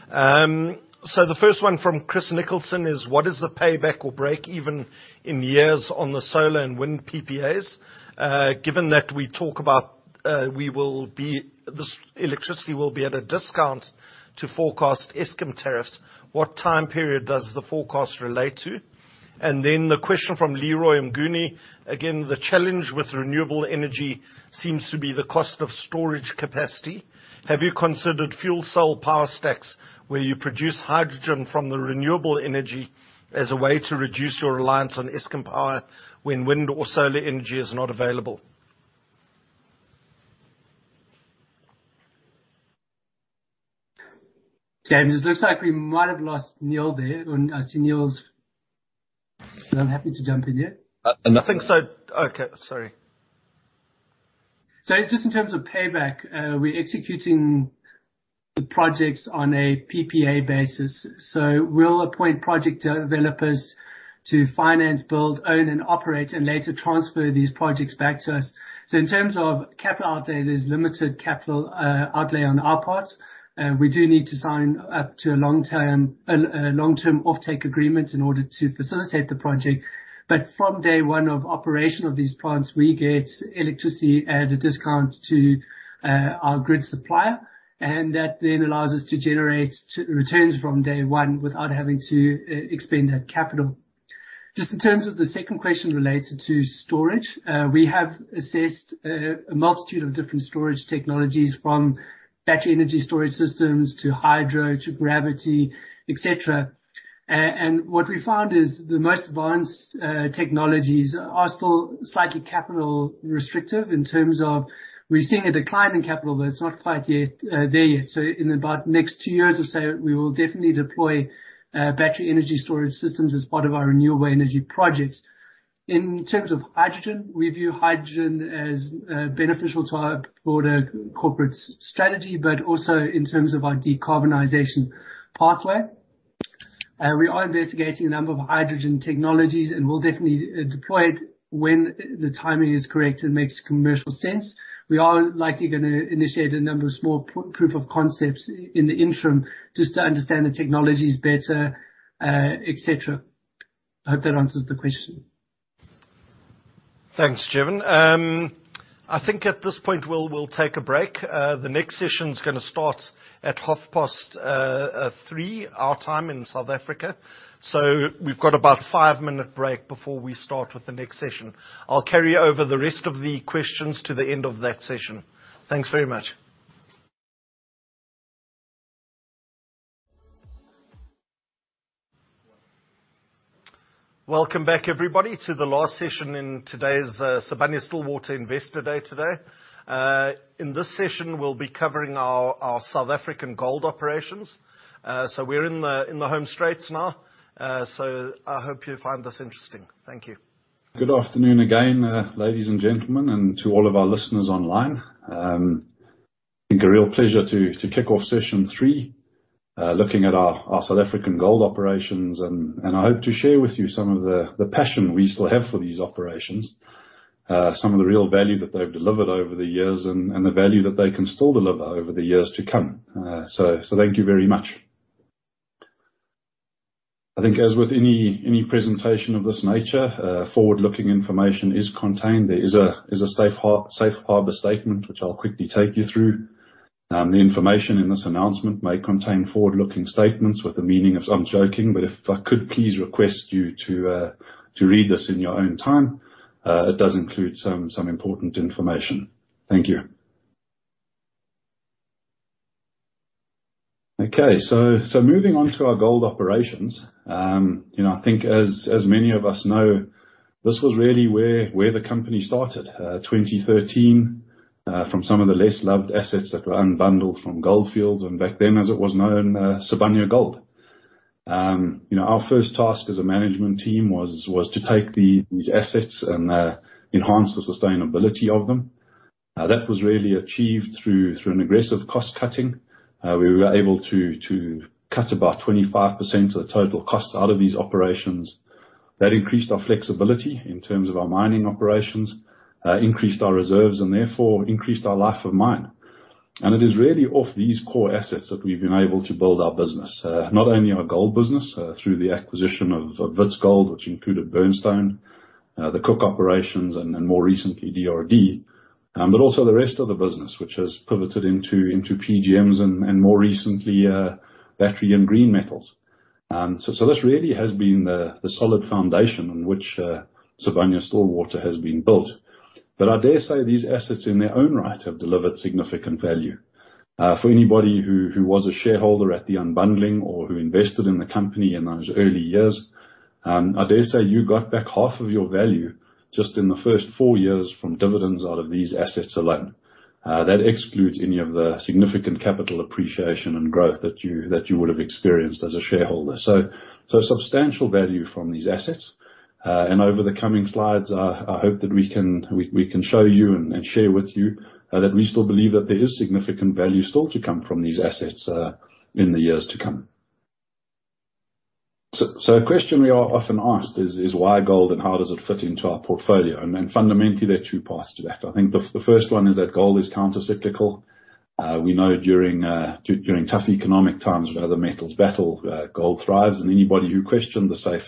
The first one from Chris Nicholson is, what is the payback or break even in years on the solar and wind PPAs? Given that we talk about this electricity will be at a discount to forecast Eskom tariffs. What time period does the forecast relate to? The question from Leroy Mnguni. Again, the challenge with renewable energy seems to be the cost of storage capacity. Have you considered fuel cell power stacks where you produce hydrogen from the renewable energy as a way to reduce your reliance on Eskom power when wind or solar energy is not available?
James, it looks like we might have lost Neal there. I see Neal's, I'm happy to jump in here.
I think so. Okay. Sorry.
Just in terms of payback, we're executing the projects on a PPA basis. We'll appoint project developers to finance, build, own, and operate and later transfer these projects back to us. In terms of capital outlay, there's limited capital outlay on our part. We do need to sign up to a long-term offtake agreement in order to facilitate the project. From day one of operation of these plants, we get electricity at a discount to our grid supplier, and that then allows us to generate returns from day one without having to expend that capital. In terms of the second question related to storage, we have assessed a multitude of different storage technologies, from battery energy storage systems to hydro, to gravity, et cetera. What we found is the most advanced technologies are still slightly capital restrictive in terms of we're seeing a decline in capital, but it's not quite there yet. In about the next two years or so, we will definitely deploy battery energy storage systems as part of our renewable energy projects. In terms of hydrogen, we view hydrogen as beneficial to our broader corporate strategy, but also in terms of our decarbonization pathway. We are investigating a number of hydrogen technologies and we'll definitely deploy it when the timing is correct and makes commercial sense. We are likely going to initiate a number of small proof of concepts in the interim just to understand the technologies better, et cetera. I hope that answers the question.
Thanks, Jevon. I think at this point, we'll take a break. The next session is going to start at 3:30 P.M. our time in South Africa. We've got about a five-minute break before we start with the next session. I'll carry over the rest of the questions to the end of that session. Thanks very much. Welcome back, everybody, to the last session in today's Sibanye-Stillwater Investor Day today. In this session, we'll be covering our South African gold operations. We're in the home straight now. I hope you find this interesting. Thank you.
Good afternoon again, ladies and gentlemen, and to all of our listeners online. I think a real pleasure to kick off session three, looking at our South African gold operations. I hope to share with you some of the passion we still have for these operations, some of the real value that they've delivered over the years, and the value that they can still deliver over the years to come. Thank you very much. I think as with any presentation of this nature, forward-looking information is contained. There is a safe harbor statement, which I'll quickly take you through. The information in this announcement may contain forward-looking statements with a meaning of I'm joking, but if I could please request you to read this in your own time, it does include some important information. Thank you. Moving on to our gold operations. I think as many of us know, this was really where the company started, 2013, from some of the less-loved assets that were unbundled from Gold Fields, back then, as it was known, Sibanye Gold. Our first task as a management team was to take these assets and enhance the sustainability of them. That was really achieved through an aggressive cost-cutting. We were able to cut about 25% of the total cost out of these operations. That increased our flexibility in terms of our mining operations, increased our reserves, and therefore increased our life of mine. It is really off these core assets that we've been able to build our business, not only our gold business, through the acquisition of Wits Gold, which included Burnstone, the Cooke operations, and more recently, DRDGOLD. Also the rest of the business, which has pivoted into PGMs and more recently, battery and green metals. This really has been the solid foundation on which Sibanye-Stillwater has been built. I dare say these assets in their own right have delivered significant value. For anybody who was a shareholder at the unbundling or who invested in the company in those early years, I dare say you got back half of your value just in the first four years from dividends out of these assets alone. That excludes any of the significant capital appreciation and growth that you would have experienced as a shareholder. Substantial value from these assets. Over the coming slides, I hope that we can show you and share with you that we still believe that there is significant value still to come from these assets in the years to come. A question we are often asked is, why gold and how does it fit into our portfolio? Fundamentally, there are two parts to that. I think the first one is that gold is countercyclical. We know during tough economic times when other metals battle, gold thrives. Anybody who questioned the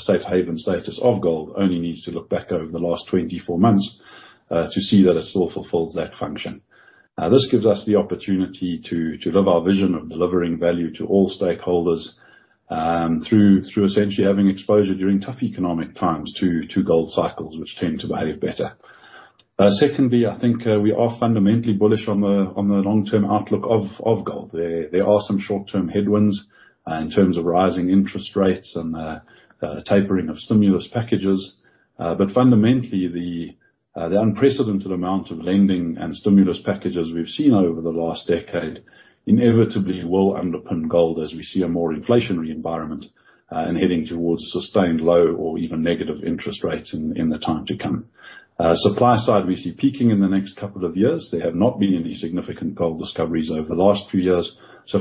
safe haven status of gold only needs to look back over the last 24 months to see that it still fulfills that function. This gives us the opportunity to live our vision of delivering value to all stakeholders, through essentially having exposure during tough economic times to gold cycles, which tend to value better. Secondly, I think we are fundamentally bullish on the long-term outlook of gold. There are some short-term headwinds in terms of rising interest rates and the tapering of stimulus packages. Fundamentally, the unprecedented amount of lending and stimulus packages we’ve seen over the last decade inevitably will underpin gold as we see a more inflationary environment, and heading towards a sustained low or even negative interest rates in the time to come. Supply side, we see peaking in the next couple of years. There have not been any significant gold discoveries over the last few years.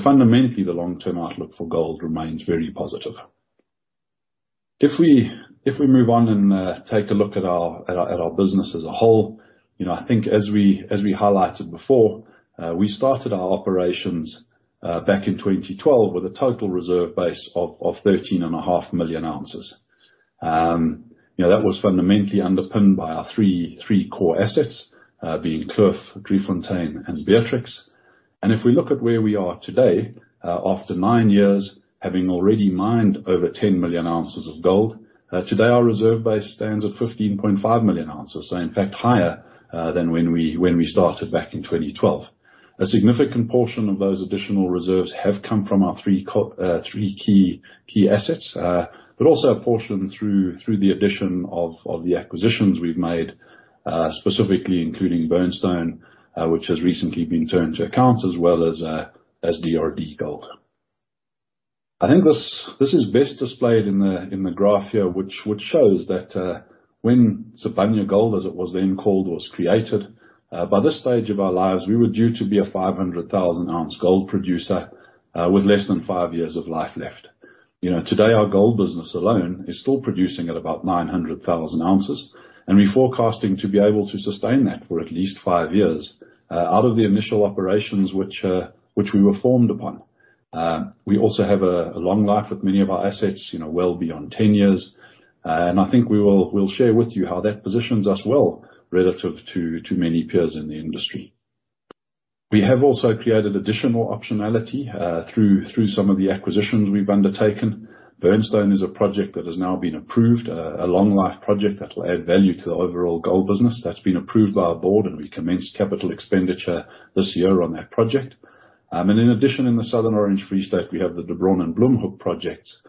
Fundamentally, the long-term outlook for gold remains very positive. If we move on and take a look at our business as a whole, I think as we highlighted before, we started our operations back in 2012 with a total reserve base of 13.5 million ounces. That was fundamentally underpinned by our three core assets, being Kloof, Driefontein, and Beatrix. If we look at where we are today, after nine years, having already mined over 10 million ounces of gold, today our reserve base stands at 15.5 million ounces. In fact, higher than when we started back in 2012. A significant portion of those additional reserves have come from our three key assets, but also a portion through the addition of the acquisitions we've made, specifically including Burnstone, which has recently been turned to account as well as DRDGOLD. I think this is best displayed in the graph here, which shows that when Sibanye Gold, as it was then called, was created, by this stage of our lives, we were due to be a 500,000-ounce gold producer, with less than five years of life left. Today our gold business alone is still producing at about 900,000 ounces. We're forecasting to be able to sustain that for at least five years out of the initial operations which we were formed upon. We also have a long life with many of our assets, well beyond 10 years. I think we'll share with you how that positions us well relative to many peers in the industry. We have also created additional optionality through some of the acquisitions we've undertaken. Burnstone is a project that has now been approved, a long-life project that'll add value to the overall gold business that's been approved by our board. We commenced capital expenditure this year on that project. In addition, in the southern Free State, we have the De Bron and Bloemhoek projects,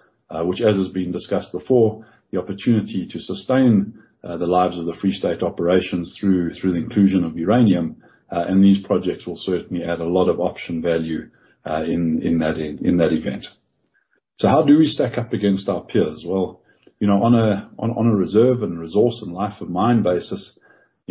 which as has been discussed before, the opportunity to sustain the lives of the Free State operations through the inclusion of uranium, and these projects will certainly add a lot of option value in that event. How do we stack up against our peers? On a reserve and resource and life of mine basis,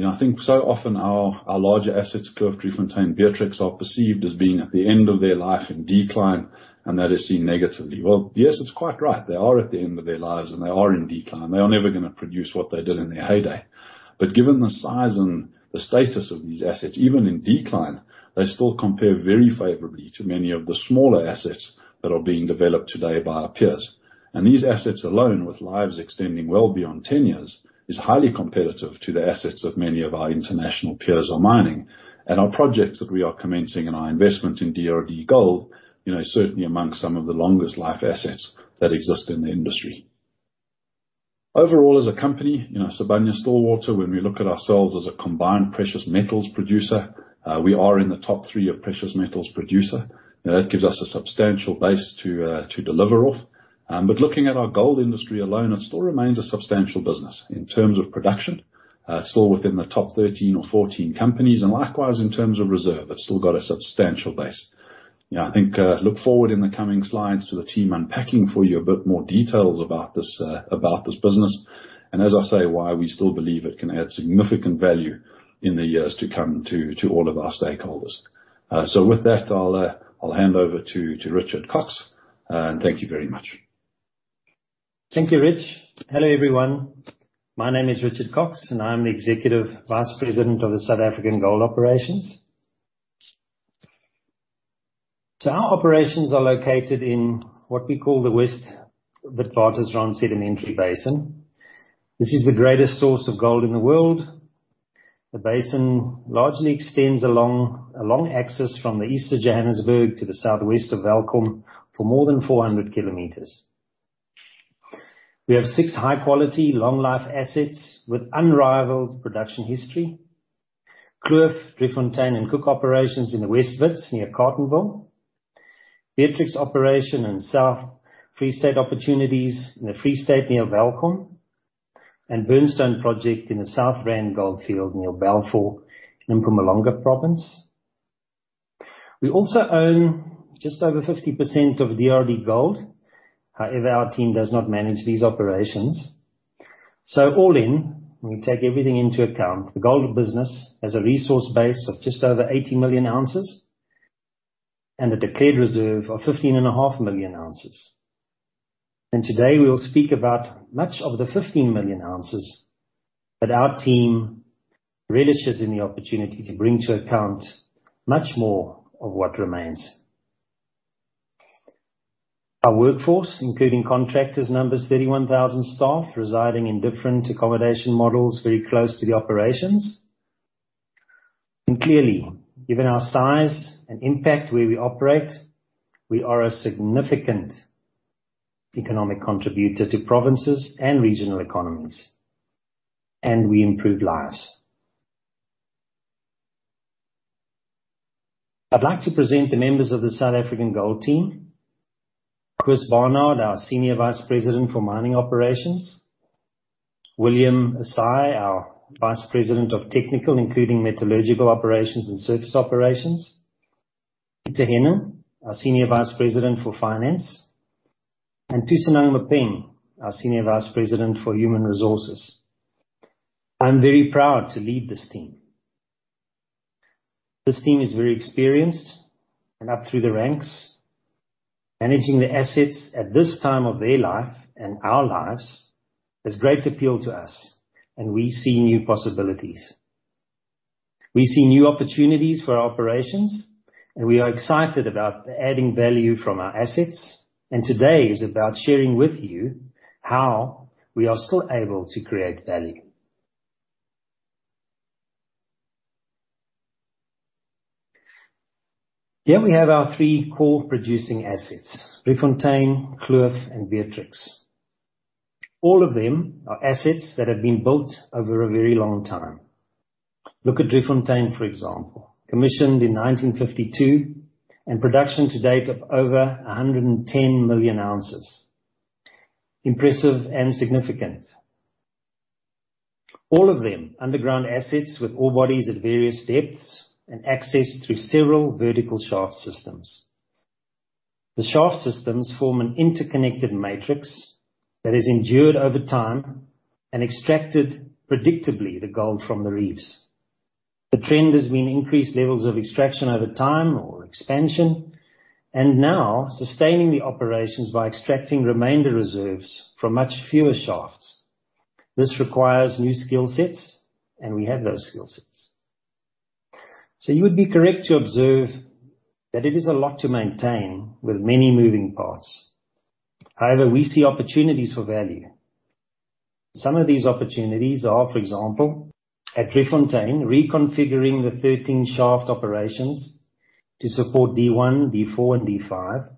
I think so often our larger assets, Kloof, Driefontein, Beatrix, are perceived as being at the end of their life in decline, and that is seen negatively. Yes, it's quite right. They are at the end of their lives, and they are in decline. They are never going to produce what they did in their heyday. Given the size and the status of these assets, even in decline, they still compare very favorably to many of the smaller assets that are being developed today by our peers. These assets alone, with lives extending well beyond 10 years, is highly competitive to the assets that many of our international peers are mining. Our projects that we are commencing and our investment in DRDGOLD, certainly among some of the longest life assets that exist in the industry. Overall, as a company, Sibanye-Stillwater, when we look at ourselves as a combined precious metals producer, we are in the top three of precious metals producer. That gives us a substantial base to deliver off. Looking at our gold industry alone, it still remains a substantial business in terms of production. Still within the top 13 or 14 companies, and likewise in terms of reserve. It's still got a substantial base. I think, look forward in the coming slides to the team unpacking for you a bit more details about this business. As I say, why we still believe it can add significant value in the years to come to all of our stakeholders. With that, I'll hand over to Richard Cox, and thank you very much.
Thank you, Rich. Hello, everyone. My name is Richard Cox, and I'm the Executive Vice President of the South African Gold Operations. Our operations are located in what we call the West Wits Witwatersrand Sedimentary Basin. This is the greatest source of gold in the world. The basin largely extends along a long axis from the east of Johannesburg to the southwest of Welkom for more than 400 km. We have six high-quality, long-life assets with unrivaled production history. Kloof, Driefontein, and Cooke operations in the West Wits near Carletonville. Beatrix operation and South Free State opportunities in the Free State near Welkom, and Burnstone project in the South Rand Goldfield near Balfour in Mpumalanga province. We also own just over 50% of DRDGOLD. However, our team does not manage these operations. All in, when we take everything into account, the gold business has a resource base of just over 80 million ounces and a declared reserve of 15.5 million ounces. Today, we'll speak about much of the 15 million ounces that our team relishes in the opportunity to bring to account much more of what remains. Our workforce, including contractors, numbers 31,000 staff residing in different accommodation models very close to the operations. Clearly, given our size and impact where we operate, we are a significant economic contributor to provinces and regional economies, and we improve lives. I'd like to present the members of the South African Gold team. Koos Barnard, our Senior Vice President for Mining Operations. William Osae, our Vice President of Technical, including Metallurgical Operations and Surface Operations. Pieter Henning, our Senior Vice President Finance, and Thusano Maphemo, our Senior Vice President for Human Resources. I'm very proud to lead this team. This team is very experienced and up through the ranks. Managing the assets at this time of their life and our lives has great appeal to us, and we see new possibilities. We see new opportunities for our operations, and we are excited about adding value from our assets. Today is about sharing with you how we are still able to create value. Here we have our three core producing assets, Driefontein, Kloof, and Beatrix. All of them are assets that have been built over a very long time. Look at Driefontein, for example, commissioned in 1952 and production to date of over 110 million ounces. Impressive and significant. All of them underground assets with ore bodies at various depths and access through several vertical shaft systems. The shaft systems form an interconnected matrix that has endured over time and extracted predictably the gold from the reefs. The trend has been increased levels of extraction over time or expansion, and now sustaining the operations by extracting remainder reserves from much fewer shafts. This requires new skill sets, and we have those skill sets. You would be correct to observe that it is a lot to maintain with many moving parts. However, we see opportunities for value. Some of these opportunities are, for example, at Driefontein, reconfiguring the 13 shaft operations to support D1, D4, and D5.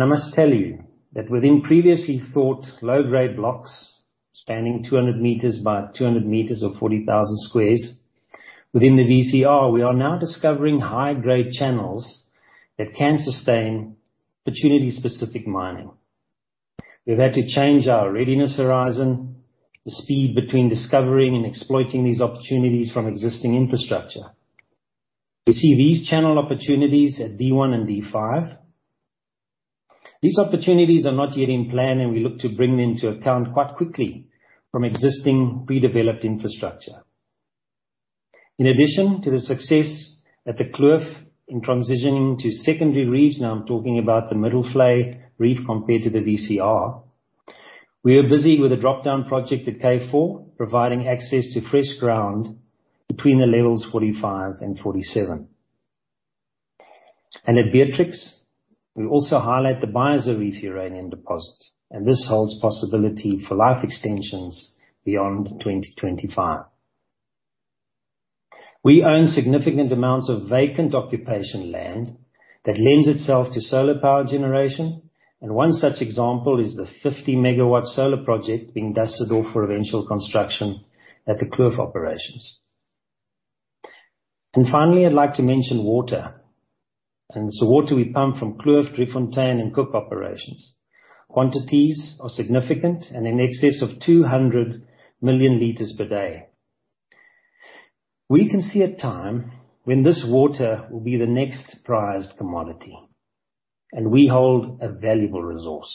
I must tell you that within previously thought low-grade blocks spanning 200 meters by 200 meters or 40,000 squares within the VCR, we are now discovering high-grade channels that can sustain opportunity-specific mining. We've had to change our readiness horizon, the speed between discovering and exploiting these opportunities from existing infrastructure. We see these channel opportunities at D1 and D5. These opportunities are not yet in plan, and we look to bring them to account quite quickly from existing redeveloped infrastructure. In addition to the success at the Kloof in transitioning to secondary reefs, now I'm talking about the Middelvlei Reef compared to the VCR. We are busy with a drop-down project at K4, providing access to fresh ground between the levels 45 and 47. At Beatrix, we also highlight the Beisa Reef uranium deposit, and this holds possibility for life extensions beyond 2025. We own significant amounts of vacant occupation land that lends itself to solar power generation. One such example is the 50 MW solar project being dusted off for eventual construction at the Kloof operations. Finally, I'd like to mention water. It's the water we pump from Kloof, Driefontein, and Cooke operations. Quantities are significant and in excess of 200 million liters per day. We can see a time when this water will be the next prized commodity. We hold a valuable resource.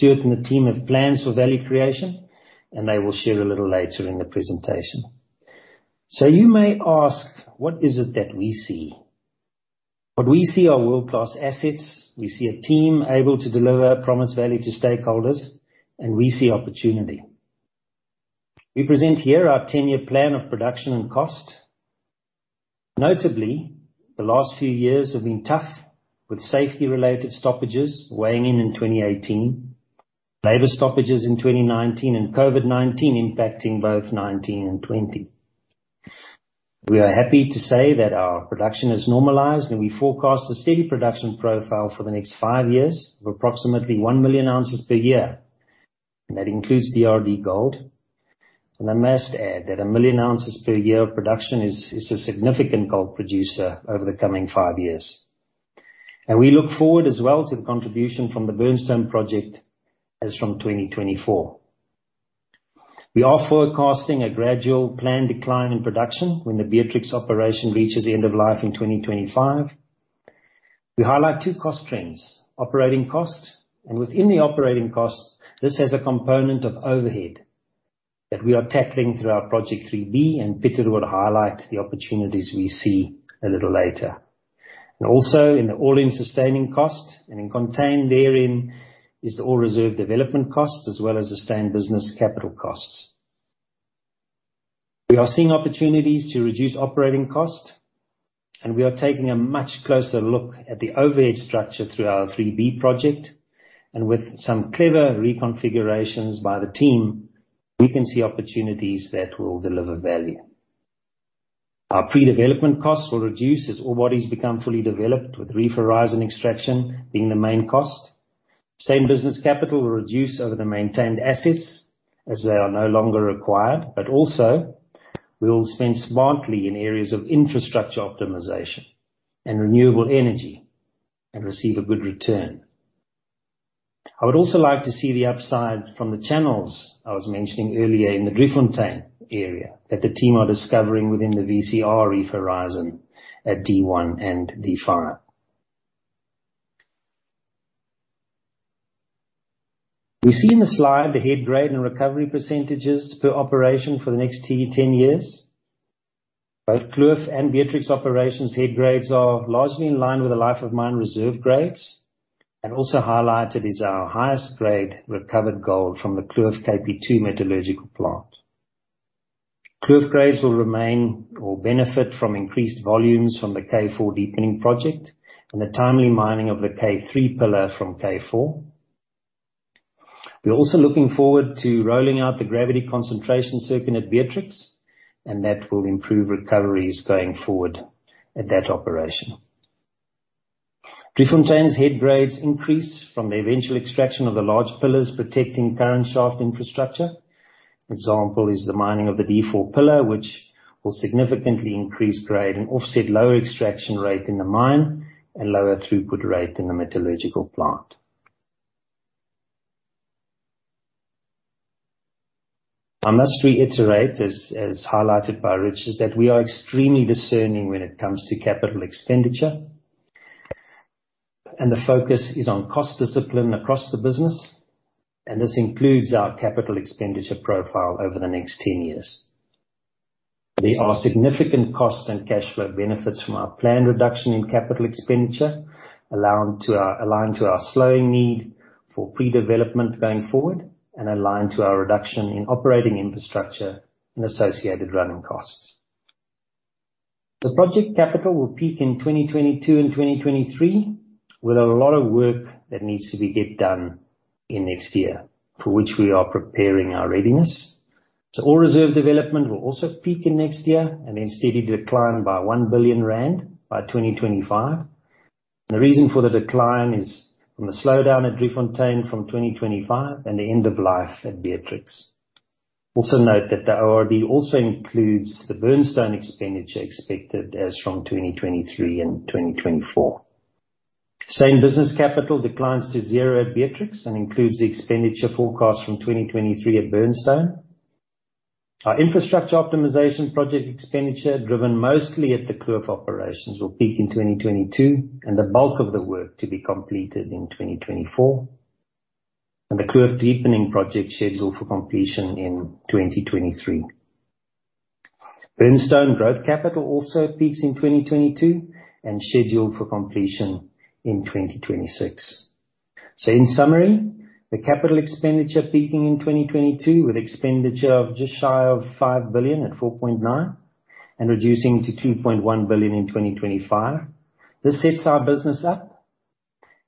Richard Stewart and the team have plans for value creation. They will share a little later in the presentation. You may ask, what is it that we see? What we see are world-class assets. We see a team able to deliver promised value to stakeholders. We see opportunity. We present here our 10-year plan of production and cost. Notably, the last few years have been tough, with safety-related stoppages weighing in in 2018, labor stoppages in 2019, and COVID-19 impacting both 2019 and 2020. We are happy to say that our production has normalized, we forecast a steady production profile for the next five years of approximately 1 million ounces per year, and that includes DRDGOLD. I must add that 1 million ounces per year of production is a significant gold producer over the coming five years. We look forward as well to the contribution from the Burnstone project as from 2024. We are forecasting a gradual planned decline in production when the Beatrix operation reaches the end of life in 2025. We highlight two cost trends, operating cost, and within the operating cost, this has a component of overhead that we are tackling through our Project 3B, and Pieter will highlight the opportunities we see a little later. Also in the all-in sustaining cost, and contained therein is the Ore Reserve Development cost as well as stay-in-business capital costs. We are seeing opportunities to reduce operating cost, we are taking a much closer look at the overhead structure through our Project 3B. With some clever reconfigurations by the team, we can see opportunities that will deliver value. Our pre-development costs will reduce as ore bodies become fully developed, with reef horizon extraction being the main cost. Sustained business capital will reduce over the maintained assets as they are no longer required. Also, we'll spend smartly in areas of infrastructure optimization and renewable energy and receive a good return. I would also like to see the upside from the channels I was mentioning earlier in the Driefontein area that the team are discovering within the VCR reef horizon at D1 and D5. We see in the slide the head grade and recovery percentages per operation for the next 10 years. Both Kloof and Beatrix operations head grades are largely in line with the life of mine reserve grades, and also highlighted is our highest grade recovered gold from the Kloof KP2 metallurgical plant. Kloof grades will remain or benefit from increased volumes from the K4 deepening project and the timely mining of the K3 pillar from K4. We're also looking forward to rolling out the gravity concentration circuit at Beatrix, and that will improve recoveries going forward at that operation. Driefontein's head grades increase from the eventual extraction of the large pillars protecting current shaft infrastructure. An example is the mining of the D4 pillar, which will significantly increase grade and offset lower extraction rate in the mine and lower throughput rate in the metallurgical plant. I must reiterate, as highlighted by Richard, that we are extremely discerning when it comes to capital expenditure, and the focus is on cost discipline across the business, and this includes our capital expenditure profile over the next 10 years. There are significant cost and cash flow benefits from our planned reduction in capital expenditure, aligned to our slowing need for pre-development going forward and aligned to our reduction in operating infrastructure and associated running costs. The project capital will peak in 2022 and 2023, with a lot of work that needs to be get done in next year, for which we are preparing our readiness. Ore Reserve Development will also peak in next year and then steadily decline by 1 billion rand by 2025. The reason for the decline is from the slowdown at Driefontein from 2025 and the end of life at Beatrix. Also note that the ORD also includes the Burnstone expenditure expected as from 2023 and 2024. Sustained business capital declines to zero at Beatrix and includes the expenditure forecast from 2023 at Burnstone. Our infrastructure optimization project expenditure, driven mostly at the Kloof operations, will peak in 2022, and the bulk of the work to be completed in 2024. The Kloof deepening project scheduled for completion in 2023. Burnstone growth capital also peaks in 2022 and scheduled for completion in 2026. In summary, the capital expenditure peaking in 2022 with expenditure of just shy of 5 billion at 4.9 billion and reducing to 2.1 billion in 2025. This sets our business up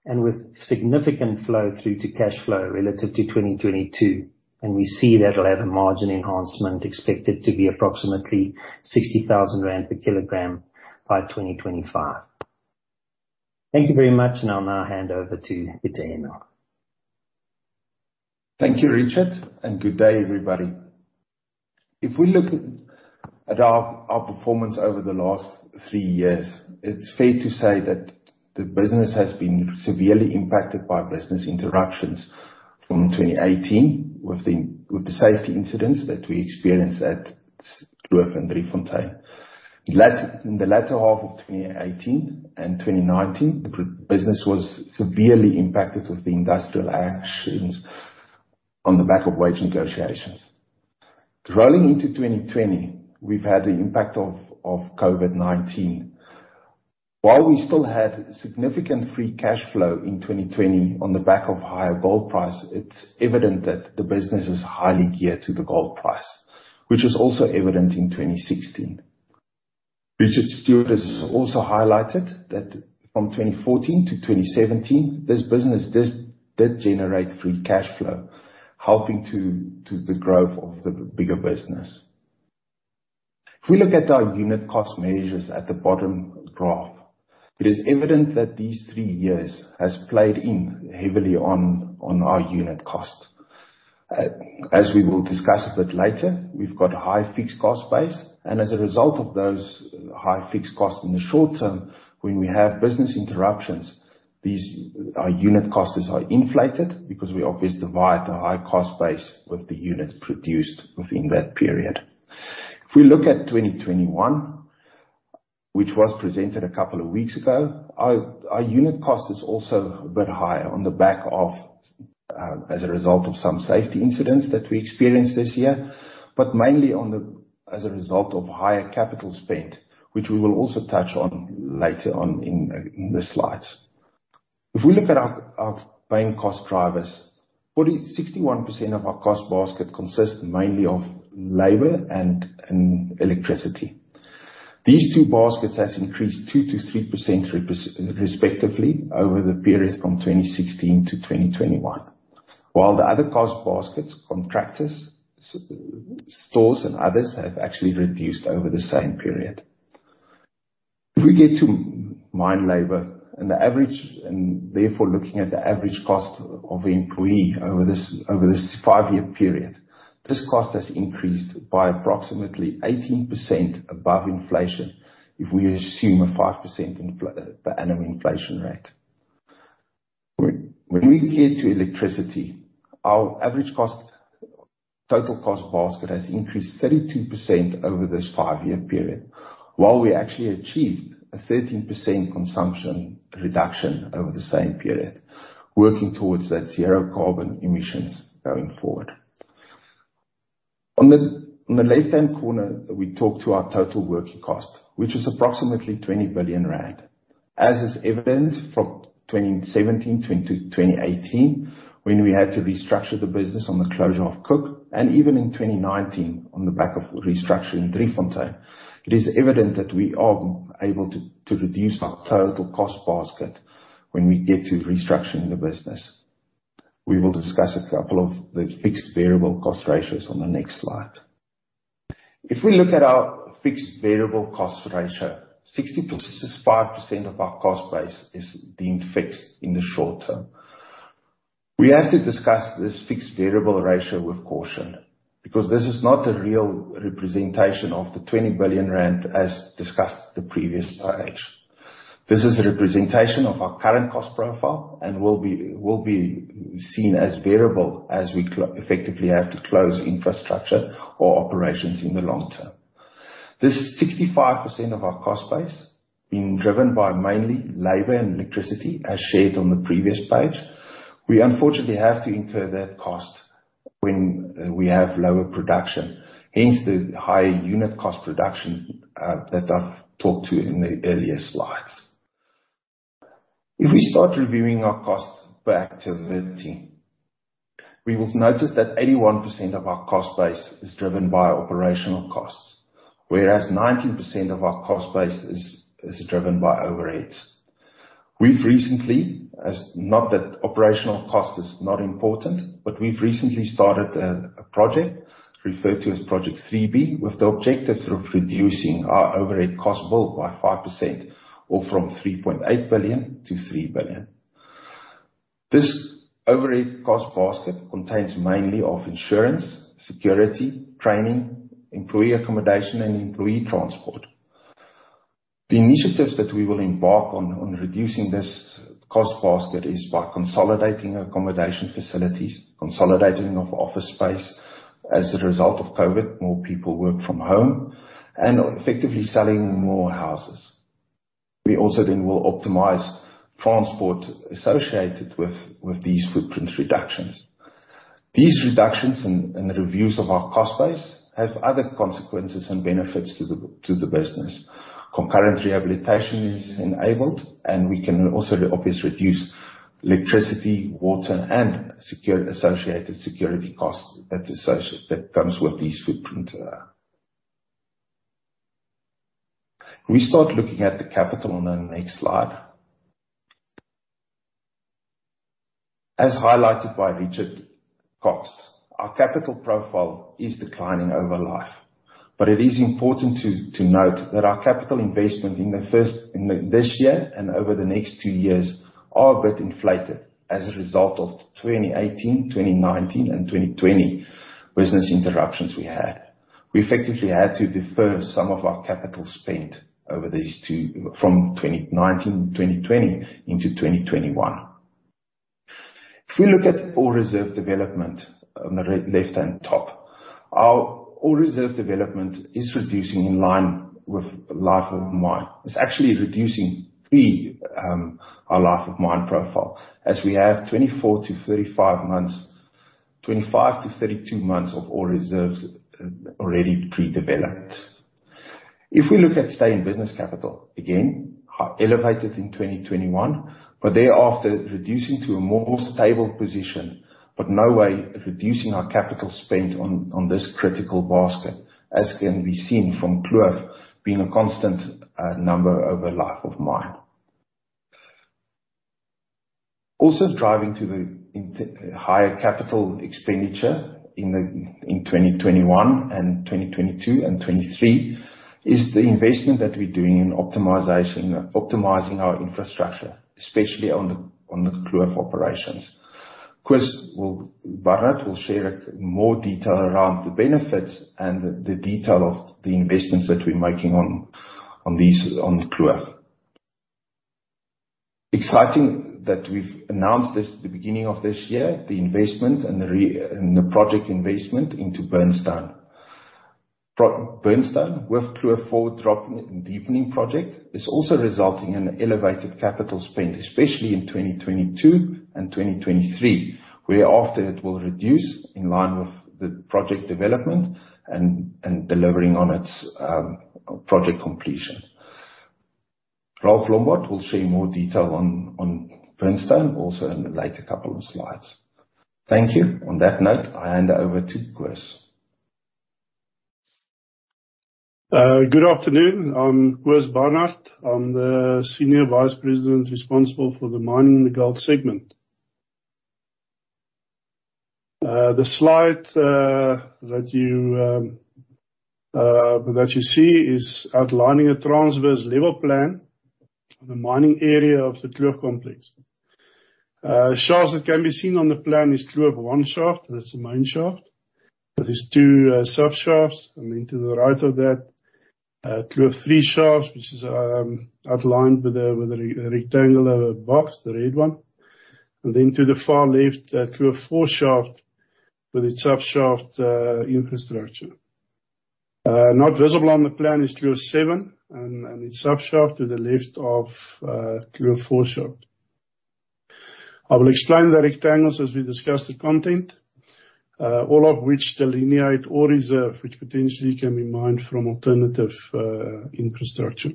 and with significant flow-through to cash flow relative to 2022, and we see that'll have a margin enhancement expected to be approximately 60,000 rand per kilogram by 2025. Thank you very much, and I'll now hand over to Pieter Henning.
Thank you, Richard, and good day, everybody. If we look at our performance over the last three years, it's fair to say that the business has been severely impacted by business interruptions. From 2018, with the safety incidents that we experienced at Kloof and Driefontein. In the latter half of 2018 and 2019, the business was severely impacted with the industrial actions on the back of wage negotiations. Rolling into 2020, we've had the impact of COVID-19. While we still had significant free cash flow in 2020 on the back of higher gold price, it's evident that the business is highly geared to the gold price, which was also evident in 2016. Richard Stewart has also highlighted that from 2014 to 2017, this business did generate free cash flow, helping to the growth of the bigger business. If we look at our unit cost measures at the bottom graph, it is evident that these three years has played in heavily on our unit cost. As we will discuss a bit later, we've got a high fixed cost base, and as a result of those high fixed costs in the short term, when we have business interruptions, our unit costs are inflated because we obviously divide the high cost base with the units produced within that period. If we look at 2021, which was presented a couple of weeks ago, our unit cost is also a bit higher on the back of, as a result of some safety incidents that we experienced this year, but mainly as a result of higher capital spend, which we will also touch on later on in the slides. If we look at our main cost drivers, 61% of our cost basket consists mainly of labor and electricity. These two baskets has increased 2%-3% respectively over the period from 2016 to 2021. The other cost baskets, contractors, stores, and others, have actually reduced over the same period. We get to mine labor and therefore looking at the average cost of employee over this five-year period, this cost has increased by approximately 18% above inflation, if we assume a 5% per annum inflation rate. We get to electricity, our average total cost basket has increased 32% over this five-year period, while we actually achieved a 13% consumption reduction over the same period, working towards that zero carbon emissions going forward. On the left-hand corner, we talk to our total working cost, which is approximately 20 billion rand. As is evident from 2017 to 2018, when we had to restructure the business on the closure of Cooke, and even in 2019 on the back of restructuring Driefontein, it is evident that we are able to reduce our total cost basket when we get to restructuring the business. We will discuss a couple of the fixed variable cost ratios on the next slide. If we look at our fixed variable cost ratio, 65% of our cost base is deemed fixed in the short term. We have to discuss this fixed variable ratio with caution, because this is not a real representation of the 20 billion rand as discussed the previous slide. This is a representation of our current cost profile and will be seen as variable as we effectively have to close infrastructure or operations in the long term. This 65% of our cost base being driven by mainly labor and electricity, as shared on the previous page. We unfortunately have to incur that cost when we have lower production, hence the high unit cost production that I've talked to in the earlier slides. If we start reviewing our costs per activity, we will notice that 81% of our cost base is driven by operational costs, whereas 19% of our cost base is driven by overheads. Not that operational cost is not important, but we've recently started a project referred to as Project 3B with the objective of reducing our overhead cost bill by 5%, or from 3.8 billion to 3 billion. This overhead cost basket contains mainly of insurance, security, training, employee accommodation, and employee transport. The initiatives that we will embark on reducing this cost basket is by consolidating accommodation facilities, consolidating of office space. As a result of COVID, more people work from home, and effectively selling more houses. We also then will optimize transport associated with these footprint reductions. These reductions and the reviews of our cost base have other consequences and benefits to the business. Concurrent rehabilitation is enabled, and we can also obviously reduce electricity, water, and associated security costs that comes with these footprint. We start looking at the capital on the next slide. As highlighted by Richard Cox, our capital profile is declining over life. It is important to note that our capital investment in this year and over the next two years are a bit inflated as a result of 2018, 2019, and 2020 business interruptions we had. We effectively had to defer some of our capital spend over these two, from 2019 and 2020 into 2021. If we look at Ore Reserve Development on the left-hand top. Our Ore Reserve Development is reducing in line with life of mine. It's actually reducing pre our life of mine profile as we have 24-35 months, 25-32 months of ore reserves already pre-developed. We look at stay in business capital, again, are elevated in 2021, but thereafter reducing to a more stable position, but no way reducing our capital spend on this critical basket, as can be seen from Kloof being a constant number over life of mine. Driving to the higher capital expenditure in 2021 and 2022 and 2023 is the investment that we're doing in optimization, optimizing our infrastructure, especially on the Kloof operations. Koos Barnard will share more detail around the benefits and the detail of the investments that we're making on Kloof. Exciting that we've announced this the beginning of this year, the investment and the project investment into Burnstone. Burnstone with Kloof Four Deepening project, is also resulting in elevated capital spend, especially in 2022 and 2023, whereafter it will reduce in line with the project development and delivering on its project completion. Ralph Lombard will share more detail on Burnstone also in the later couple of slides. Thank you. On that note, I hand over to Koos.
Good afternoon. I'm Koos Barnard. I'm the Senior Vice President responsible for the mining gold segment. The slide that you see is outlining a transverse level plan on the mining area of the Kloof complex. Shafts that can be seen on the plan is Kloof One shaft, that's the main shaft. There is two sub-shafts. To the right of that, Kloof Three shafts, which is outlined with a rectangular box, the red one. To the far left, Kloof Four shaft with its sub-shaft infrastructure. Not visible on the plan is Kloof Seven and its sub-shaft to the left of Kloof Four shaft. I will explain the rectangles as we discuss the content, all of which delineate ore reserve, which potentially can be mined from alternative infrastructure.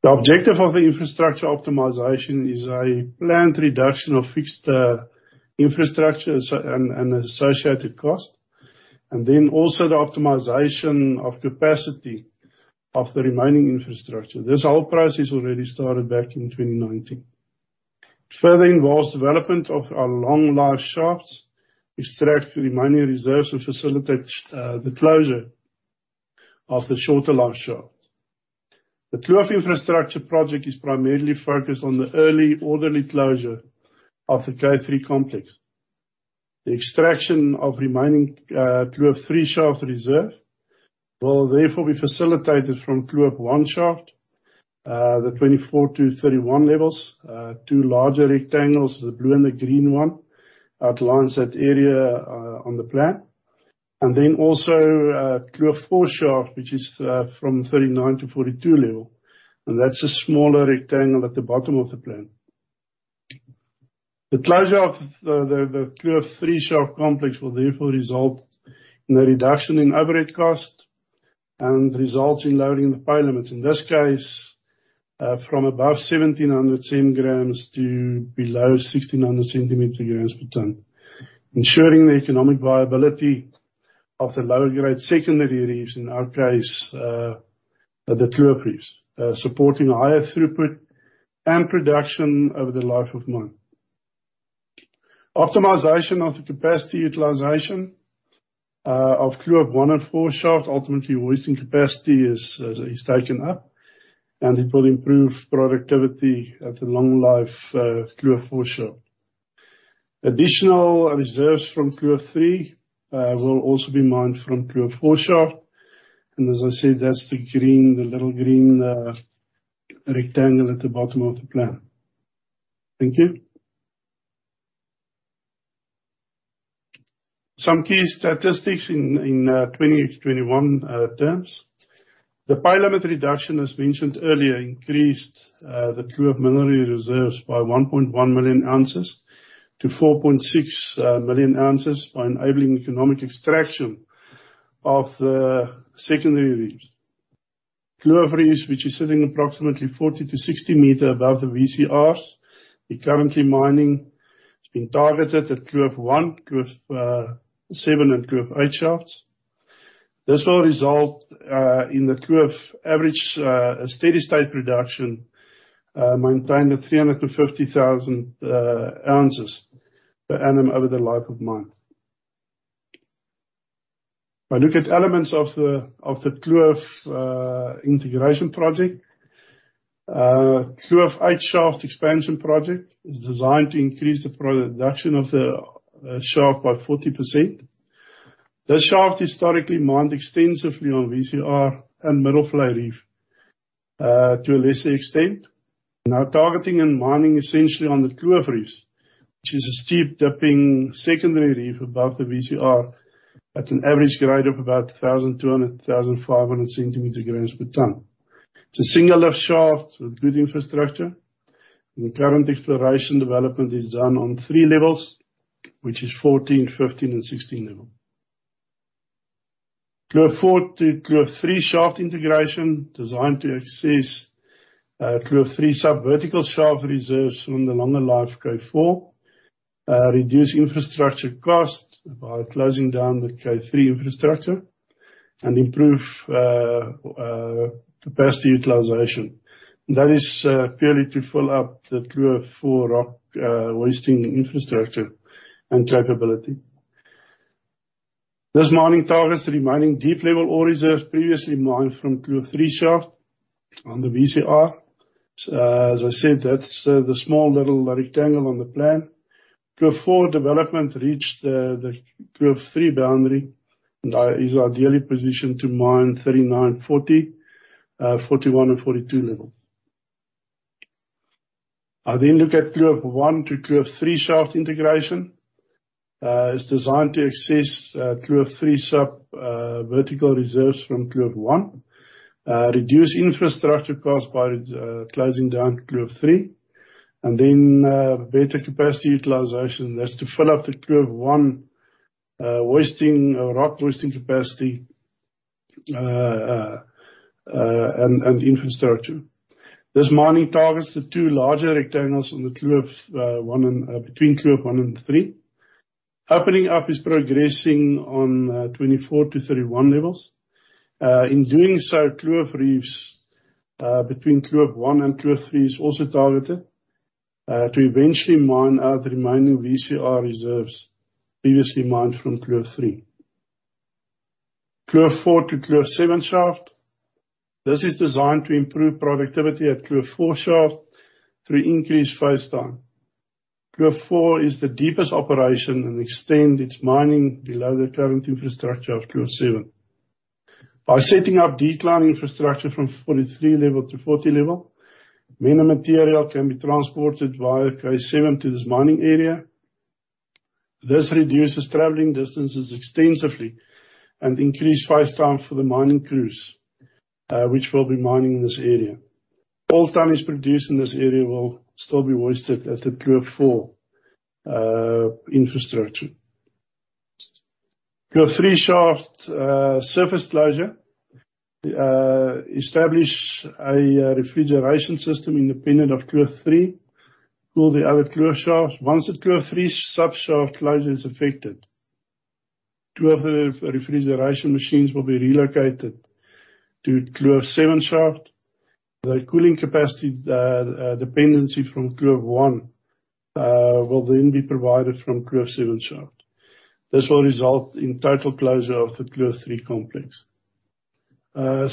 The objective of the infrastructure optimization is a planned reduction of fixed infrastructure and associated cost. Also the optimization of capacity of the remaining infrastructure. This whole process already started back in 2019. It further involves development of our long life shafts, extract remaining reserves and facilitate the closure of the shorter life shaft. The Kloof infrastructure project is primarily focused on the early orderly closure of the K3 complex. The extraction of remaining Kloof Three shaft reserve will therefore be facilitated from Kloof One shaft, the 24-31 levels. Two larger rectangles, the blue and the green one outlines that area on the plan. Also Kloof Four shaft, which is from 39-42 level. That's a smaller rectangle at the bottom of the plan. The closure of the Kloof Three shaft complex will therefore result in a reduction in average cost and results in lowering the pay limits. In this case, from above 1,700 cm grams to below 1,600 centimeter grams per ton, ensuring the economic viability of the lower grade secondary reefs, in our case, the Kloof Reefs. Supporting higher throughput and production over the life of mine. Optimization of the capacity utilization of Kloof One and Four Shaft, ultimately hoisting capacity is taken up, and it will improve productivity at the long life Kloof Four Shaft. Additional reserves from Kloof Three will also be mined from Kloof Four Shaft. As I said, that's the little green rectangle at the bottom of the plan. Thank you. Some key statistics in 2021 terms. The pay limit reduction as mentioned earlier, increased the Kloof mineral reserves by 1.1 million ounces to 4.6 million ounces by enabling economic extraction of the secondary reefs. Kloof Reefs, which is sitting approximately 40 m- 60 m above the VCRs. The currently mining has been targeted at Kloof One, Kloof Seven and Kloof Eight shafts. This will result in the Kloof average steady state production, maintained at 350,000 ounces per annum over the life of mine. By looking at elements of the Kloof integration project. Kloof Eight shaft expansion project is designed to increase the production of the shaft by 40%. This shaft historically mined extensively on VCR and Middelvlei Reef to a lesser extent. Now targeting and mining essentially on the Kloof Reefs, which is a steep dipping secondary reef above the VCR at an average grade of about 1,200-1,500 centimeter grams per ton. It's a single lift shaft with good infrastructure, and the current exploration development is done on three levels, which is 14, 15, and 16 level. Kloof Four to Kloof Three shaft integration designed to access Kloof Three sub-vertical shaft reserves from the longer life K4. Reduce infrastructure cost by closing down the K3 infrastructure and improve capacity utilization. That is purely to fill up the Kloof Four rock hoisting infrastructure and capability. This mining targets the remaining deep level ore reserves previously mined from Kloof Three shaft on the VCR. As I said, that's the small little rectangle on the plan. Kloof Four development reached the Kloof Three boundary. That is ideally positioned to mine 39, 40, 41, and 42 level. I then look at Kloof One to Kloof Three shaft integration. It's designed to access Kloof Three sub-vertical reserves from Kloof One. Reduce infrastructure costs by closing down Kloof Three. Better capacity utilization. That's to fill up the Kloof One rock hoisting capacity and infrastructure. This mining targets the two larger rectangles between Kloof One and Three. Opening up is progressing on 24 to 31 levels. In doing so, Kloof Reefs between Kloof One and Kloof Three is also targeted, to eventually mine out remaining VCR reserves previously mined from Kloof Three. Kloof Four to Kloof Seven shaft. This is designed to improve productivity at Kloof Four shaft through increased face time. Kloof Four is the deepest operation and extend its mining below the current infrastructure of Kloof Seven. By setting up decline infrastructure from 43 level to 40 level, mined material can be transported via K7 to this mining area. This reduces traveling distances extensively and increase face time for the mining crews which will be mining in this area. All tons produced in this area will still be hoisted at the Kloof Four infrastructure. Kloof Three shaft surface closure establish a refrigeration system independent of Kloof Three. Cool the other Kloof shafts. Once the Kloof Three sub-shaft closure is affected, two of the refrigeration machines will be relocated to Kloof Seven shaft. The cooling capacity dependency from Kloof One will be provided from Kloof Seven shaft. This will result in total closure of the Kloof Three complex.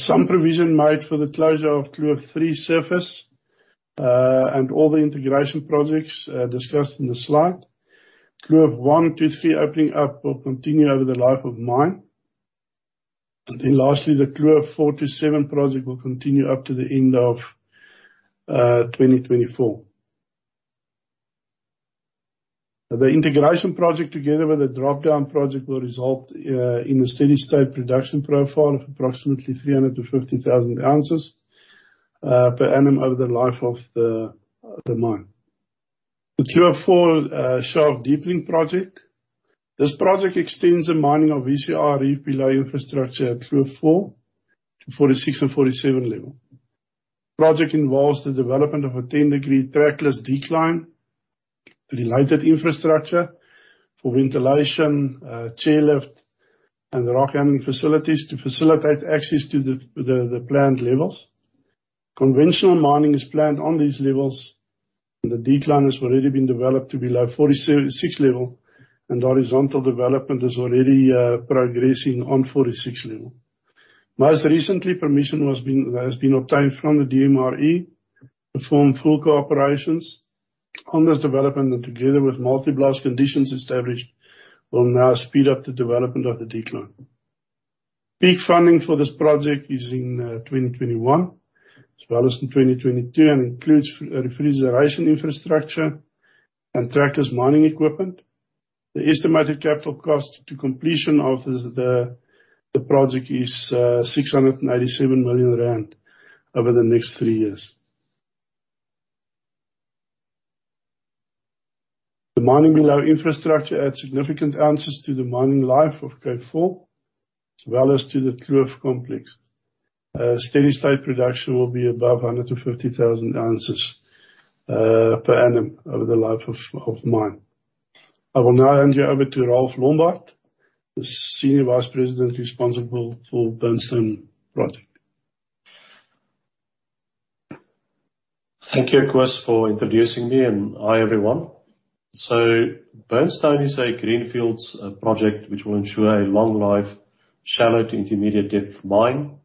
Some provision made for the closure of Kloof Three surface and all the integration projects discussed in the slide. Kloof One to Three opening up will continue over the life of mine. Lastly, the Kloof Four to Seven project will continue up to the end of 2024. The integration project, together with the drop-down project, will result in a steady state production profile of approximately 350,000 ounces per annum over the life of the mine. The Kloof Four shaft deepening project. This project extends the mining of VCR Reef pillar infrastructure at Kloof Four to 46 and 47 level. Project involves the development of a 10-degree trackless decline, related infrastructure for ventilation, chair lift, and rock handling facilities to facilitate access to the planned levels. Conventional mining is planned on these levels, and the decline has already been developed to below 46 level, and horizontal development is already progressing on 46 level. Most recently, permission has been obtained from the DMRE to perform FULCO operations on this development, and together with multi-blast conditions established, will now speed up the development of the decline. Peak funding for this project is in 2021 as well as in 2022 and includes refrigeration infrastructure and trackless mining equipment. The estimated capital cost to completion of the project is 687 million rand over the next three years. The mining below infrastructure adds significant ounces to the mining life of Kloof Four as well as to the Kloof complex. Steady state production will be above 150,000 ounces per annum over the life of mine. I will now hand you over to Ralph Lombard, the Senior Vice President responsible for Burnstone project.
Thank you, Chris, for introducing me. Hi, everyone. Burnstone is a greenfields project which will ensure a long life, shallow to intermediate depth mine.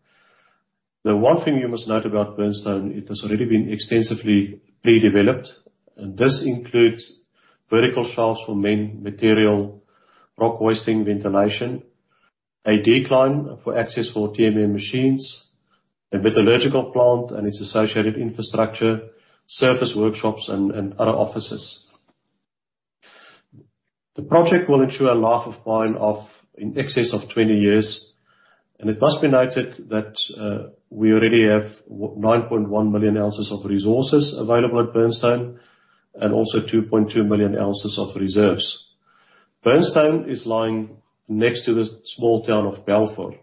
The one thing you must note about Burnstone, it has already been extensively pre-developed. This includes vertical shafts for main material, rock wasting ventilation, a decline for access for TMM machines, a metallurgical plant and its associated infrastructure, surface workshops and other offices. The project will ensure a life of mine of in excess of 20 years. It must be noted that we already have 9.1 million ounces of resources available at Burnstone and also 2.2 million ounces of reserves. Burnstone is lying next to the small town of Balfour.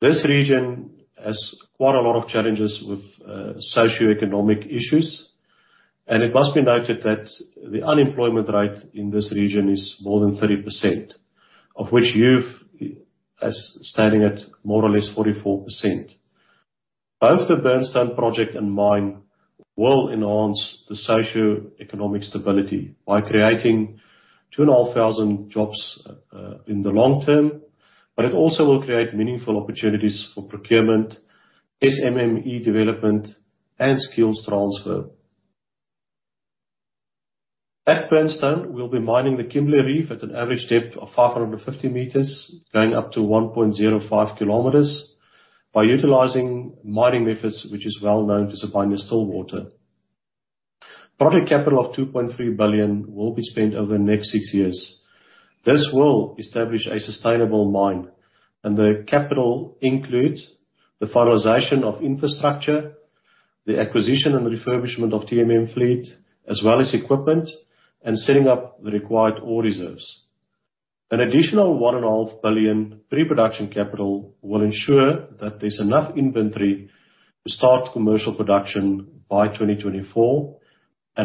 This region has quite a lot of challenges with socioeconomic issues, and it must be noted that the unemployment rate in this region is more than 30%, of which youth is standing at more or less 44%. Both the Burnstone Project and mine will enhance the socioeconomic stability by creating 2,500 jobs in the long term, but it also will create meaningful opportunities for procurement, SMME development, and skills transfer. At Burnstone, we'll be mining the Kimberley Reef at an average depth of 550 m, going up to 1.05 km by utilizing mining methods which is well known to Sibanye-Stillwater. Project capital of 2.3 billion will be spent over the next six years. This will establish a sustainable mine. The capital includes the finalization of infrastructure, the acquisition and refurbishment of TMM fleet, as well as equipment and setting up the required ore reserves. An additional 1.5 billion pre-production capital will ensure that there's enough inventory to start commercial production by 2024.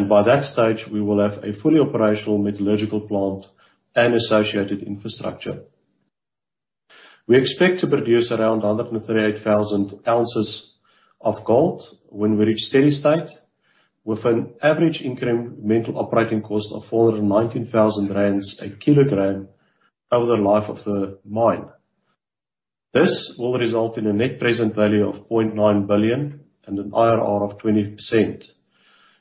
By that stage, we will have a fully operational metallurgical plant and associated infrastructure. We expect to produce around 138,000 ounces of gold when we reach steady state, with an average incremental operating cost of 419,000 rand a kilogram over the life of the mine. This will result in a net present value of 0.9 billion and an IRR of 20%.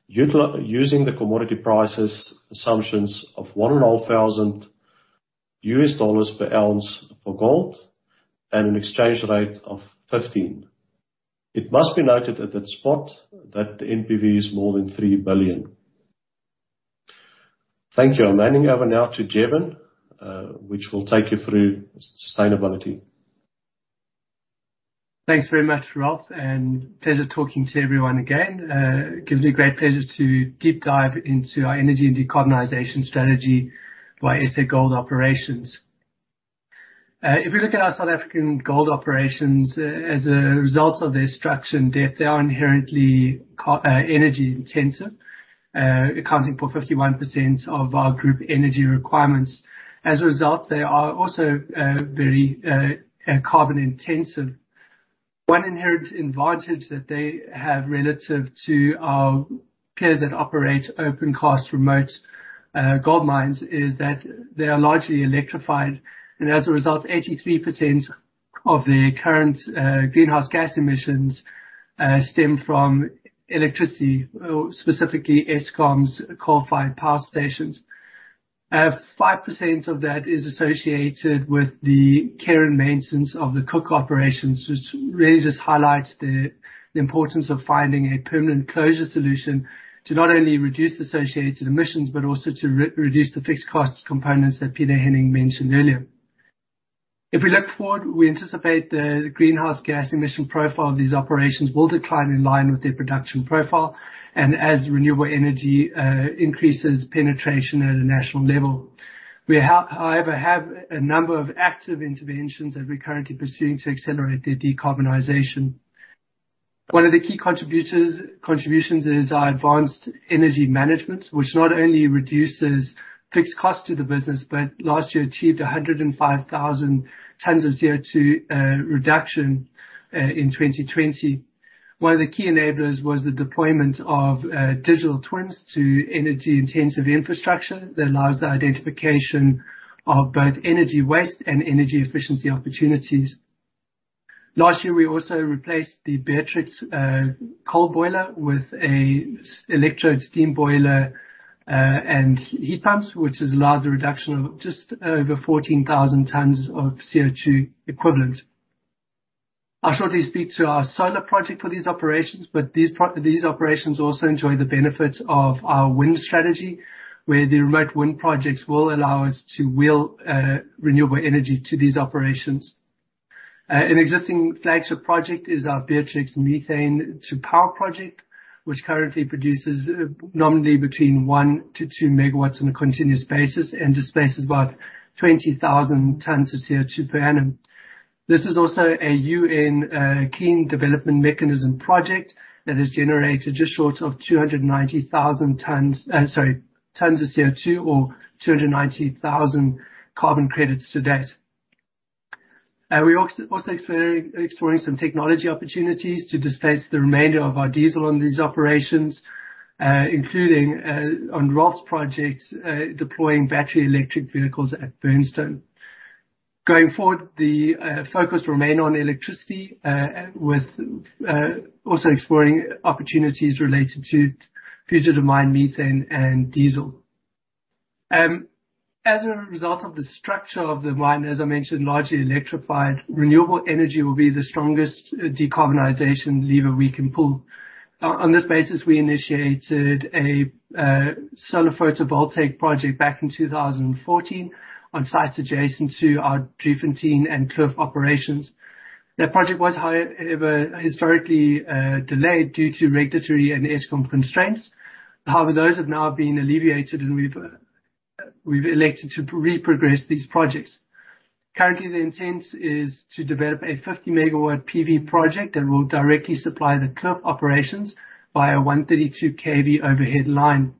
Using the commodity prices assumptions of $1,500 per ounce for gold and an exchange rate of 15. It must be noted at that spot that the NPV is more than 3 billion. Thank you. I'm handing over now to Jevon, who will take you through sustainability.
Thanks very much, Ralph. Pleasure talking to everyone again. Gives me great pleasure to deep dive into our energy and decarbonization strategy by SA Gold Operations. If we look at our South African gold operations, as a result of their structure and depth, they are inherently energy intensive, accounting for 51% of our group energy requirements. They are also very carbon intensive. One inherent advantage that they have relative to our peers that operate open cast remote gold mines is that they are largely electrified. As a result, 83% of their current greenhouse gas emissions stem from electricity, specifically Eskom's coal-fired power stations. 5% of that is associated with the care and maintenance of the Cooke operations, which really just highlights the importance of finding a permanent closure solution to not only reduce the associated emissions, but also to reduce the fixed costs components that Pieter Henning mentioned earlier. If we look forward, we anticipate the greenhouse gas emission profile of these operations will decline in line with their production profile and as renewable energy increases penetration at a national level. We, however, have a number of active interventions that we're currently pursuing to accelerate their decarbonization. One of the key contributions is our advanced energy management, which not only reduces fixed costs to the business but last year achieved 105,000 tons of CO2 reduction in 2020. One of the key enablers was the deployment of digital twins to energy-intensive infrastructure that allows the identification of both energy waste and energy efficiency opportunities. Last year, we also replaced the Beatrix coal boiler with a electrode steam boiler, and heat pumps, which has allowed the reduction of just over 14,000 tons of CO2 equivalent. I'll shortly speak to our solar project for these operations. These operations also enjoy the benefits of our wind strategy, where the remote wind projects will allow us to wheel renewable energy to these operations. An existing flagship project is our Beatrix methane to power project, which currently produces nominally between 1 MW- 2 MW on a continuous basis and displaces about 20,000 tons of CO2 per annum. This is also a UN Clean Development Mechanism project that has generated just short of 290,000 tons of CO2 or 290,000 carbon credits to date. We are also exploring some technology opportunities to displace the remainder of our diesel on these operations, including on Ralph's projects, deploying battery electric vehicles at Burnstone. Going forward, the focus remain on electricity, also exploring opportunities related to future demand, methane, and diesel. As a result of the structure of the mine, as I mentioned, largely electrified, renewable energy will be the strongest decarbonization lever we can pull. On this basis, we initiated a solar photovoltaic project back in 2014 on sites adjacent to our Driefontein and Kloof operations. That project was however historically delayed due to regulatory and Eskom constraints. Those have now been alleviated, and we've elected to re-progress these projects. Currently, the intent is to develop a 50 MW PV project that will directly supply the Kloof operations by a 132 kV overhead line.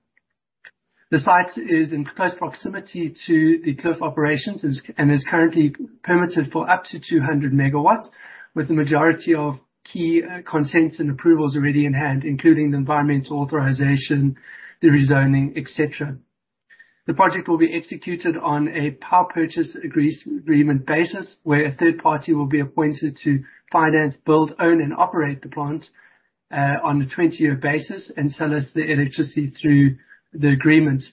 The site is in close proximity to the Kloof operations and is currently permitted for up to 200 MW, with the majority of key consents and approvals already in hand, including the environmental authorization, the rezoning, et cetera. The project will be executed on a power purchase agreement basis, where a third party will be appointed to finance, build, own, and operate the plant on a 20-year basis and sell us the electricity through the agreement.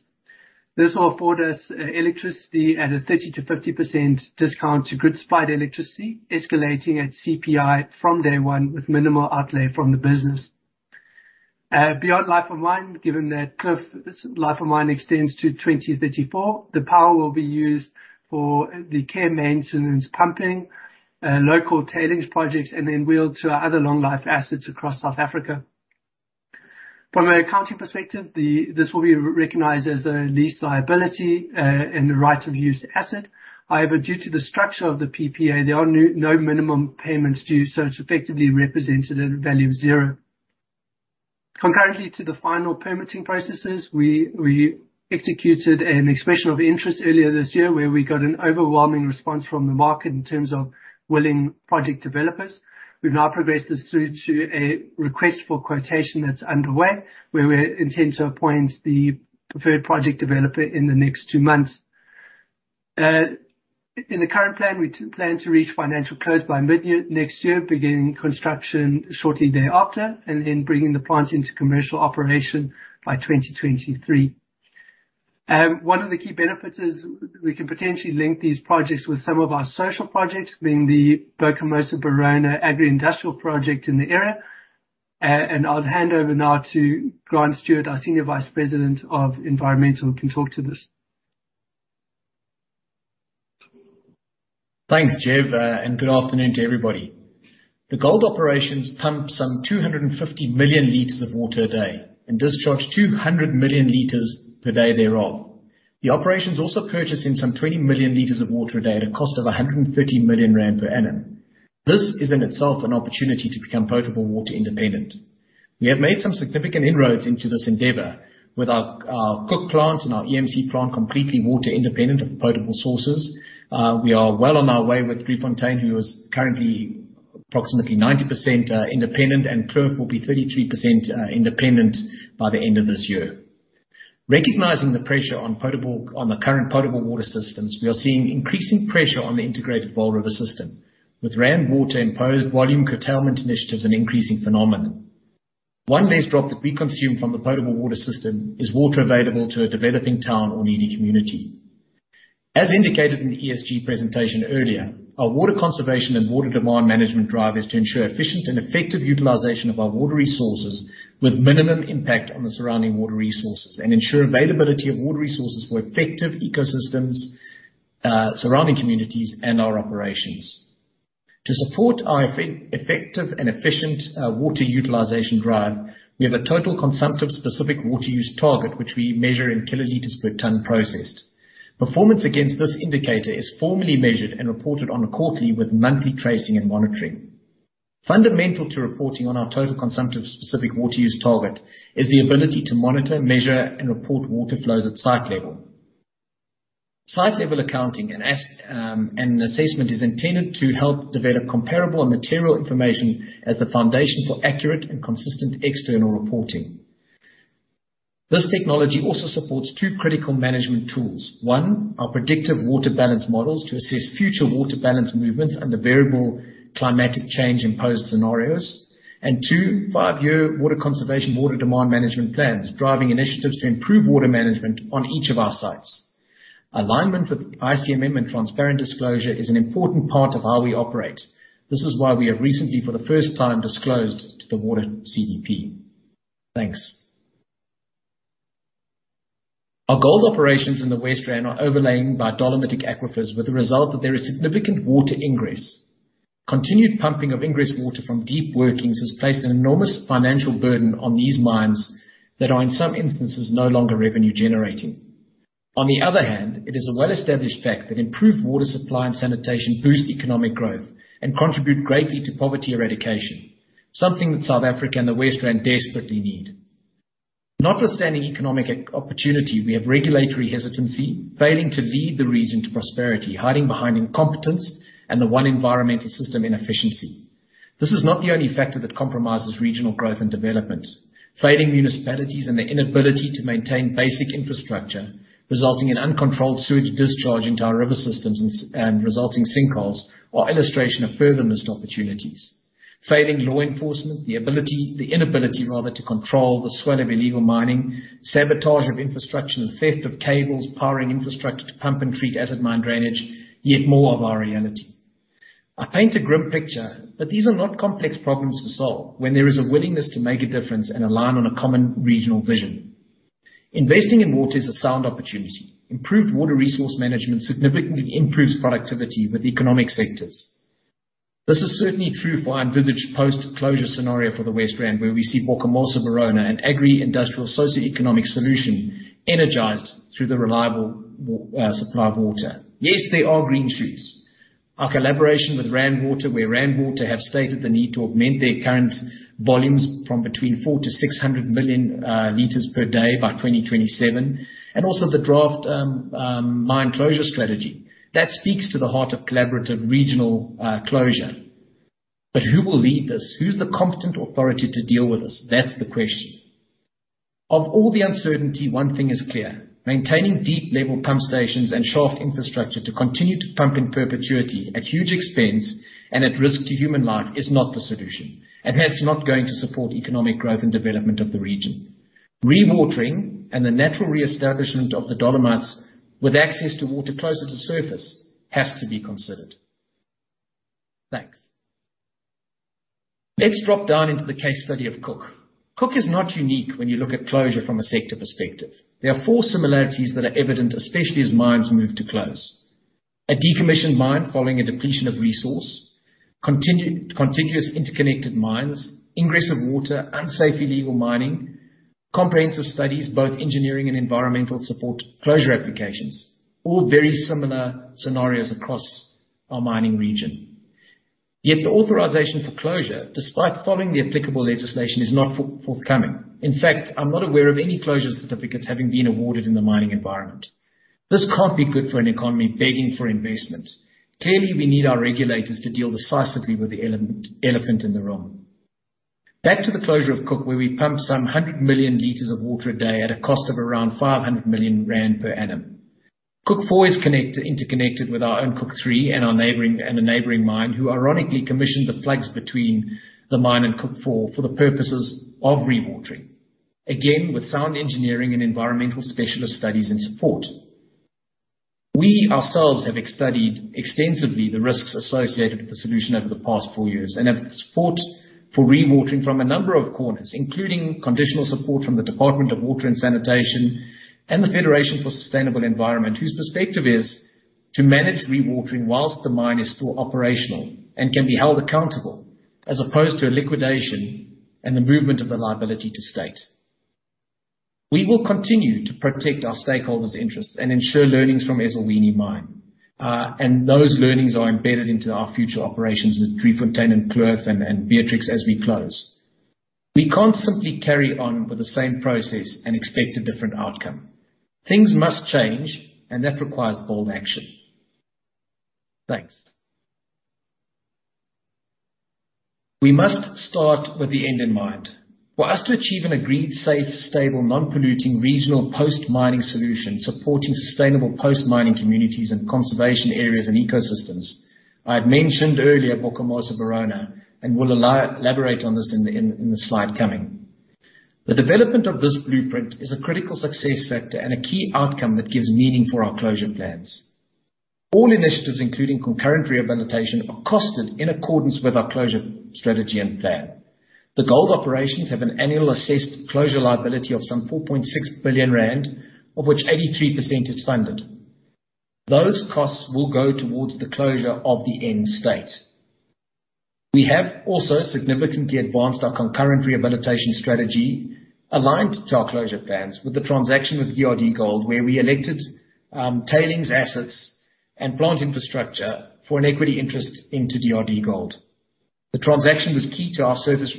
This will afford us electricity at a 30%-50% discount to grid supplied electricity, escalating at CPI from day one with minimal outlay from the business. Beyond life of mine, given that Kloof's life of mine extends to 2034, the power will be used for the care maintenance, pumping, local tailings projects, and then wheeled to our other long-life assets across South Africa. However, due to the structure of the PPA, there are no minimum payments due, so it's effectively represented at a value of zero. Concurrently to the final permitting processes, we executed an expression of interest earlier this year where we got an overwhelming response from the market in terms of willing project developers. We've now progressed this through to a request for quotation that's underway, where we intend to appoint the preferred project developer in the next two months. In the current plan, we plan to reach financial close by mid-year next year, beginning construction shortly thereafter, then bringing the plant into commercial operation by 2023. One of the key benefits is we can potentially link these projects with some of our social projects, being the Bokamoso Ba Rona agri-industrial project in the area. I'll hand over now to Grant Stuart, our Senior Vice President of Environmental, who can talk to this.
Thanks, Jevon, good afternoon to everybody. The gold operations pump some 250 million liters of water a day, discharge 200 million liters per day thereof. The operations also purchase in some 20 million liters of water a day at a cost of 130 million rand per annum. This is in itself an opportunity to become potable water independent. We have made some significant inroads into this endeavor with our Cooke plant and our EMC plant completely water independent of potable sources. We are well on our way with Driefontein, who is currently approximately 90% independent, Kloof will be 33% independent by the end of this year. Recognizing the pressure on the current potable water systems, we are seeing increasing pressure on the integrated Vaal River system, with Rand Water imposed volume curtailment initiatives an increasing phenomenon. One less drop that we consume from the potable water system is water available to a developing town or needy community. As indicated in the ESG presentation earlier, our water conservation and water demand management drive is to ensure efficient and effective utilization of our water resources with minimum impact on the surrounding water resources and ensure availability of water resources for effective ecosystems, surrounding communities, and our operations. To support our effective and efficient water utilization drive, we have a total consumptive specific water use target, which we measure in kiloliters per ton processed. Performance against this indicator is formally measured and reported on a quarterly with monthly tracing and monitoring. Fundamental to reporting on our total consumptive specific water use target is the ability to monitor, measure, and report water flows at site level. Site level accounting and an assessment is intended to help develop comparable and material information as the foundation for accurate and consistent external reporting. This technology also supports two critical management tools. One, our predictive water balance models to assess future water balance movements under variable climatic change imposed scenarios. Two, five-year water conservation water demand management plans, driving initiatives to improve water management on each of our sites. Alignment with ICMM and transparent disclosure is an important part of how we operate. This is why we have recently, for the first time, disclosed to the Water CDP. Thanks. Our gold operations in the West Rand are overlain by dolomitic aquifers with the result that there is significant water ingress. Continued pumping of ingress water from deep workings has placed an enormous financial burden on these mines that are, in some instances, no longer revenue generating. On the other hand, it is a well-established fact that improved water supply and sanitation boost economic growth and contribute greatly to poverty eradication, something that South Africa and the West Rand desperately need. Notwithstanding economic opportunity, we have regulatory hesitancy failing to lead the region to prosperity, hiding behind incompetence and the One Environmental System inefficiency. This is not the only factor that compromises regional growth and development. Failing municipalities and their inability to maintain basic infrastructure, resulting in uncontrolled sewage discharge into our river systems and resulting sinkholes are illustration of further missed opportunities. Failing law enforcement, the inability rather, to control the swell of illegal mining, sabotage of infrastructure, and theft of cables powering infrastructure to pump and treat acid mine drainage, yet more of our reality. I paint a grim picture. These are not complex problems to solve when there is a willingness to make a difference and align on a common regional vision. Investing in water is a sound opportunity. Improved water resource management significantly improves productivity with economic sectors. This is certainly true for our envisaged post-closure scenario for the West Rand, where we see Bokamoso Ba Rona, an agri-industrial socioeconomic solution energized through the reliable supply of water. Yes, there are green shoots. Our collaboration with Rand Water, where Rand Water have stated the need to augment their current volumes from between 400 million-600 million liters per day by 2027, and also the draft mine closure strategy. That speaks to the heart of collaborative regional closure. Who will lead this? Who's the competent authority to deal with this? That's the question. Of all the uncertainty, one thing is clear. Maintaining deep-level pump stations and shaft infrastructure to continue to pump in perpetuity at huge expense and at risk to human life is not the solution, and that's not going to support economic growth and development of the region. Re-watering and the natural reestablishment of the dolomites with access to water closer to surface has to be considered. Thanks. Let's drop down into the case study of Cooke. Cooke is not unique when you look at closure from a sector perspective. There are four similarities that are evident, especially as mines move to close. A decommissioned mine following a depletion of resource. Contiguous interconnected mines. Ingress of water. Unsafe illegal mining. Comprehensive studies, both engineering and environmental support closure applications. All very similar scenarios across our mining region. The authorization for closure, despite following the applicable legislation, is not forthcoming. In fact, I'm not aware of any closure certificates having been awarded in the mining environment. This can't be good for an economy begging for investment. Clearly, we need our regulators to deal decisively with the elephant in the room. Back to the closure of Cooke, where we pump some 100 million liters of water a day at a cost of around 500 million rand per annum. Cooke Four is interconnected with our own Cooke Three and a neighboring mine who ironically commissioned the plugs between the mine and Cooke Four for the purposes of re-watering. Again, with sound engineering and environmental specialist studies and support. We ourselves have studied extensively the risks associated with the solution over the past four years and have support for re-watering from a number of corners, including conditional support from the Department of Water and Sanitation and the Federation for Sustainable Environment, whose perspective is to manage re-watering while the mine is still operational and can be held accountable, as opposed to a liquidation and the movement of the liability to state. We will continue to protect our stakeholders' interests and ensure learnings from Ezulwini Mine, and those learnings are embedded into our future operations at Driefontein and Kloof and Beatrix as we close. We can't simply carry on with the same process and expect a different outcome. Things must change, and that requires bold action. Thanks. We must start with the end in mind. For us to achieve an agreed, safe, stable, non-polluting regional post-mining solution supporting sustainable post-mining communities and conservation areas and ecosystems. I had mentioned earlier Bokamoso Ba Rona, will elaborate on this in the slide coming. The development of this blueprint is a critical success factor and a key outcome that gives meaning for our closure plans. All initiatives, including concurrent rehabilitation, are costed in accordance with our closure strategy and plan. The gold operations have an annual assessed closure liability of some 4.6 billion rand, of which 83% is funded. Those costs will go towards the closure of the end state. We have also significantly advanced our concurrent rehabilitation strategy aligned to our closure plans with the transaction with DRDGOLD, where we elected tailings assets and plant infrastructure for an equity interest into DRDGOLD. The transaction is key to our surface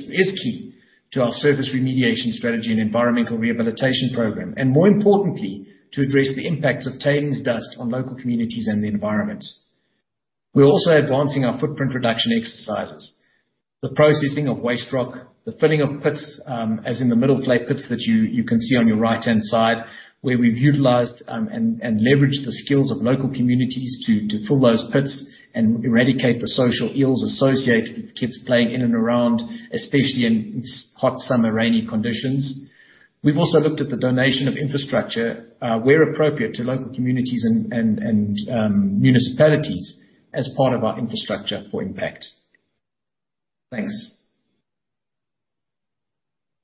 remediation strategy and environmental rehabilitation program, and more importantly, to address the impacts of tailings dust on local communities and the environment. We're also advancing our footprint reduction exercises. The processing of waste rock, the filling of pits, as in the Middelvlei pits that you can see on your right-hand side, where we've utilized and leveraged the skills of local communities to fill those pits and eradicate the social ills associated with kids playing in and around, especially in hot summer rainy conditions. We've also looked at the donation of infrastructure where appropriate to local communities and municipalities as part of our infrastructure for impact. Thanks.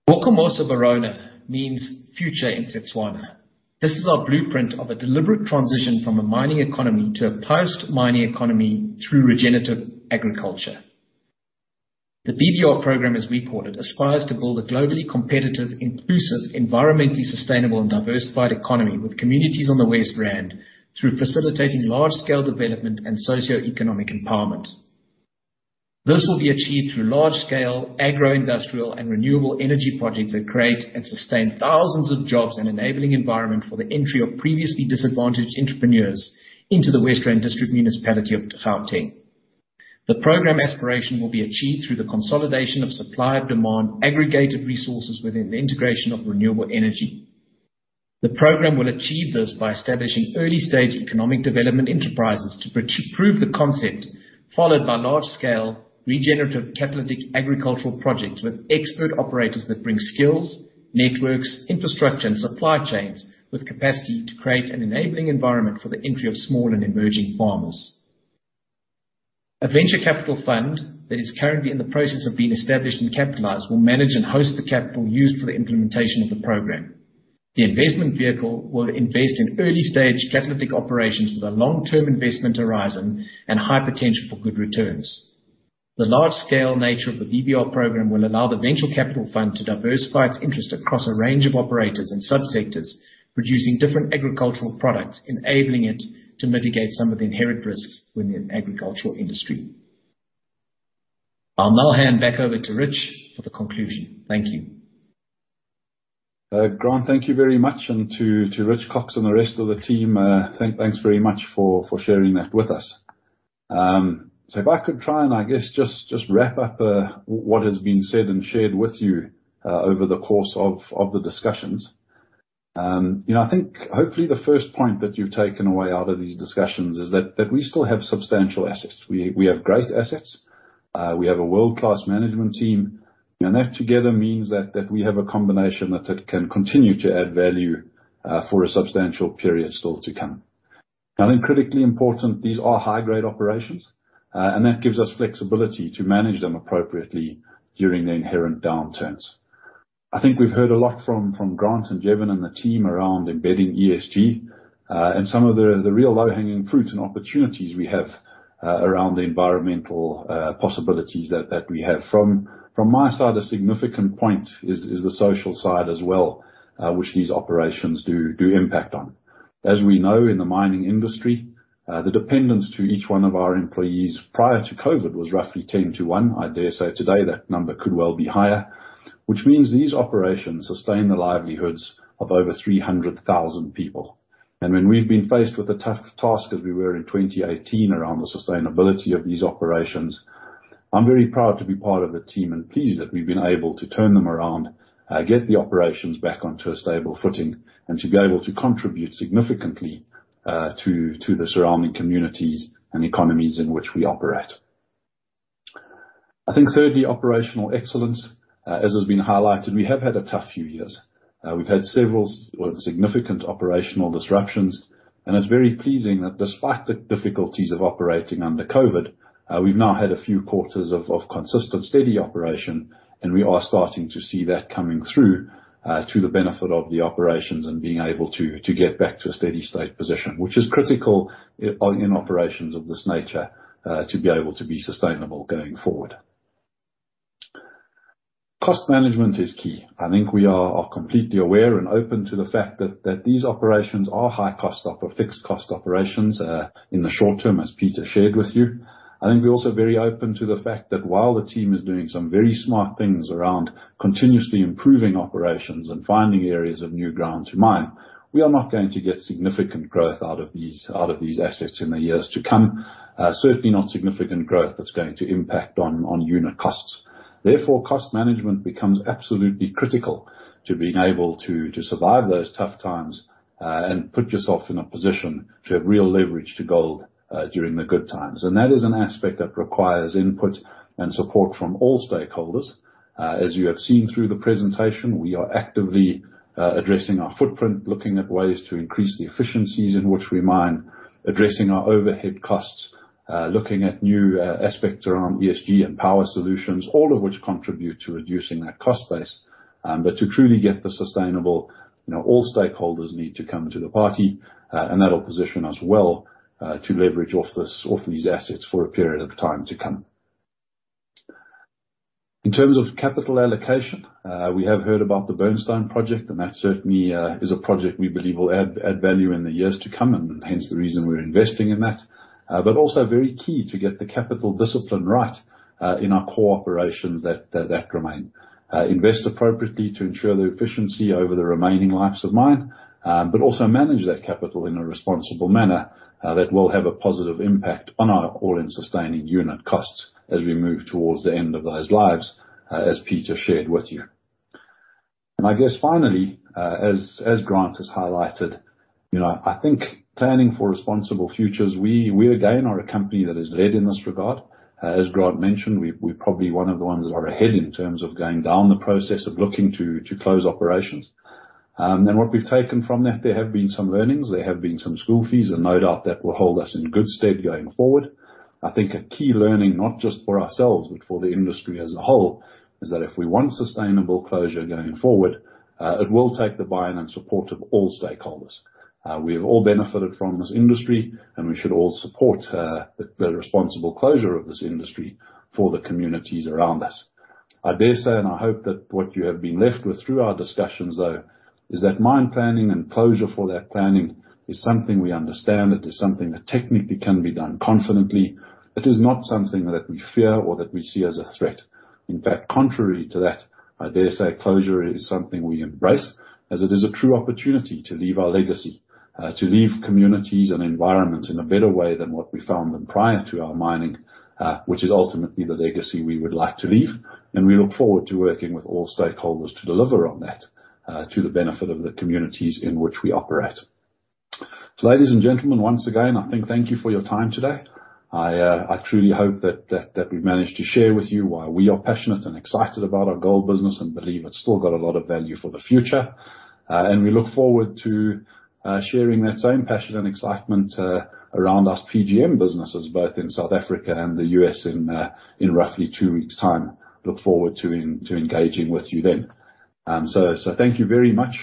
Bokamoso Ba Rona means future in Setswana. This is our blueprint of a deliberate transition from a mining economy to a post-mining economy through regenerative agriculture. The BBR Program, as we call it, aspires to build a globally competitive, inclusive, environmentally sustainable, and diversified economy with communities on the West Rand through facilitating large-scale development and socioeconomic empowerment. This will be achieved through large-scale agro-industrial and renewable energy projects that create and sustain thousands of jobs, and enabling environment for the entry of previously disadvantaged entrepreneurs into the West Rand District Municipality of Gauteng. The Program aspiration will be achieved through the consolidation of supply, demand, aggregated resources within the integration of renewable energy. The Program will achieve this by establishing early-stage economic development enterprises to prove the concept, followed by large-scale regenerative catalytic agricultural projects with expert operators that bring skills, networks, infrastructure, and supply chains with capacity to create an enabling environment for the entry of small and emerging farmers. A venture capital fund that is currently in the process of being established and capitalized will manage and host the capital used for the implementation of the program. The investment vehicle will invest in early-stage catalytic operations with a long-term investment horizon and high potential for good returns. The large-scale nature of the BBR program will allow the venture capital fund to diversify its interest across a range of operators and sub-sectors producing different agricultural products, enabling it to mitigate some of the inherent risks within the agricultural industry. I'll now hand back over to Rich for the conclusion. Thank you.
Grant, thank you very much, and to Rich Cox and the rest of the team, thanks very much for sharing that with us. If I could try and I guess just wrap up what has been said and shared with you over the course of the discussions. I think hopefully the first point that you've taken away out of these discussions is that we still have substantial assets. We have great assets. We have a world-class management team. That together means that we have a combination that can continue to add value for a substantial period still to come. I think critically important, these are high-grade operations, and that gives us flexibility to manage them appropriately during the inherent downturns. I think we've heard a lot from Grant and Jevon and the team around embedding ESG, and some of the real low-hanging fruit and opportunities we have around the environmental possibilities that we have. From my side, a significant point is the social side as well, which these operations do impact on. As we know, in the mining industry, the dependence to each one of our employees prior to COVID was roughly ten to one. I dare say today that number could well be higher, which means these operations sustain the livelihoods of over 300,000 people. When we've been faced with a tough task as we were in 2018 around the sustainability of these operations, I'm very proud to be part of the team and pleased that we've been able to turn them around, get the operations back onto a stable footing, and to be able to contribute significantly to the surrounding communities and economies in which we operate. I think thirdly, operational excellence. As has been highlighted, we have had a tough few years. We've had several significant operational disruptions, and it's very pleasing that despite the difficulties of operating under COVID, we've now had a few quarters of consistent, steady operation, and we are starting to see that coming through to the benefit of the operations and being able to get back to a steady state position. Which is critical in operations of this nature, to be able to be sustainable going forward. Cost management is key. I think we are completely aware and open to the fact that these operations are high fixed cost operations, in the short term, as Pieter shared with you. I think we're also very open to the fact that while the team is doing some very smart things around continuously improving operations and finding areas of new ground to mine, we are not going to get significant growth out of these assets in the years to come. Certainly not significant growth that's going to impact on unit costs. Therefore, cost management becomes absolutely critical to being able to survive those tough times, and put yourself in a position to have real leverage to gold, during the good times. That is an aspect that requires input and support from all stakeholders. As you have seen through the presentation, we are actively addressing our footprint, looking at ways to increase the efficiencies in which we mine, addressing our overhead costs, looking at new aspects around ESG and power solutions, all of which contribute to reducing that cost base. To truly get the sustainable, all stakeholders need to come to the party, and that'll position us well to leverage off these assets for a period of time to come. In terms of capital allocation, we have heard about the Burnstone project, and that certainly is a project we believe will add value in the years to come, and hence the reason we're investing in that. Also very key to get the capital discipline right, in our core operations that remain. Invest appropriately to ensure the efficiency over the remaining lives of mine, but also manage that capital in a responsible manner that will have a positive impact on our all-in sustaining unit costs as we move towards the end of those lives, as Pieter shared with you. I guess finally, as Grant has highlighted, I think planning for responsible futures, we again are a company that has led in this regard. As Grant mentioned, we're probably one of the ones that are ahead in terms of going down the process of looking to close operations. What we've taken from that, there have been some learnings, there have been some school fees, and no doubt that will hold us in good stead going forward. I think a key learning, not just for ourselves, but for the industry as a whole, is that if we want sustainable closure going forward, it will take the buy-in and support of all stakeholders. We have all benefited from this industry, and we should all support the responsible closure of this industry for the communities around us. I dare say, and I hope that what you have been left with through our discussions, though, is that mine planning and closure for that planning is something we understand. It is something that technically can be done confidently. It is not something that we fear or that we see as a threat. In fact, contrary to that, I dare say closure is something we embrace as it is a true opportunity to leave our legacy, to leave communities and environments in a better way than what we found them prior to our mining, which is ultimately the legacy we would like to leave. We look forward to working with all stakeholders to deliver on that, to the benefit of the communities in which we operate. Ladies and gentlemen, once again, thank you for your time today. I truly hope that we've managed to share with you why we are passionate and excited about our gold business, and believe it's still got a lot of value for the future. We look forward to sharing that same passion and excitement around our PGM businesses both in South Africa and the U.S. in roughly two weeks' time. Look forward to engaging with you then. Thank you very much.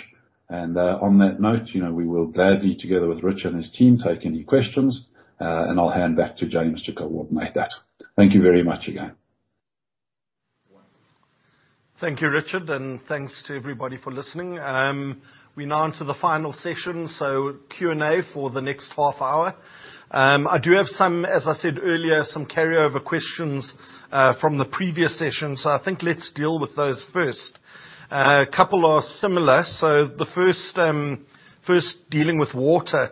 On that note, we will gladly, together with Richard and his team, take any questions. I'll hand back to James to coordinate that. Thank you very much again.
Thank you, Richard, and thanks to everybody for listening. We're now on to the final session, Q&A for the next half hour. I do have some, as I said earlier, some carryover questions from the previous session. I think let's deal with those first. A couple are similar. The first dealing with water,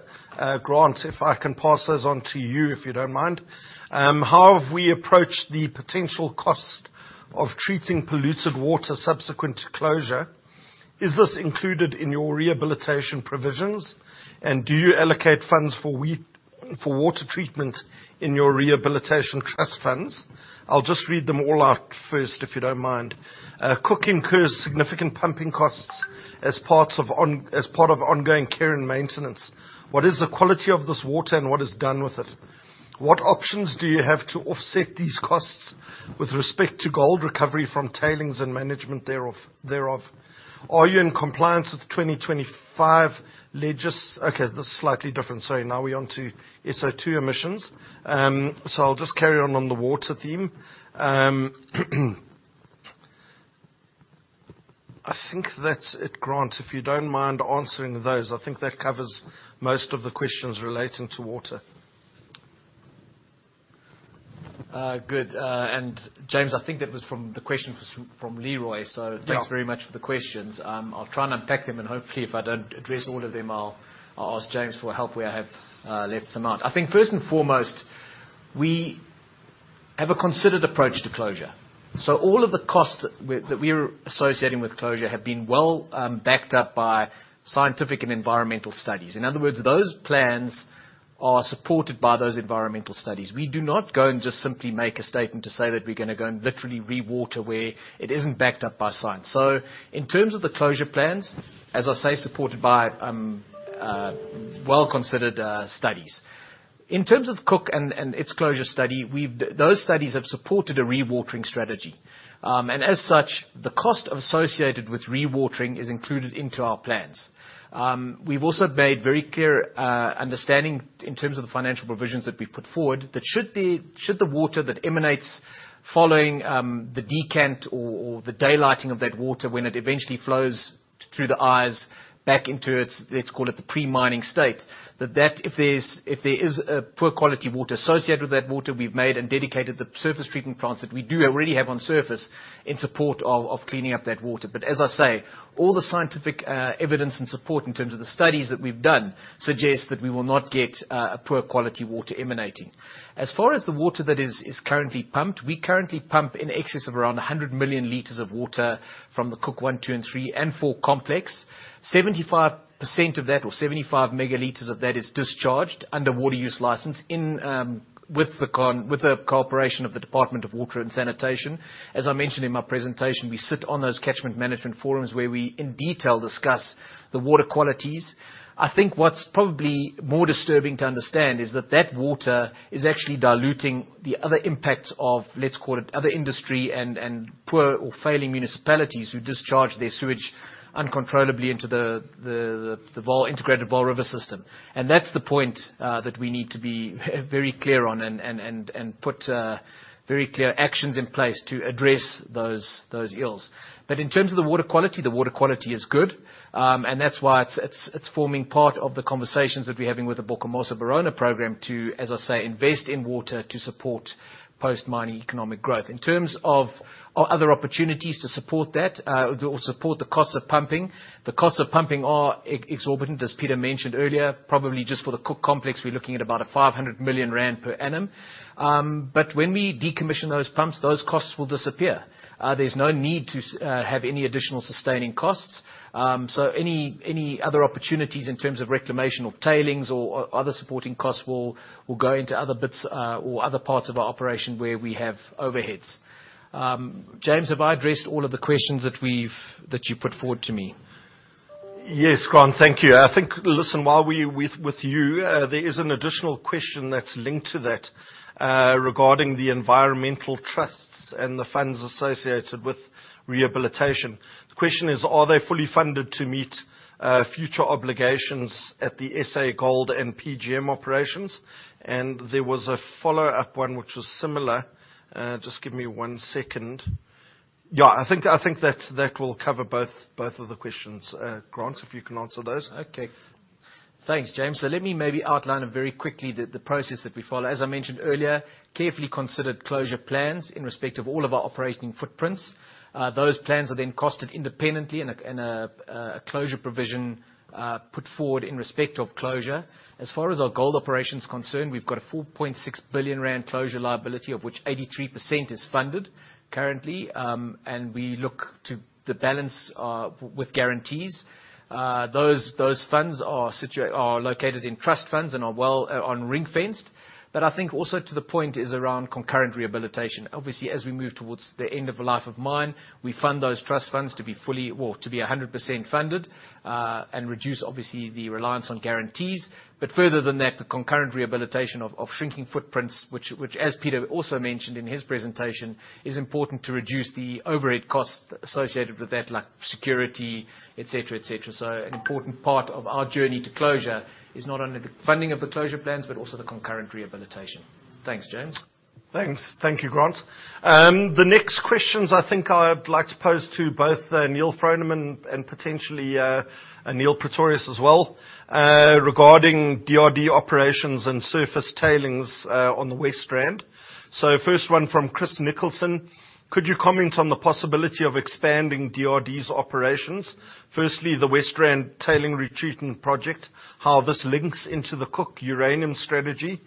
Grant, if I can pass those on to you if you don't mind. How have we approached the potential cost of treating polluted water subsequent to closure? Is this included in your rehabilitation provisions? Do you allocate funds for water treatment in your rehabilitation trust funds? I'll just read them all out first, if you don't mind. Cooke incurs significant pumping costs as part of ongoing care and maintenance. What is the quality of this water and what is done with it? What options do you have to offset these costs with respect to gold recovery from tailings and management thereof? Are you in compliance with 2025? Okay, this is slightly different. Sorry. Now we're on to SO2 emissions. I'll just carry on the water theme. I think that's it, Grant. If you don't mind answering those, I think that covers most of the questions relating to water.
Good. James, I think that the question was from Leroy.
Yeah.
Thanks very much for the questions. I'll try and unpack them and hopefully if I don't address all of them, I'll ask James for help where I have left some out. I think first and foremost, we have a considered approach to closure. All of the costs that we're associating with closure have been well backed up by scientific and environmental studies. In other words, those plans are supported by those environmental studies. We do not go and just simply make a statement to say that we're gonna go and literally re-water where it isn't backed up by science. In terms of the closure plans, as I say, supported by well-considered studies. In terms of Cooke and its closure study, those studies have supported a rewatering strategy. As such, the cost associated with rewatering is included into our plans. We've also made very clear understanding in terms of the financial provisions that we've put forward, that should the water that emanates following the decant or the daylighting of that water when it eventually flows through the eyes back into its, let's call it the pre-mining state, that if there is a poor quality water associated with that water, we've made and dedicated the surface treatment plants that we do already have on surface in support of cleaning up that water. As I say, all the scientific evidence and support in terms of the studies that we've done suggest that we will not get a poor quality water emanating. As far as the water that is currently pumped, we currently pump in excess of around 100 million liters of water from the Cooke One, Two and Three and Four complex. 75% of that, or 75% megaliters of that, is discharged under water use license with the cooperation of the Department of Water and Sanitation. As I mentioned in my presentation, we sit on those catchment management forums where we, in detail, discuss the water qualities. I think what's probably more disturbing to understand is that that water is actually diluting the other impacts of, let's call it other industry and poor or failing municipalities who discharge their sewage uncontrollably into the integrated Vaal River system. That's the point that we need to be very clear on and put very clear actions in place to address those ills. In terms of the water quality, the water quality is good. That's why it's forming part of the conversations that we're having with the Bokamoso Ba Rona program to, as I say, invest in water to support post-mining economic growth. In terms of other opportunities to support that, or support the cost of pumping, the costs of pumping are exorbitant, as Pieter mentioned earlier. Probably just for the Cooke complex, we are looking at about 500 million rand per annum. When we decommission those pumps, those costs will disappear. There is no need to have any additional sustaining costs. Any other opportunities in terms of reclamation of tailings or other supporting costs will go into other bits or other parts of our operation where we have overheads. James, have I addressed all of the questions that you put forward to me?
Yes, Richard Stewart. Thank you. I think, listen, while we are with you, there is an additional question that is linked to that regarding the environmental trusts and the funds associated with rehabilitation. The question is, are they fully funded to meet future obligations at the SA Gold and PGM operations? There was a follow-up one which was similar. Just give me one second. Yeah, I think that will cover both of the questions. Grant, if you can answer those.
Okay. Thanks, James. Let me maybe outline very quickly the process that we follow. As I mentioned earlier, carefully considered closure plans in respect of all of our operating footprints. Those plans are then costed independently and a closure provision put forward in respect of closure. As far as our gold operations concerned, we've got a 4.6 billion rand closure liability, of which 83% is funded currently. We look to the balance with guarantees. Those funds are located in trust funds and are ring-fenced. I think also to the point is around concurrent rehabilitation. Obviously, as we move towards the end of a life of mine, we fund those trust funds to be 100% funded, and reduce, obviously, the reliance on guarantees. Further than that, the concurrent rehabilitation of shrinking footprints, which as Pieter also mentioned in his presentation, is important to reduce the overhead costs associated with that, like security, et cetera. An important part of our journey to closure is not only the funding of the closure plans, but also the concurrent rehabilitation. Thanks, James.
Thanks. Thank you, Grant. The next questions I think I would like to pose to both Neal Froneman and potentially Niël Pretorius as well, regarding DRD operations and surface tailings on the West Rand. First one from Chris Nicholson. Could you comment on the possibility of expanding DRD's operations? Firstly, the West Rand tailings retreatment project, how this links into the Cooke uranium strategy,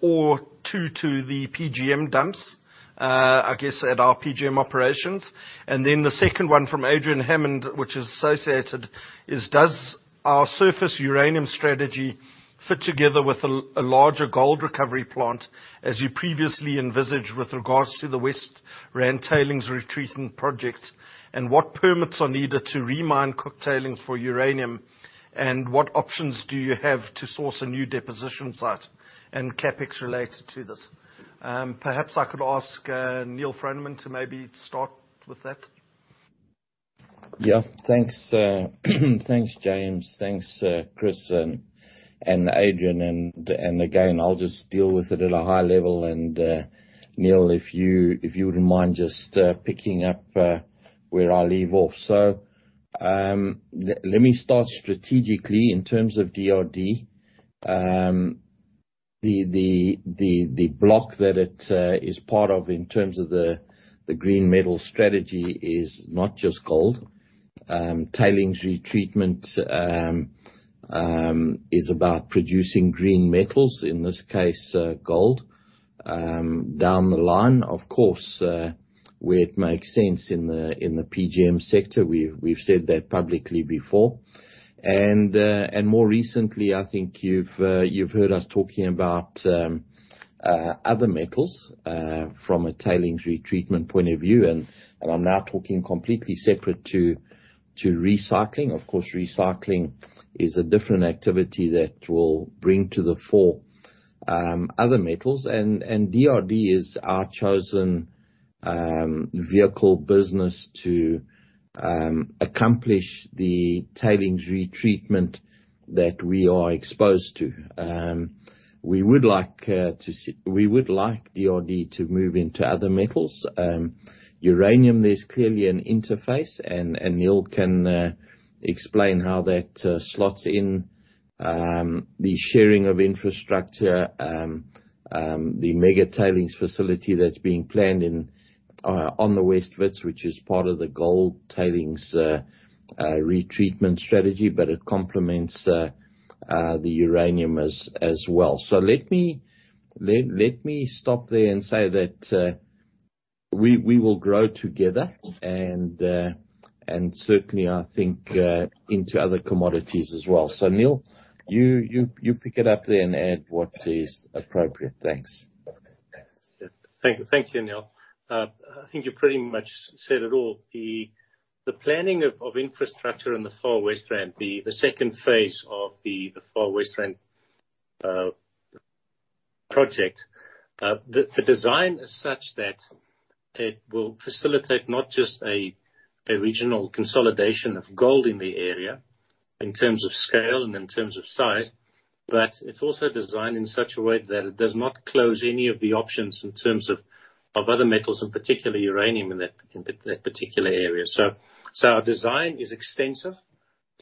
or to the PGM dumps, I guess, at our PGM operations. The second one from Adrian Hammond, which is associated, is does our surface uranium strategy fit together with a larger gold recovery plant as you previously envisaged with regards to the West Rand Tailings Retreatment Projects? What permits are needed to remine Cooke tailings for uranium? What options do you have to source a new deposition site and CapEx related to this? Perhaps I could ask Neal Froneman to maybe start with that.
Yeah. Thanks, James. Thanks, Chris and Adrian. Again, I'll just deal with it at a high level. Neil, if you wouldn't mind just picking up where I leave off. Let me start strategically in terms of DRD. The block that it is part of in terms of the green metal strategy is not just gold. Tailings retreatment is about producing green metals, in this case, gold, down the line, of course, where it makes sense in the PGM sector. We've said that publicly before. More recently, I think you've heard us talking about other metals from a tailings retreatment point of view, and I'm now talking completely separate to recycling. Of course, recycling is a different activity that will bring to the fore other metals. DRD is our chosen vehicle business to accomplish the tailings retreatment that we are exposed to. We would like DRD to move into other metals. Uranium, there's clearly an interface, and Niël can explain how that slots in the sharing of infrastructure, the mega tailings facility that's being planned on the West Wits, which is part of the gold tailings retreatment strategy, but it complements the uranium as well. Let me stop there and say that we will grow together, and certainly, I think, into other commodities as well. Niël, you pick it up there and add what is appropriate. Thanks.
Thank you, Neal. I think you pretty much said it all. The planning of infrastructure in the Far West Rand, the second phase of the Far West Rand project. The design is such that it will facilitate not just a regional consolidation of gold in the area in terms of scale and in terms of size, but it's also designed in such a way that it does not close any of the options in terms of other metals, and particularly uranium in that particular area. Our design is extensive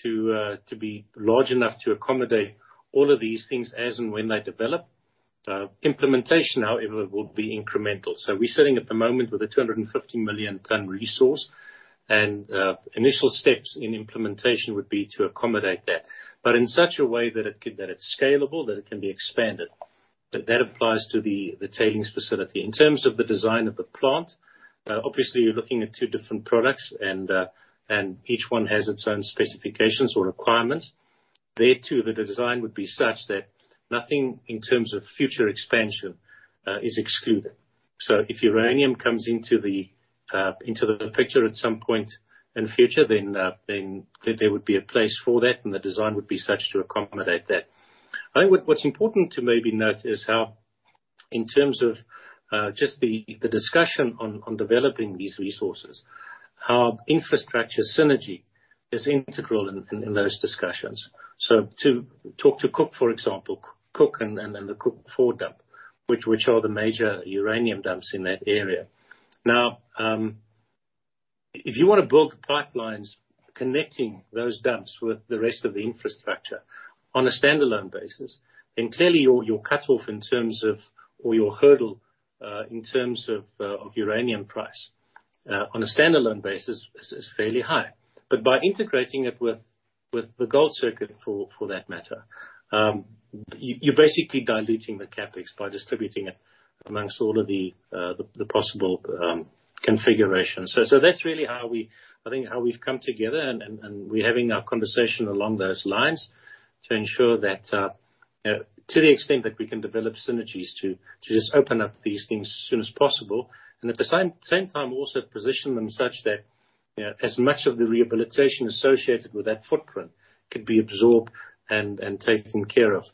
to be large enough to accommodate all of these things as and when they develop. Implementation, however, will be incremental. We're sitting at the moment with a 250 million ton resource, and initial steps in implementation would be to accommodate that, but in such a way that it's scalable, that it can be expanded. That applies to the tailings facility. In terms of the design of the plant, obviously you're looking at two different products and each one has its own specifications or requirements. There, too, the design would be such that nothing in terms of future expansion is excluded. If uranium comes into the picture at some point in the future, there would be a place for that, and the design would be such to accommodate that. I think what's important to maybe note is in terms of just the discussion on developing these resources, how infrastructure synergy is integral in those discussions. To talk to Cooke, for example, Cooke and the Cooke Four Dump, which are the major uranium dumps in that area. If you want to build the pipelines connecting those dumps with the rest of the infrastructure on a standalone basis, then clearly your cutoff in terms of, or your hurdle, in terms of uranium price on a standalone basis is fairly high. By integrating it with the gold circuit for that matter, you're basically diluting the CapEx by distributing it amongst all of the possible configurations. That's really, I think, how we've come together and we're having our conversation along those lines to ensure that to the extent that we can develop synergies to just open up these things as soon as possible, and at the same time also position them such that as much of the rehabilitation associated with that footprint could be absorbed and taken care of,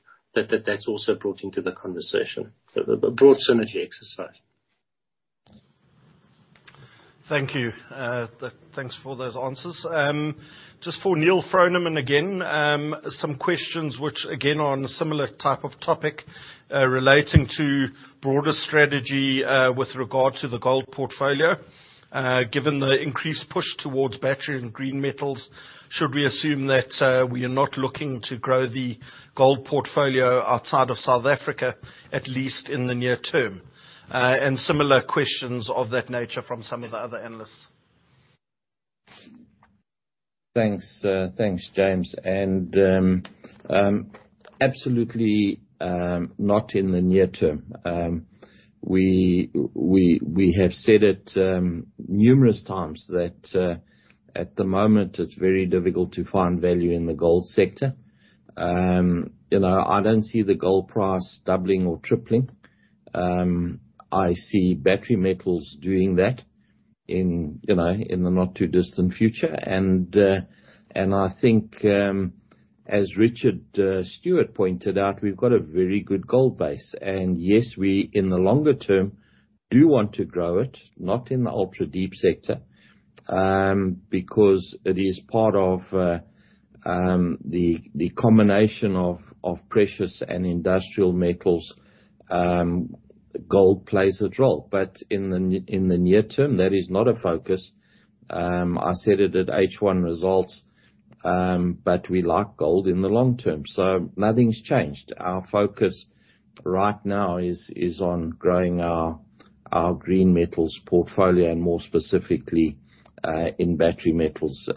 that that's also brought into the conversation. The broad synergy exercise.
Thank you. Thanks for those answers. Just for Neal Froneman again, some questions which again, are on a similar type of topic, relating to broader strategy, with regard to the gold portfolio. Given the increased push towards battery and green metals, should we assume that we are not looking to grow the gold portfolio outside of South Africa, at least in the near term? Similar questions of that nature from some of the other analysts.
Thanks, James. Absolutely not in the near term. We have said it numerous times that, at the moment, it's very difficult to find value in the gold sector. I don't see the gold price doubling or tripling. I see battery metals doing that in the not-too-distant future. I think, as Richard Stewart pointed out, we've got a very good gold base. Yes, we, in the longer term, do want to grow it, not in the ultra-deep sector, because it is part of the combination of precious and industrial metals. Gold plays a role, but in the near term, that is not a focus. I said it at H1 results, but we like gold in the long term, so nothing's changed. Our focus right now is on growing our green metals portfolio and more specifically, in battery metals.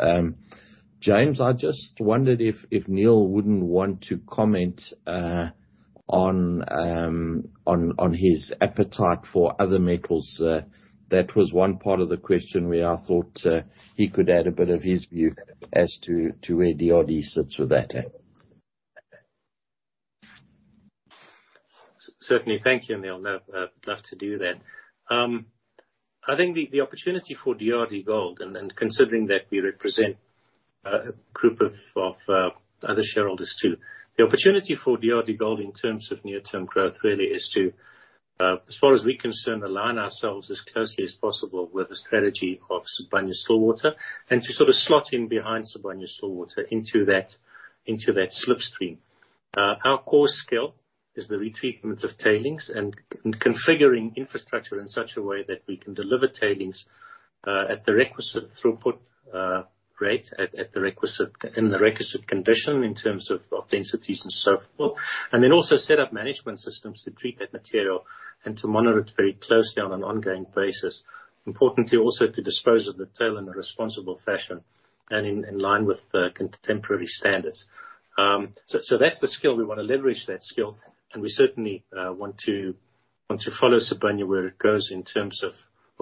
James, I just wondered if Niël wouldn't want to comment on his appetite for other metals. That was one part of the question where I thought he could add a bit of his view as to where DRD sits with that.
Certainly. Thank you, Neal. I'd love to do that. I think the opportunity for DRDGOLD, considering that we represent a group of other shareholders, too. The opportunity for DRDGOLD in terms of near-term growth really is to, as far as we're concerned, align ourselves as closely as possible with the strategy of Sibanye-Stillwater, to sort of slot in behind Sibanye-Stillwater into that slipstream. Our core skill is the retreatment of tailings and configuring infrastructure in such a way that we can deliver tailings, at the requisite throughput rate, in the requisite condition in terms of densities and so forth. Then also set up management systems to treat that material and to monitor it very closely on an ongoing basis. Importantly, also to dispose of the tail in a responsible fashion and in line with the contemporary standards. That's the skill. We want to leverage that skill and we certainly want to follow Sibanye where it goes in terms of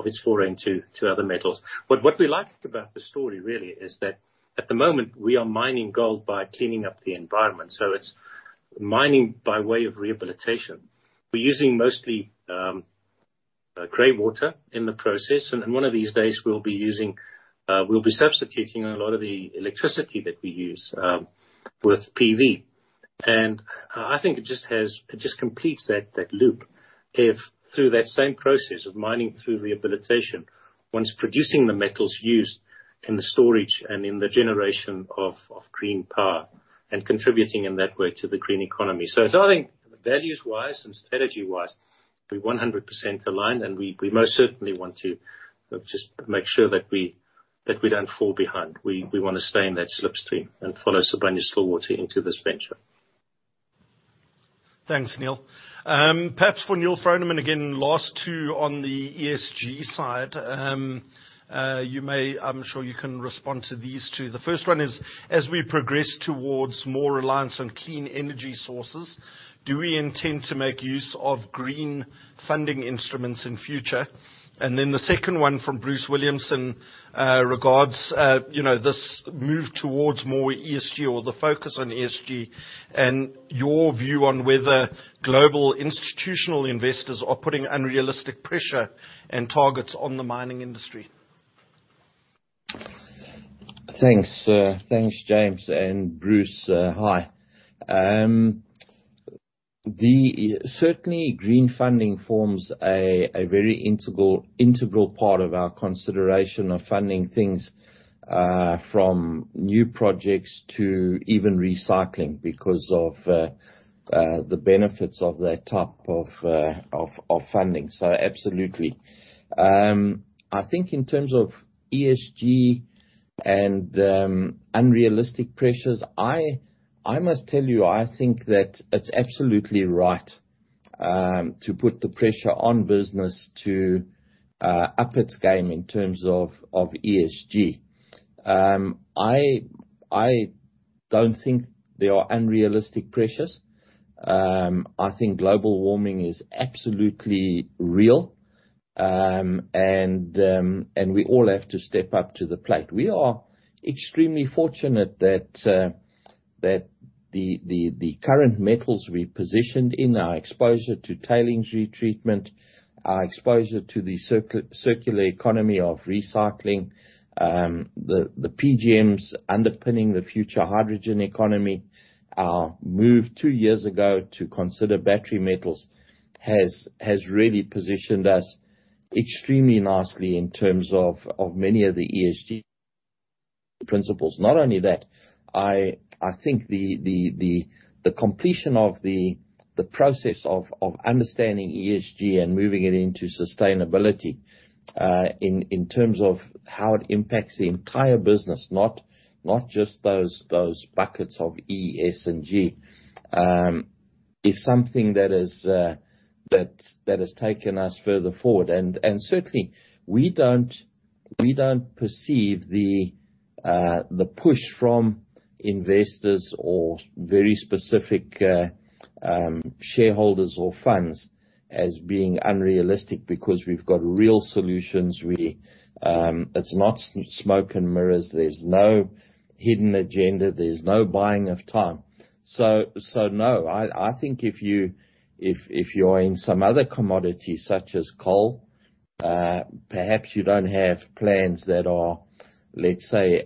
its foray into other metals. What we like about the story really is that at the moment, we are mining gold by cleaning up the environment. It's mining by way of rehabilitation. We're using mostly gray water in the process, and one of these days, we'll be substituting a lot of the electricity that we use with PV. I think it just completes that loop if through that same process of mining through rehabilitation, one's producing the metals used in the storage and in the generation of green power and contributing in that way to the green economy. I think values-wise and strategy-wise, we're 100% aligned, and we most certainly want to just make sure that we don't fall behind. We wanna stay in that slipstream and follow Sibanye-Stillwater into this venture.
Thanks, Neal. Perhaps for Neal Froneman, again, last two on the ESG side. I'm sure you can respond to these two. The first one is, as we progress towards more reliance on clean energy sources, do we intend to make use of green funding instruments in future? The second one from Bruce Williamson regards this move towards more ESG or the focus on ESG and your view on whether global institutional investors are putting unrealistic pressure and targets on the mining industry.
Thanks, James and Bruce. Hi. Certainly, green funding forms a very integral part of our consideration of funding things, from new projects to even recycling, because of the benefits of that type of funding. Absolutely. I think in terms of ESG and unrealistic pressures, I must tell you, I think that it's absolutely right to put the pressure on business to up its game in terms of ESG. I don't think they are unrealistic pressures. I think global warming is absolutely real, and we all have to step up to the plate. We are extremely fortunate that the current metals we positioned in our exposure to tailings retreatment, our exposure to the circular economy of recycling, the PGMs underpinning the future hydrogen economy, our move two years ago to consider battery metals, has really positioned us extremely nicely in terms of many of the ESG principles. Not only that, I think the completion of the process of understanding ESG and moving it into sustainability, in terms of how it impacts the entire business, not just those buckets of E, S, and G, is something that has taken us further forward. Certainly, we don't perceive the push from investors or very specific shareholders or funds as being unrealistic because we've got real solutions really. It's not smoke and mirrors. There's no hidden agenda. There's no buying of time. No. I think if you're in some other commodities such as coal, perhaps you don't have plans that are, let's say,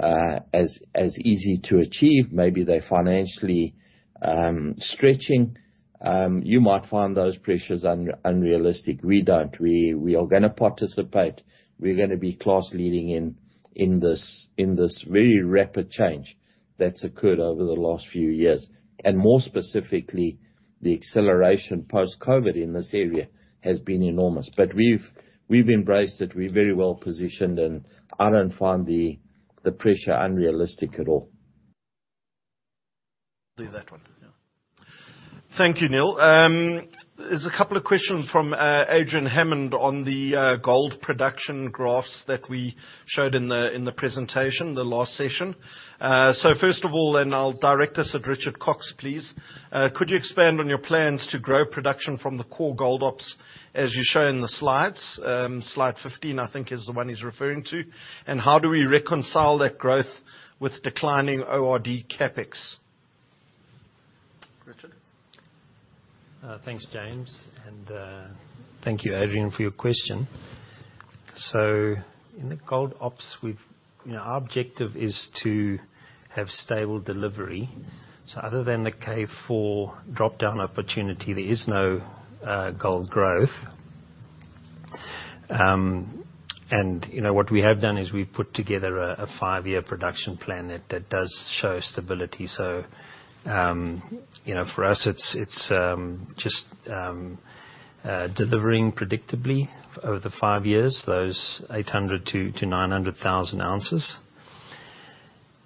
as easy to achieve. Maybe they're financially stretching. You might find those pressures unrealistic. We don't. We are going to participate. We're going to be class-leading in this very rapid change that's occurred over the last few years. More specifically, the acceleration post-COVID in this area has been enormous. We've embraced it. We're very well-positioned, and I don't find the pressure unrealistic at all.
Do that one. Yeah. Thank you, Neal. There's a couple of questions from Adrian Hammond on the gold production graphs that we showed in the presentation, the last session. First of all, and I'll direct this at Richard Cox, please. Could you expand on your plans to grow production from the core gold ops as you show in the slides? Slide 15, I think is the one he's referring to. How do we reconcile that growth with declining ORD CapEx? Richard.
Thanks, James. Thank you, Adrian, for your question. In the gold ops, our objective is to have stable delivery. Other than the K4 drop-down opportunity, there is no gold growth. What we have done is we've put together a five-year production plan that does show stability. For us, it's just delivering predictably over the five years, those 800,000-900,000 ounces.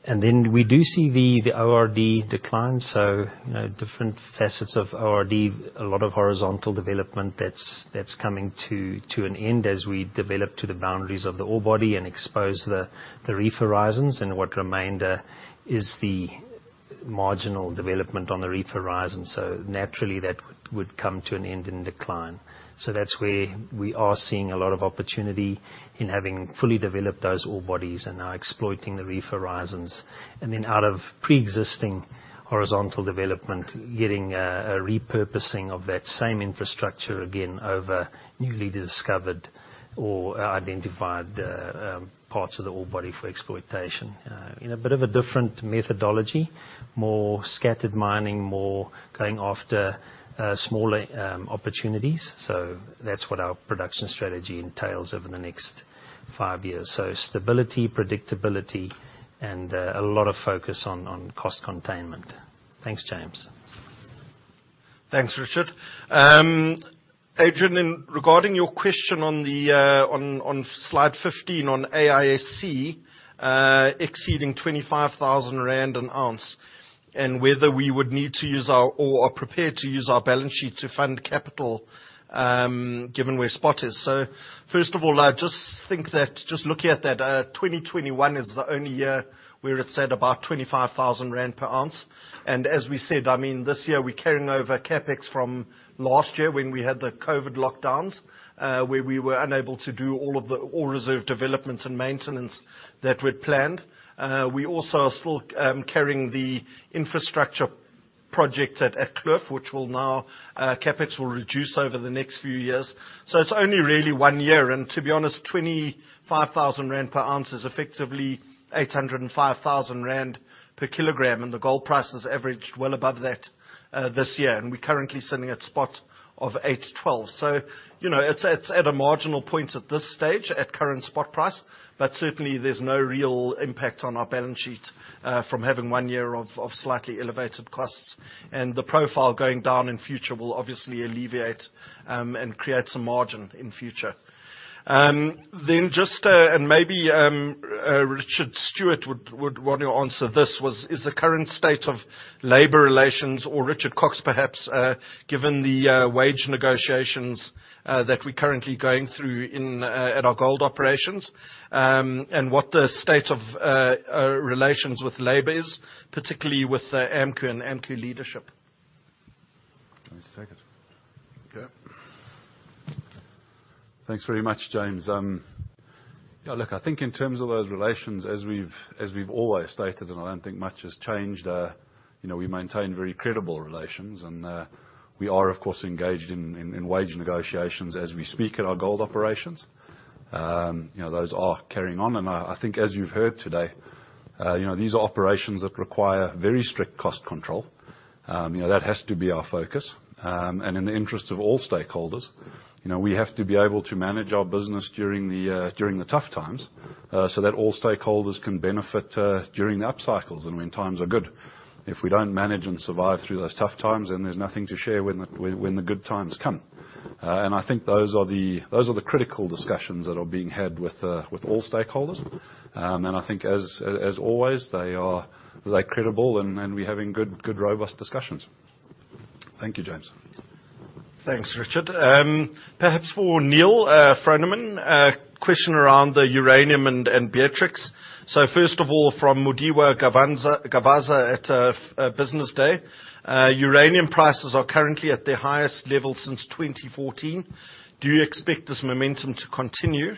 We do see the ORD decline. Different facets of ORD, a lot of horizontal development that's coming to an end as we develop to the boundaries of the ore body and expose the reef horizons and what remainder is the marginal development on the reef horizon. Naturally, that would come to an end and decline. That's where we are seeing a lot of opportunity in having fully developed those ore bodies and now exploiting the reef horizons. Out of preexisting horizontal development, getting a repurposing of that same infrastructure again over newly discovered or identified parts of the ore body for exploitation. In a bit of a different methodology, more scattered mining, more going after smaller opportunities. That's what our production strategy entails over the next five years. Stability, predictability, and a lot of focus on cost containment. Thanks, James.
Thanks, Richard. Adrian, regarding your question on slide 15 on AISC exceeding 25,000 rand an ounce, whether we would need to use or are prepared to use our balance sheet to fund capital, given where spot is. First of all, just looking at that, 2021 is the only year where it said about 25,000 rand per ounce. As we said, this year we're carrying over CapEx from last year when we had the COVID lockdowns, where we were unable to do all of the Ore Reserve Developments and maintenance that we'd planned. We also are still carrying the infrastructure project at Kloof, which will now, CapEx will reduce over the next few years. It's only really one year and to be honest, 25,000 rand per ounce is effectively 805,000 rand per kilogram. The gold price has averaged well above that this year. We are currently sitting at spot of 812. It is at a marginal point at this stage at current spot price, but certainly there is no real impact on our balance sheet from having one year of slightly elevated costs. The profile going down in future will obviously alleviate, and create some margin in future. Maybe Richard Stewart would want to answer this, was, is the current state of labor relations, or Richard Cox perhaps, given the wage negotiations that we are currently going through at our gold operations, and what the state of relations with labor is, particularly with the AMCU and AMCU leadership.
Thanks very much, James. Look, I think in terms of those relations, as we've always stated, and I don't think much has changed, we maintain very credible relations and we are, of course, engaged in wage negotiations as we speak at our gold operations. Those are carrying on and I think as you've heard today, these are operations that require very strict cost control. That has to be our focus. In the interest of all stakeholders, we have to be able to manage our business during the tough times, so that all stakeholders can benefit during the up cycles and when times are good. If we don't manage and survive through those tough times, then there's nothing to share when the good times come. I think those are the critical discussions that are being had with all stakeholders. I think as always, they're credible and we're having good, robust discussions. Thank you, James.
Thanks, Richard. Perhaps for Neal Froneman, a question around the uranium and Beatrix. First of all, from Mudiwa Gavaza at Business Day. Uranium prices are currently at their highest level since 2014. Do you expect this momentum to continue?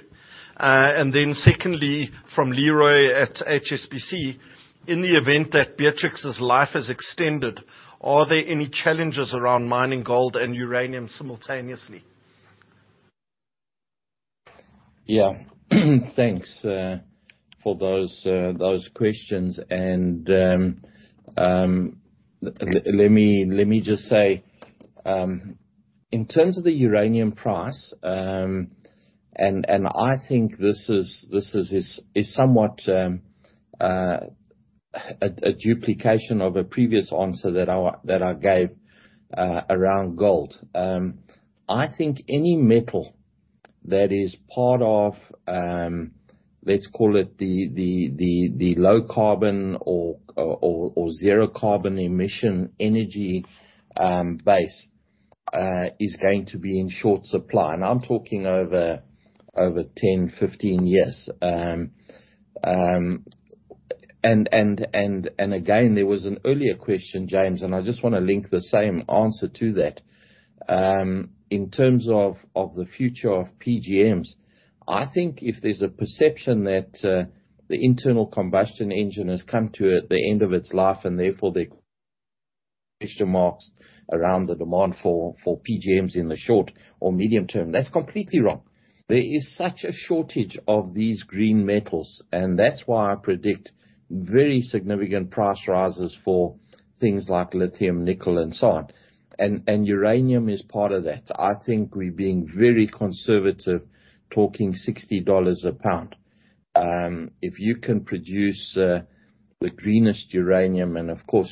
Secondly, from Leroy at HSBC. In the event that Beatrix's life is extended, are there any challenges around mining gold and uranium simultaneously?
Yeah. Thanks for those questions. Let me just say, in terms of the uranium price, and I think this is somewhat a duplication of a previous answer that I gave around gold. I think any metal that is part of, let's call it the low carbon or zero carbon emission energy base, is going to be in short supply. I'm talking over 10, 15 years. Again, there was an earlier question, James, and I just want to link the same answer to that. In terms of the future of PGMs, I think if there's a perception that the internal combustion engine has come to the end of its life and therefore there are question marks around the demand for PGMs in the short or medium term, that's completely wrong. There is such a shortage of these green metals, and that's why I predict very significant price rises for things like lithium, nickel, and so on. Uranium is part of that. I think we're being very conservative talking $60 a pound. If you can produce the greenest uranium, and of course,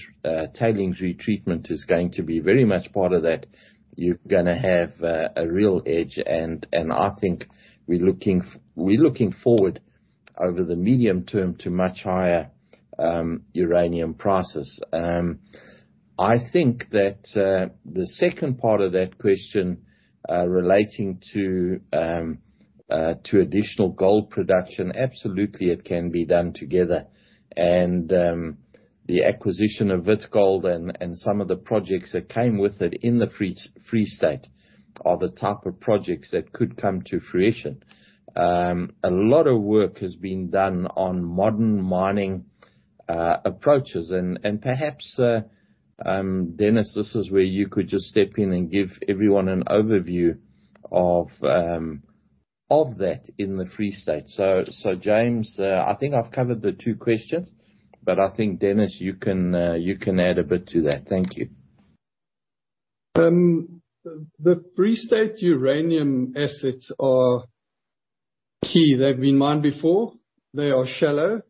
tailings retreatment is going to be very much part of that, you're gonna have a real edge. I think we're looking forward over the medium term to much higher uranium prices. I think that the second part of that question, relating to additional gold production, absolutely it can be done together. The acquisition of Wits Gold and some of the projects that came with it in the Free State are the type of projects that could come to fruition. A lot of work has been done on modern mining approaches and perhaps, Dennis, this is where you could just step in and give everyone an overview of that in the Free State. James, I think I've covered the two questions, but I think Dennis, you can add a bit to that. Thank you.
The Free State uranium assets are key. They've been mined before. They are shallow.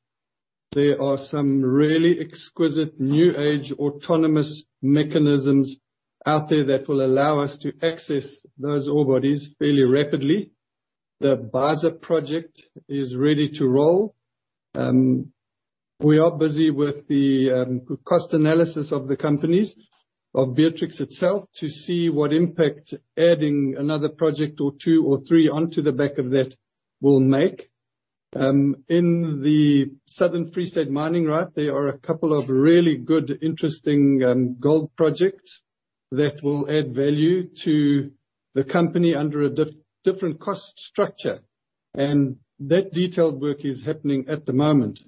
There are some really exquisite new age autonomous mechanisms out there that will allow us to access those ore bodies fairly rapidly. The Beisa Project is ready to roll. We are busy with the cost analysis of the companies of Beatrix itself to see what impact adding another project or two or three onto the back of that will make. In the southern Free State mining right there are a couple of really good, interesting gold projects that will add value to the company under a different cost structure. That detailed work is happening at the moment.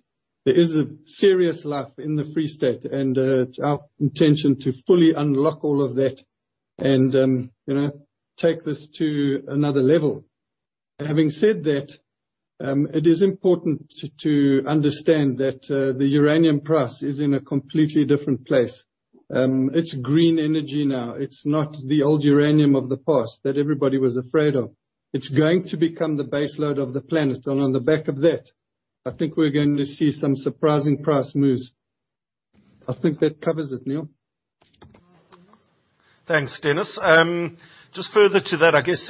There is a serious life in the Free State, and it's our intention to fully unlock all of that and take this to another level. Having said that, it is important to understand that the uranium price is in a completely different place. It's green energy now. It's not the old uranium of the past that everybody was afraid of. It's going to become the baseload of the planet. On the back of that, I think we're going to see some surprising price moves. I think that covers it, Neal.
Thanks, Dennis. Further to that, I guess,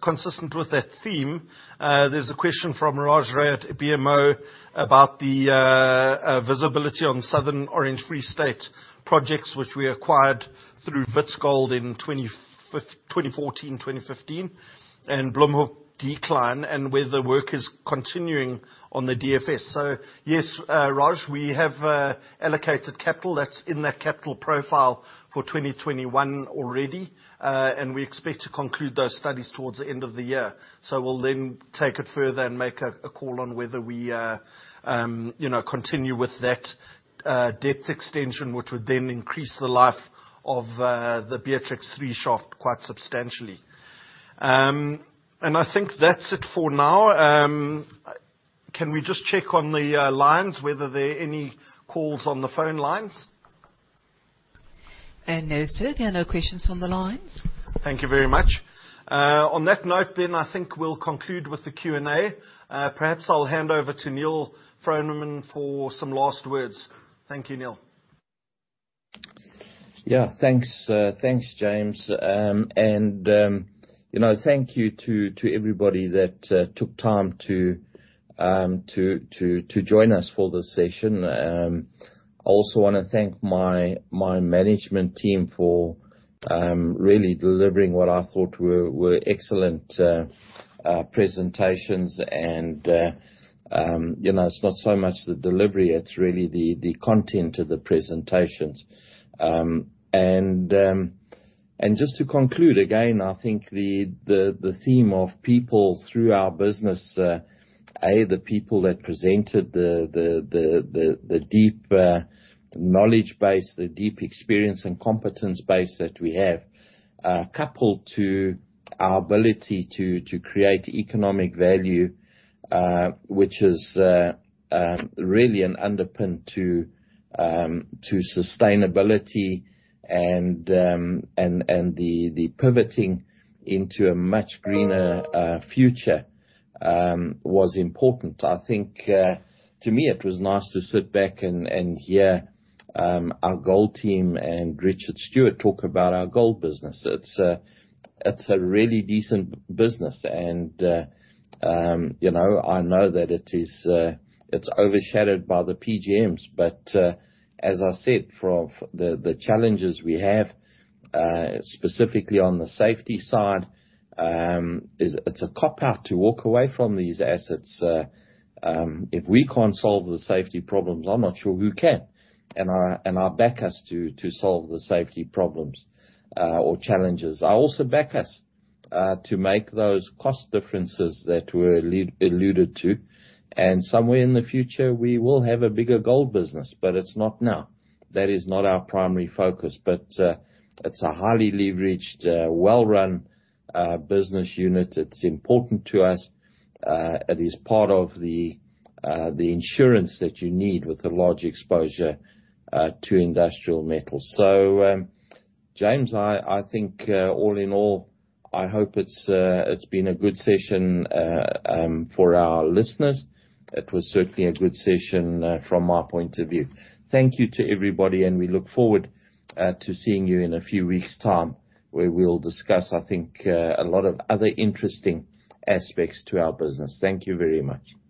consistent with that theme, there is a question from Raj Ray at BMO about the visibility on Southern Orange Free State projects which we acquired through Wits Gold in 2014, 2015, and Bloemhoek decline and whether work is continuing on the DFS. Yes, Raj, we have allocated capital that is in that capital profile for 2021 already. We expect to conclude those studies towards the end of the year. We will then take it further and make a call on whether we continue with that depth extension, which would then increase the life of the Beatrix three shaft quite substantially. I think that is it for now. Can we just check on the lines whether there are any calls on the phone lines?
No, sir. There are no questions on the lines.
Thank you very much. On that note, I think we'll conclude with the Q&A. Perhaps I'll hand over to Neal Froneman for some last words. Thank you, Neal.
Thanks, James. Thank you to everybody that took time to join us for this session. I also want to thank my management team for really delivering what I thought were excellent presentations and it's not so much the delivery, it's really the content of the presentations. Just to conclude, again, I think the theme of people through our business, the people that presented the deep knowledge base, the deep experience and competence base that we have, coupled to our ability to create economic value, which is really an underpin to sustainability and the pivoting into a much greener future was important. I think, to me, it was nice to sit back and hear our gold team and Richard Stewart talk about our gold business. It's a really decent business. I know that it's overshadowed by the PGMs, but as I said, for the challenges we have, specifically on the safety side, it's a cop-out to walk away from these assets. If we can't solve the safety problems, I'm not sure who can. I back us to solve the safety problems or challenges. I also back us to make those cost differences that were alluded to. Somewhere in the future, we will have a bigger gold business, but it's not now. That is not our primary focus. It's a highly leveraged, well-run business unit. It's important to us. It is part of the insurance that you need with a large exposure to industrial metal. James, I think all in all, I hope it's been a good session for our listeners. It was certainly a good session from my point of view. Thank you to everybody, and we look forward to seeing you in a few weeks time, where we'll discuss, I think, a lot of other interesting aspects to our business. Thank you very much.